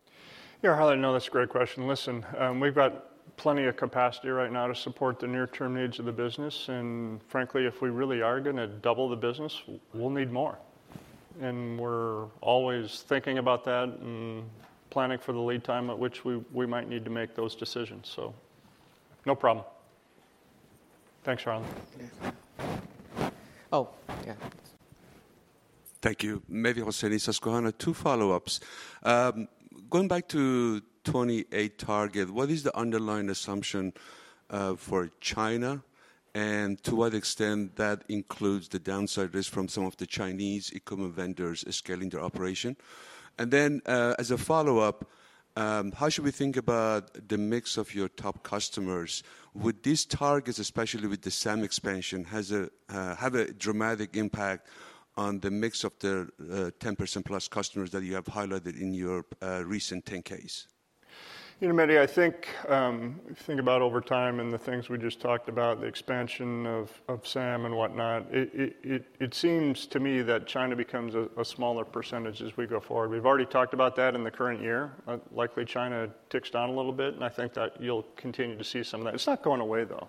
Speaker 6: Yeah, Harlan, no, that's a great question. Listen, we've got plenty of capacity right now to support the near-term needs of the business. And frankly, if we really are going to double the business, we'll need more. And we're always thinking about that and planning for the lead time at which we might need to make those decisions. So no problem. Thanks, Harlan.
Speaker 7: Oh, yeah. Thank you. Maybe Mehdi Hosseini, Susquehanna, two follow-ups. Going back to 28 target, what is the underlying assumption for China and to what extent that includes the downside risk from some of the Chinese e-commerce vendors scaling their operation? And then as a follow-up, how should we think about the mix of your top customers? Would these targets, especially with the SAM expansion, have a dramatic impact on the mix of the 10% plus customers that you have highlighted in your recent 10Ks?
Speaker 6: You know, Mehdi, I think about over time and the things we just talked about, the expansion of SAM and whatnot, it seems to me that China becomes a smaller percentage as we go forward. We've already talked about that in the current year. Likely China ticks down a little bit. And I think that you'll continue to see some of that. It's not going away, though,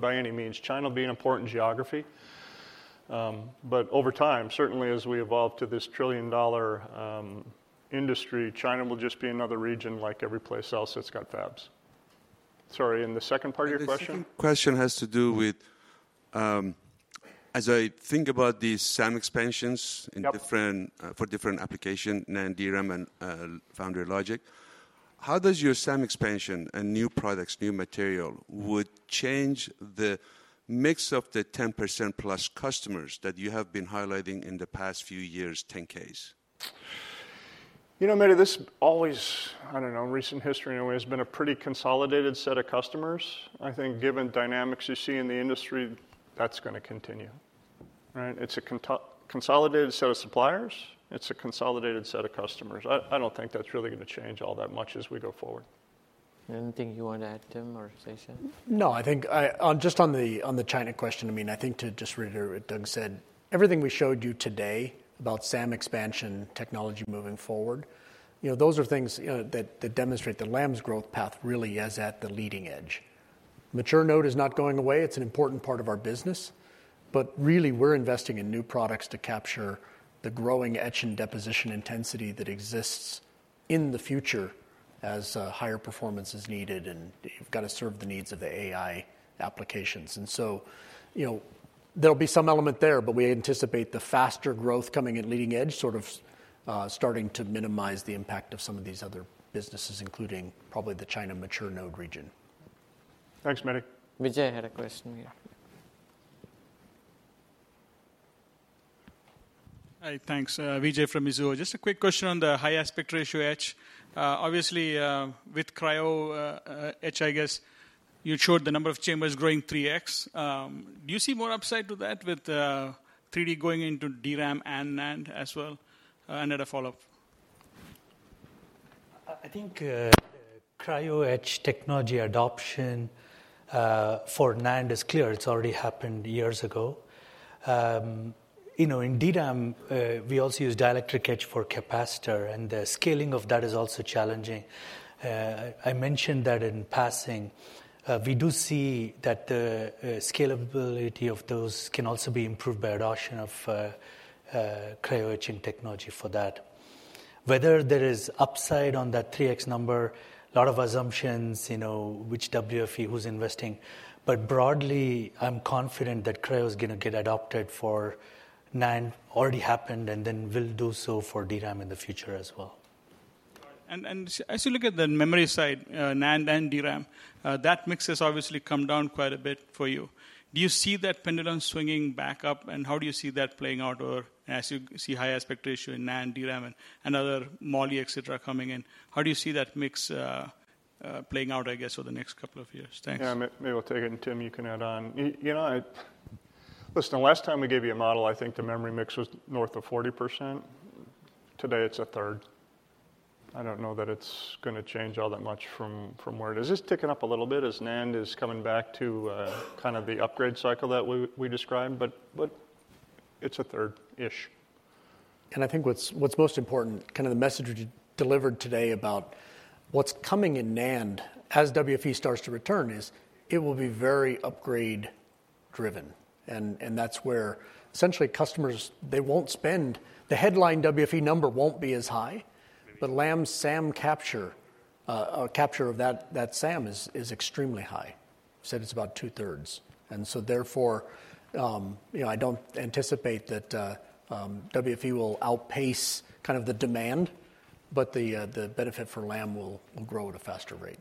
Speaker 6: by any means. China will be an important geography. But over time, certainly as we evolve to this trillion-dollar industry, China will just be another region like every place else that's got fabs. Sorry, in the second part of your question?
Speaker 7: The second question has to do with, as I think about these SAM expansions for different applications, NAND, DRAM, and foundry logic, how does your SAM expansion and new products, new material would change the mix of the 10% plus customers that you have been highlighting in the past few years, 10Ks?
Speaker 6: You know, Mehdi, this always, I don't know, in recent history, has been a pretty consolidated set of customers. I think given dynamics you see in the industry, that's going to continue. It's a consolidated set of suppliers. It's a consolidated set of customers. I don't think that's really going to change all that much as we go forward.
Speaker 1: Anything you want to add, Tim or Sesha?
Speaker 3: No, I think just on the China question, I mean, I think to just reiterate what Doug said, everything we showed you today about SAM expansion technology moving forward, those are things that demonstrate that Lam's growth path really is at the leading edge. Mature node is not going away. It's an important part of our business. But really, we're investing in new products to capture the growing etch and deposition intensity that exists in the future as higher performance is needed. And you've got to serve the needs of the AI applications. And so there'll be some element there, but we anticipate the faster growth coming at leading edge sort of starting to minimize the impact of some of these other businesses, including probably the China mature node region.
Speaker 1: Thanks, Mehdi. Vijay had a question here.
Speaker 8: Hi, thanks. Vijay from Mizuho. Just a quick question on the high aspect ratio etch. Obviously, with CryoEtch, I guess you showed the number of chambers growing 3x. Do you see more upside to that with 3D going into DRAM and NAND as well? And then a follow-up.
Speaker 4: I think CryoEtch technology adoption for NAND is clear. It's already happened years ago. In DRAM, we also use dielectric etch for capacitor. And the scaling of that is also challenging. I mentioned that in passing. We do see that the scalability of those can also be improved by adoption of CryoEtching technology for that. Whether there is upside on that 3x number, a lot of assumptions, which WFE, who's investing. But broadly, I'm confident that Cryo is going to get adopted for NAND. Already happened and then will do so for DRAM in the future as well.
Speaker 8: And as you look at the memory side, NAND and DRAM, that mix has obviously come down quite a bit for you. Do you see that pendulum swinging back up? And how do you see that playing out? Or as you see high aspect ratio in NAND, DRAM, and other MALI, et cetera, coming in, how do you see that mix playing out, I guess, over the next couple of years?
Speaker 6: Thanks. Yeah, maybe I'll take it. And Tim, you can add on. Listen, the last time we gave you a model, I think the memory mix was north of 40%. Today, it's a third. I don't know that it's going to change all that much from where it is. It's ticking up a little bit as NAND is coming back to kind of the upgrade cycle that we described. But it's a third-ish. And I think what's most important, kind of the message we delivered today about what's coming in NAND as WFE starts to return is it will be very upgrade-driven. And that's where essentially customers, they won't spend, the headline WFE number won't be as high. But Lam's SAM capture of that SAM is extremely high. You said it's about two-thirds. And so therefore, I don't anticipate that WFE will outpace kind of the demand, but the benefit for Lam will grow at a faster rate.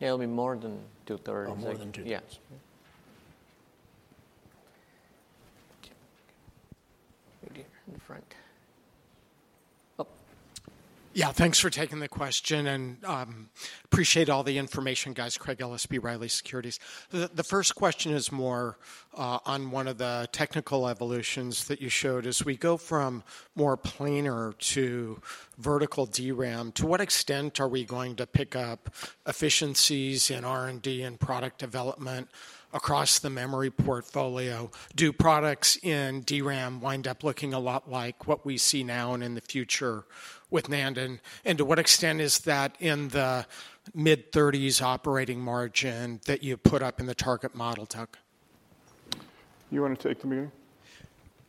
Speaker 1: Yeah, it'll be more than two-thirds. More than two.
Speaker 9: Yeah. Yeah, thanks for taking the question. I appreciate all the information, guys. Craig Ellis, B. Riley Securities. The first question is more on one of the technical evolutions that you showed. As we go from more planar to vertical DRAM, to what extent are we going to pick up efficiencies in R&D and product development across the memory portfolio? Do products in DRAM wind up looking a lot like what we see now and in the future with NAND? And to what extent is that in the mid-30s% operating margin that you put up in the target model, Doug?
Speaker 4: You want to take that?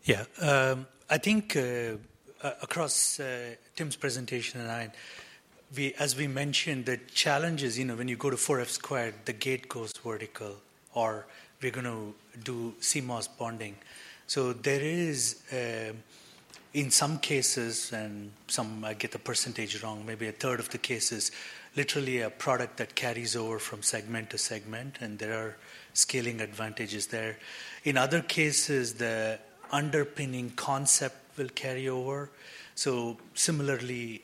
Speaker 6: Yeah, I think across Tim's presentation and I, as we mentioned, the challenge is when you go to 4F squared, the gate goes vertical or we're going to do CMOS bonding. So there is, in some cases, and some I get the percentage wrong, maybe a third of the cases, literally a product that carries over from segment to segment. And there are scaling advantages there. In other cases, the underpinning concept will carry over. So similarly,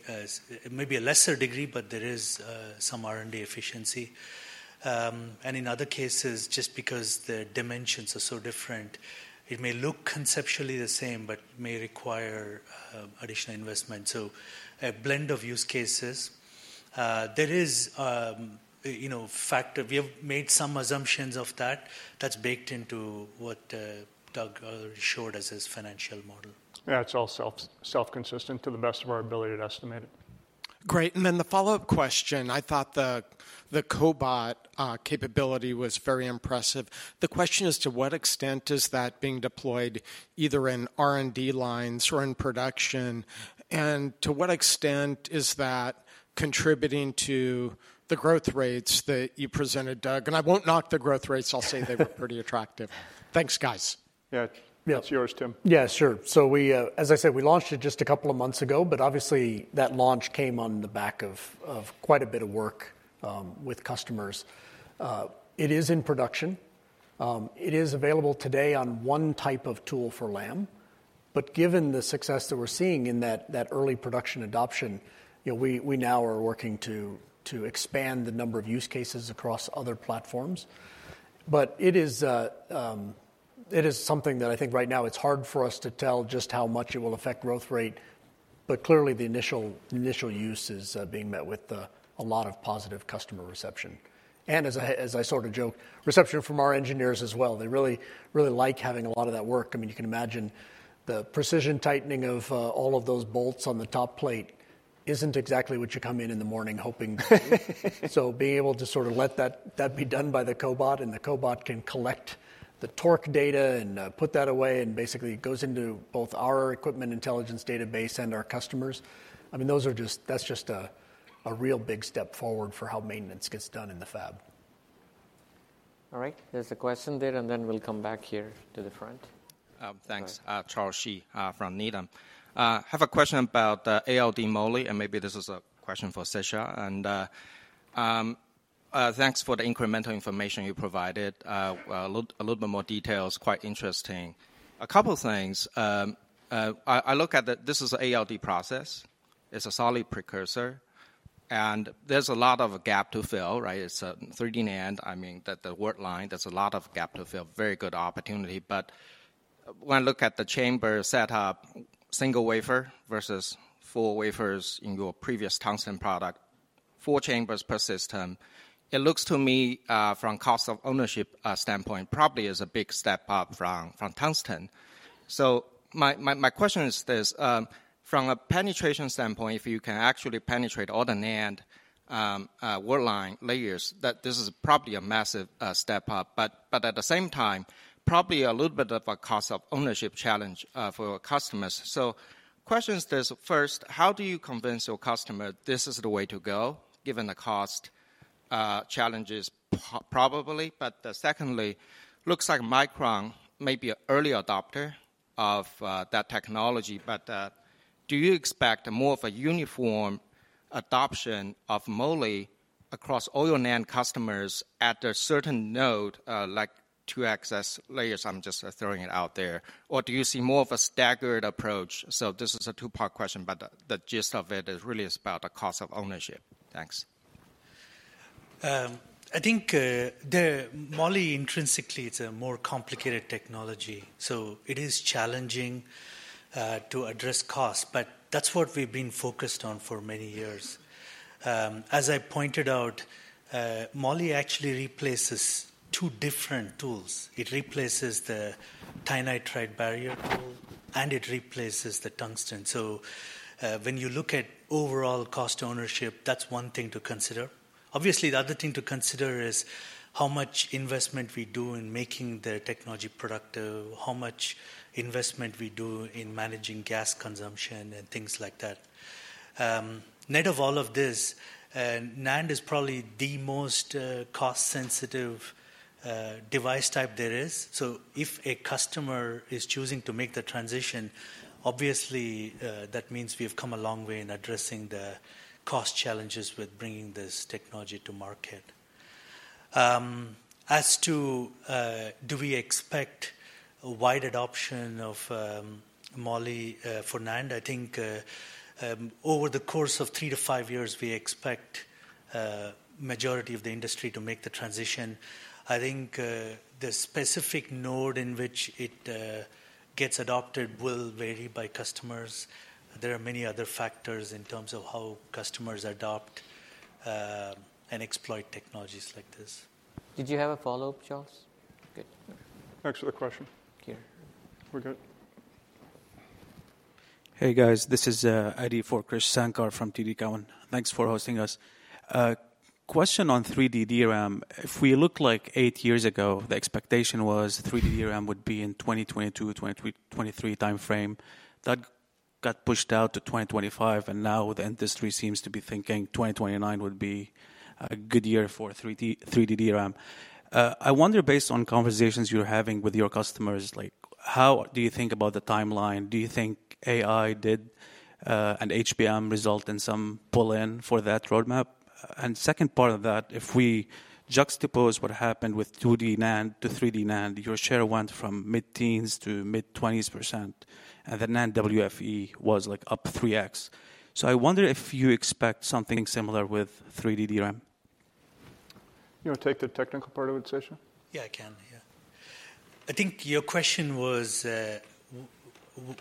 Speaker 6: maybe a lesser degree, but there is some R&D efficiency. And in other cases, just because the dimensions are so different, it may look conceptually the same, but may require additional investment. So a blend of use cases. There is a factor. We have made some assumptions of that. That's baked into what Doug showed as his financial model.
Speaker 4: Yeah, it's all self-consistent to the best of our ability to estimate it.
Speaker 9: Great. And then the follow-up question, I thought the cobot capability was very impressive. The question is, to what extent is that being deployed either in R&D lines or in production? To what extent is that contributing to the growth rates that you presented, Doug? I won't knock the growth rates. I'll say they were pretty attractive. Thanks, guys.
Speaker 1: Yeah, it's yours, Tim.
Speaker 3: Yeah, sure. As I said, we launched it just a couple of months ago. Obviously, that launch came on the back of quite a bit of work with customers. It is in production. It is available today on one type of tool for Lam. Given the success that we're seeing in that early production adoption, we now are working to expand the number of use cases across other platforms. It is something that I think right now it's hard for us to tell just how much it will affect growth rate. Clearly, the initial use is being met with a lot of positive customer reception. And as I sort of joke, reception from our engineers as well. They really like having a lot of that work. I mean, you can imagine the precision tightening of all of those bolts on the top plate isn't exactly what you come in in the morning hoping to. So being able to sort of let that be done by the cobot. And the cobot can collect the torque data and put that away. And basically, it goes into both our Equipment Intelligence database and our customers. I mean, that's just a real big step forward for how maintenance gets done in the fab.
Speaker 1: All right, there's a question there. And then we'll come back here to the front.
Speaker 10: Thanks, Charles Shi from Needham. I have a question about ALD moly. And maybe this is a question for Sesha. And thanks for the incremental information you provided. A little bit more details, quite interesting. A couple of things. I look at that this is an ALD process. It's a solid precursor. And there's a lot of gap to fill. It's a 3D NAND. I mean, the word line, there's a lot of gap to fill. Very good opportunity. But when I look at the chamber setup, single wafer versus four wafers in your previous Tungsten product, four chambers per system, it looks to me from a cost of ownership standpoint, probably is a big step up from Tungsten. So my question is this. From a penetration standpoint, if you can actually penetrate all the NAND word line layers, this is probably a massive step up. But at the same time, probably a little bit of a cost of ownership challenge for customers. So questions this. First, how do you convince your customer this is the way to go given the cost challenges? Probably. But secondly, looks like Micron may be an early adopter of that technology. But do you expect more of a uniform adoption of moly across all your NAND customers at a certain node, like two access layers? I'm just throwing it out there. Or do you see more of a staggered approach? So this is a two-part question. But the gist of it is really about the cost of ownership. Thanks.
Speaker 4: I think moly intrinsically is a more complicated technology. So it is challenging to address costs. But that's what we've been focused on for many years. As I pointed out, moly actually replaces two different tools. It replaces the TiN barrier tool. And it replaces the tungsten. So when you look at overall cost ownership, that's one thing to consider. Obviously, the other thing to consider is how much investment we do in making the technology productive, how much investment we do in managing gas consumption, and things like that. Net of all of this, NAND is probably the most cost-sensitive device type there is. So if a customer is choosing to make the transition, obviously, that means we have come a long way in addressing the cost challenges with bringing this technology to market. As to do we expect a wide adoption of moly for NAND, I think over the course of three to five years, we expect the majority of the industry to make the transition. I think the specific node in which it gets adopted will vary by customers. There are many other factors in terms of how customers adopt and exploit technologies like this.
Speaker 1: Did you have a follow-up, Charles?
Speaker 10: Good. Next question. Here. We're good.
Speaker 11: Hey, guys. This is Krish Sankar from TD Cowen. Thanks for hosting us. Question on 3D DRAM. If we look back like eight years ago, the expectation was 3D DRAM would be in 2022, 2023 time frame. That got pushed out to 2025. And now the industry seems to be thinking 2029 would be a good year for 3D DRAM. I wonder, based on conversations you're having with your customers, how do you think about the timeline? Do you think AI demand and HBM result in some pull-in for that roadmap? And second part of that, if we juxtapose what happened with 2D NAND to 3D NAND, your share went from mid-teens to mid-20s%. And the NAND WFE was up 3x. So I wonder if you expect something similar with 3D DRAM.
Speaker 3: You want to take the technical part of it, Sesha?
Speaker 4: Yeah, I can. Yeah. I think your question was,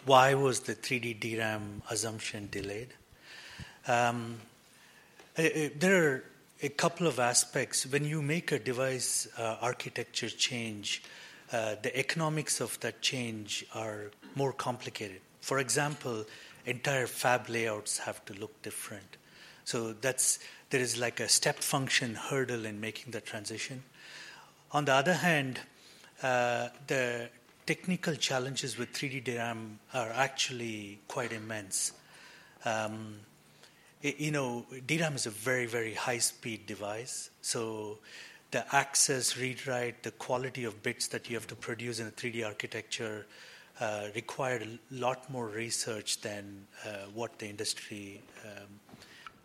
Speaker 4: why was the 3D DRAM assumption delayed? There are a couple of aspects. When you make a device architecture change, the economics of that change are more complicated. For example, entire fab layouts have to look different. So there is like a step function hurdle in making the transition. On the other hand, the technical challenges with 3D DRAM are actually quite immense. DRAM is a very, very high-speed device. So the access, read-write, the quality of bits that you have to produce in a 3D architecture required a lot more research than what the industry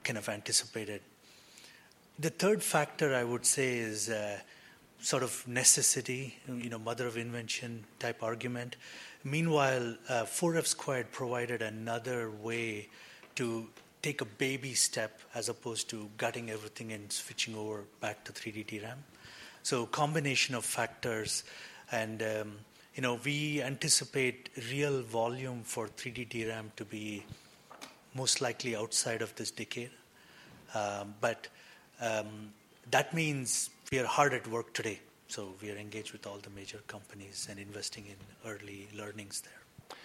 Speaker 4: kind of anticipated. The third factor, I would say, is sort of necessity, mother of invention type argument. Meanwhile, 4F squared provided another way to take a baby step as opposed to gutting everything and switching over back to 3D DRAM. So a combination of factors. And we anticipate real volume for 3D DRAM to be most likely outside of this decade. But that means we are hard at work today. So we are engaged with all the major companies and investing in early learnings there.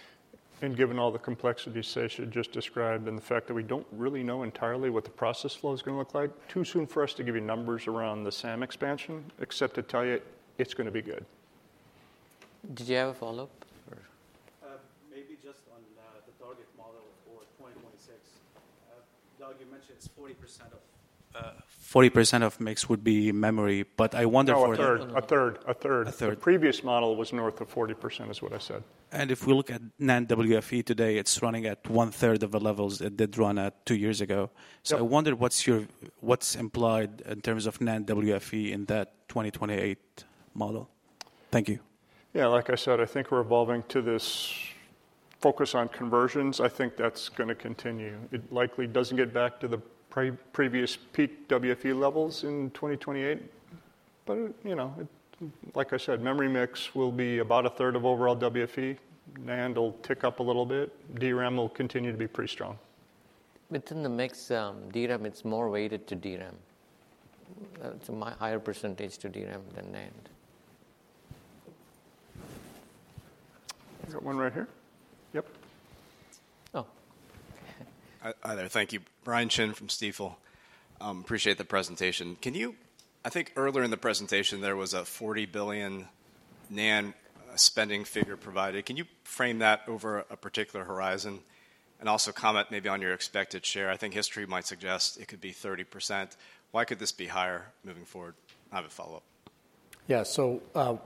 Speaker 11: And given all the complexity Sesha just described and the fact that we don't really know entirely what the process flow is going to look like, too soon for us to give you numbers around the SAM expansion, except to tell you it's going to be good.
Speaker 1: Did you have a follow-up?
Speaker 11: Maybe just on the target model for 2026. Doug, you mentioned it's 40% of mix would be memory. But I wonder for a third. The previous model was north of 40%, is what I said. If we look at NAND WFE today, it's running at one-third of the levels it did run at two years ago. So I wonder what's implied in terms of NAND WFE in that 2028 model. Thank you.
Speaker 6: Yeah, like I said, I think we're evolving to this focus on conversions. I think that's going to continue. It likely doesn't get back to the previous peak WFE levels in 2028. But like I said, memory mix will be about a third of overall WFE. NAND will tick up a little bit. DRAM will continue to be pretty strong.
Speaker 1: Within the mix, DRAM, it's more weighted to DRAM. It's a higher percentage to DRAM than NAND.
Speaker 4: You got one right here?
Speaker 11: Yep.
Speaker 1: Oh.
Speaker 12: Hi there. Thank you. Brian Chin from Stifel. Appreciate the presentation. I think earlier in the presentation, there was a $40 billion NAND spending figure provided. Can you frame that over a particular horizon, and also comment maybe on your expected share? I think history might suggest it could be 30%. Why could this be higher moving forward? I have a follow-up.
Speaker 3: Yeah, so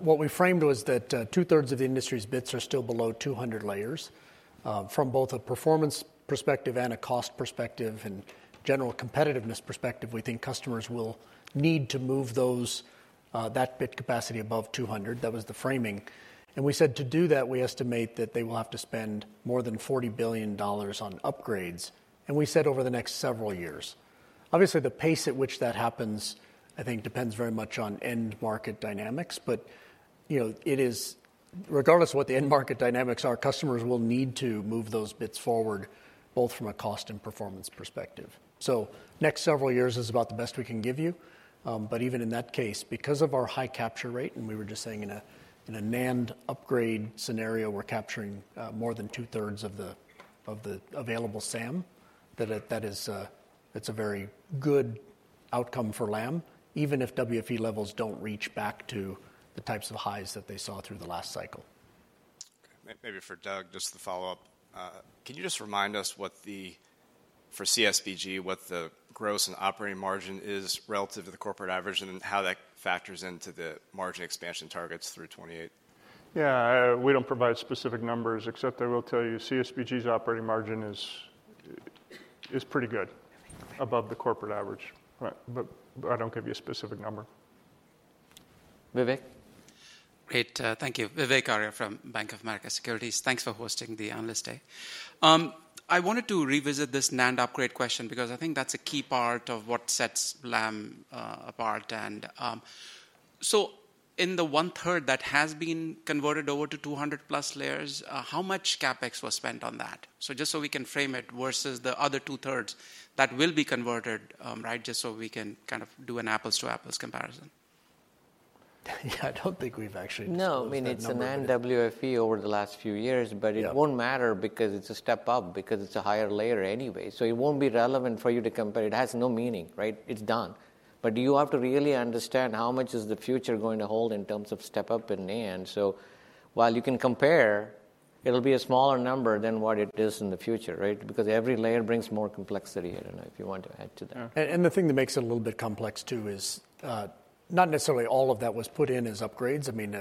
Speaker 3: what we framed was that two-thirds of the industry's bits are still below 200 layers. From both a performance perspective and a cost perspective and general competitiveness perspective, we think customers will need to move that bit capacity above 200. That was the framing, and we said to do that, we estimate that they will have to spend more than $40 billion on upgrades, and we said over the next several years. Obviously, the pace at which that happens, I think, depends very much on end market dynamics, but regardless of what the end market dynamics are, customers will need to move those bits forward, both from a cost and performance perspective. So next several years is about the best we can give you. But even in that case, because of our high capture rate, and we were just saying in a NAND upgrade scenario, we're capturing more than two-thirds of the available SAM. That's a very good outcome for Lam, even if WFE levels don't reach back to the types of highs that they saw through the last cycle.
Speaker 12: Maybe for Doug, just the follow-up. Can you just remind us for CSBG what the gross and operating margin is relative to the corporate average and how that factors into the margin expansion targets through 2028?
Speaker 6: Yeah, we don't provide specific numbers, except I will tell you CSBG's operating margin is pretty good above the corporate average. But I don't give you a specific number.
Speaker 1: Vivek?
Speaker 13: Great. Thank you. Vivek Arya from Bank of America Securities. Thanks for hosting the Analyst Day. I wanted to revisit this NAND upgrade question because I think that's a key part of what sets Lam apart. And so in the one-third that has been converted over to 200-plus layers, how much CapEx was spent on that? So just so we can frame it versus the other two-thirds that will be converted, just so we can kind of do an apples-to-apples comparison.
Speaker 6: Yeah, I don't think we've actually spent that much.
Speaker 13: No, I mean, it's a NAND WFE over the last few years. But it won't matter because it's a step up because it's a higher layer anyway. So it won't be relevant for you to compare. It has no meaning. It's done. But you have to really understand how much is the future going to hold in terms of step up in NAND. So while you can compare, it'll be a smaller number than what it is in the future because every layer brings more complexity. I don't know if you want to add to that.
Speaker 4: And the thing that makes it a little bit complex too is not necessarily all of that was put in as upgrades. I mean,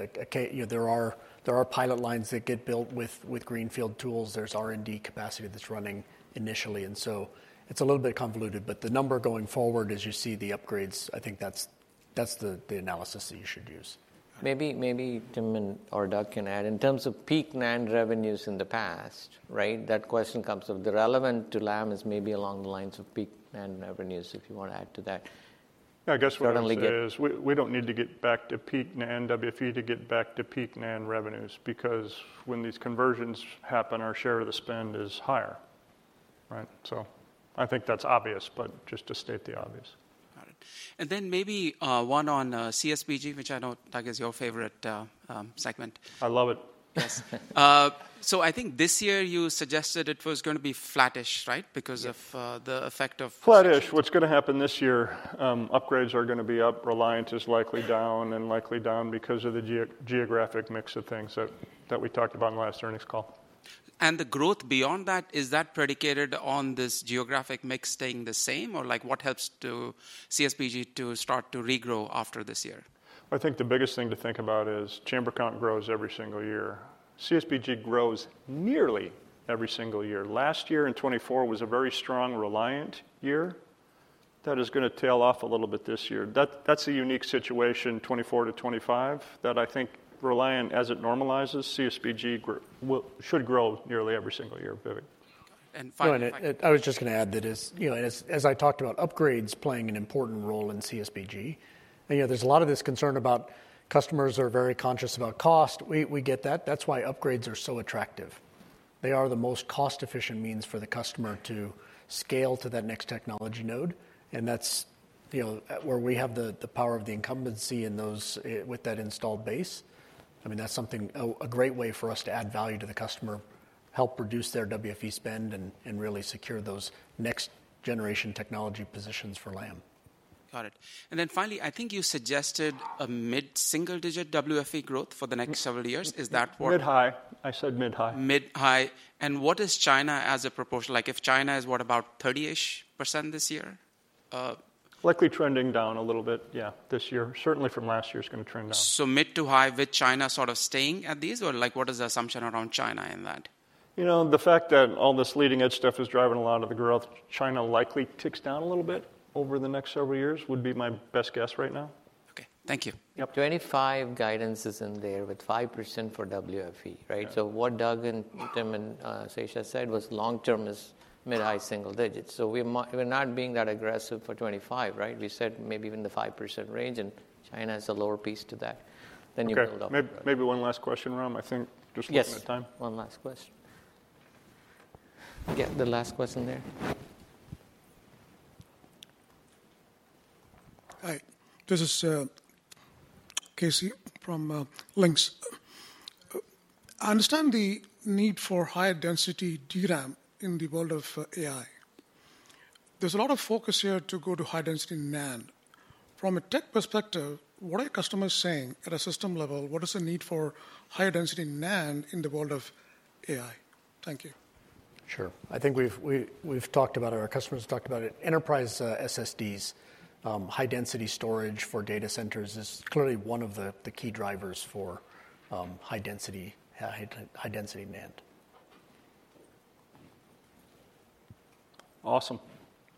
Speaker 4: there are pilot lines that get built with greenfield tools. There's R&D capacity that's running initially. And so it's a little bit convoluted. But the number going forward, as you see the upgrades, I think that's the analysis that you should use.
Speaker 13: Maybe Tim or Doug can add. In terms of peak NAND revenues in the past, that question comes up. The relevant to Lam is maybe along the lines of peak NAND revenues, if you want to add to that.
Speaker 6: I guess what I'll say is we don't need to get back to peak NAND WFE to get back to peak NAND revenues because when these conversions happen, our share of the spend is higher. So I think that's obvious, but just to state the obvious.
Speaker 13: Got it. And then maybe one on CSBG, which I know Doug is your favorite segment.
Speaker 6: I love it.
Speaker 13: Yes. So I think this year you suggested it was going to be flattish, right, because of the effect of.
Speaker 6: Flattish. What's going to happen this year? Upgrades are going to be up. Reliant is likely down and likely down because of the geographic mix of things that we talked about in the last earnings call.
Speaker 13: And the growth beyond that, is that predicated on this geographic mix staying the same? Or what helps CSBG to start to regrow after this year?
Speaker 6: I think the biggest thing to think about is chamber count grows every single year. CSBG grows nearly every single year. Last year in 2024 was a very strong Reliant year. That is going to tail off a little bit this year. That's a unique situation 2024 to 2025 that I think Reliant, as it normalizes, CSBG should grow nearly every single year, Vivek, and finally,
Speaker 3: I was just going to add that as I talked about upgrades playing an important role in CSBG, there's a lot of this concern about customers are very conscious about cost. We get that. That's why upgrades are so attractive. They are the most cost-efficient means for the customer to scale to that next technology node. And that's where we have the power of the incumbency with that installed base. I mean, that's a great way for us to add value to the customer, help reduce their WFE spend, and really secure those next-generation technology positions for Lam.
Speaker 13: Got it. And then finally, I think you suggested a mid-single-digit WFE growth for the next several years. Is that what?
Speaker 6: Mid-high. I said mid-high. Mid-high. And what is China as a proportion? If China is what, about 30-ish% this year? Likely trending down a little bit, yeah, this year. Certainly from last year is going to trend down. So mid to high with China sort of staying at these? Or what is the assumption around China in that? The fact that all this leading-edge stuff is driving a lot of the growth, China likely ticks down a little bit over the next several years would be my best guess right now.
Speaker 13: Okay. Thank you. 25 guidance is in there with 5% for WFE. What Doug and Tim and Sesha said was long-term is mid-high single digits. We're not being that aggressive for 25. We said maybe even the 5% range. China is a lower piece to that. Then you build up.
Speaker 1: Maybe one last question, Ram. I think just looking at time. Yes. One last question. Get the last question there.
Speaker 9: Hi. This is KC from Lynx. I understand the need for higher density DRAM in the world of AI. There's a lot of focus here to go to high-density NAND. From a tech perspective, what are your customers saying at a system level? What is the need for higher density NAND in the world of AI? Thank you. Sure. I think we've talked about it. Our customers have talked about it. Enterprise SSDs, high-density storage for data centers, is clearly one of the key drivers for high-density NAND.
Speaker 1: Awesome.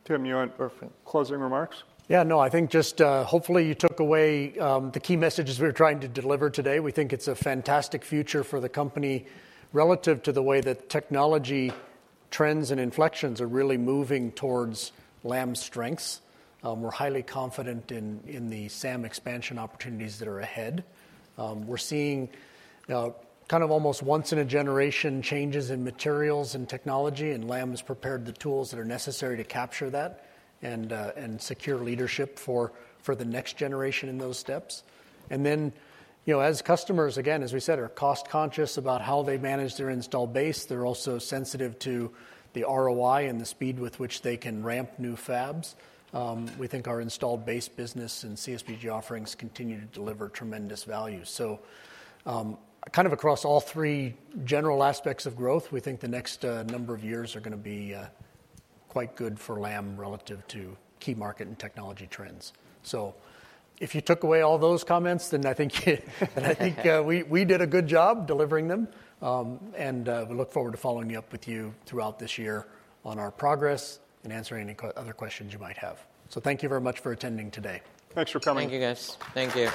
Speaker 6: Tim, you want to close any remarks?
Speaker 3: Yeah. No, I think just hopefully you took away the key messages we're trying to deliver today. We think it's a fantastic future for the company relative to the way that technology trends and inflections are really moving towards Lam's strengths. We're highly confident in the SAM expansion opportunities that are ahead. We're seeing kind of almost once in a generation changes in materials and technology. And Lam has prepared the tools that are necessary to capture that and secure leadership for the next generation in those steps. And then as customers, again, as we said, are cost-conscious about how they manage their installed base, they're also sensitive to the ROI and the speed with which they can ramp new fabs. We think our installed base business and CSBG offerings continue to deliver tremendous value. So kind of across all three general aspects of growth, we think the next number of years are going to be quite good for Lam relative to key market and technology trends. So if you took away all those comments, then I think we did a good job delivering them. And we look forward to following up with you throughout this year on our progress and answering any other questions you might have. So thank you very much for attending today.
Speaker 6: Thanks for coming.
Speaker 1: Thank you, guys. Thank you.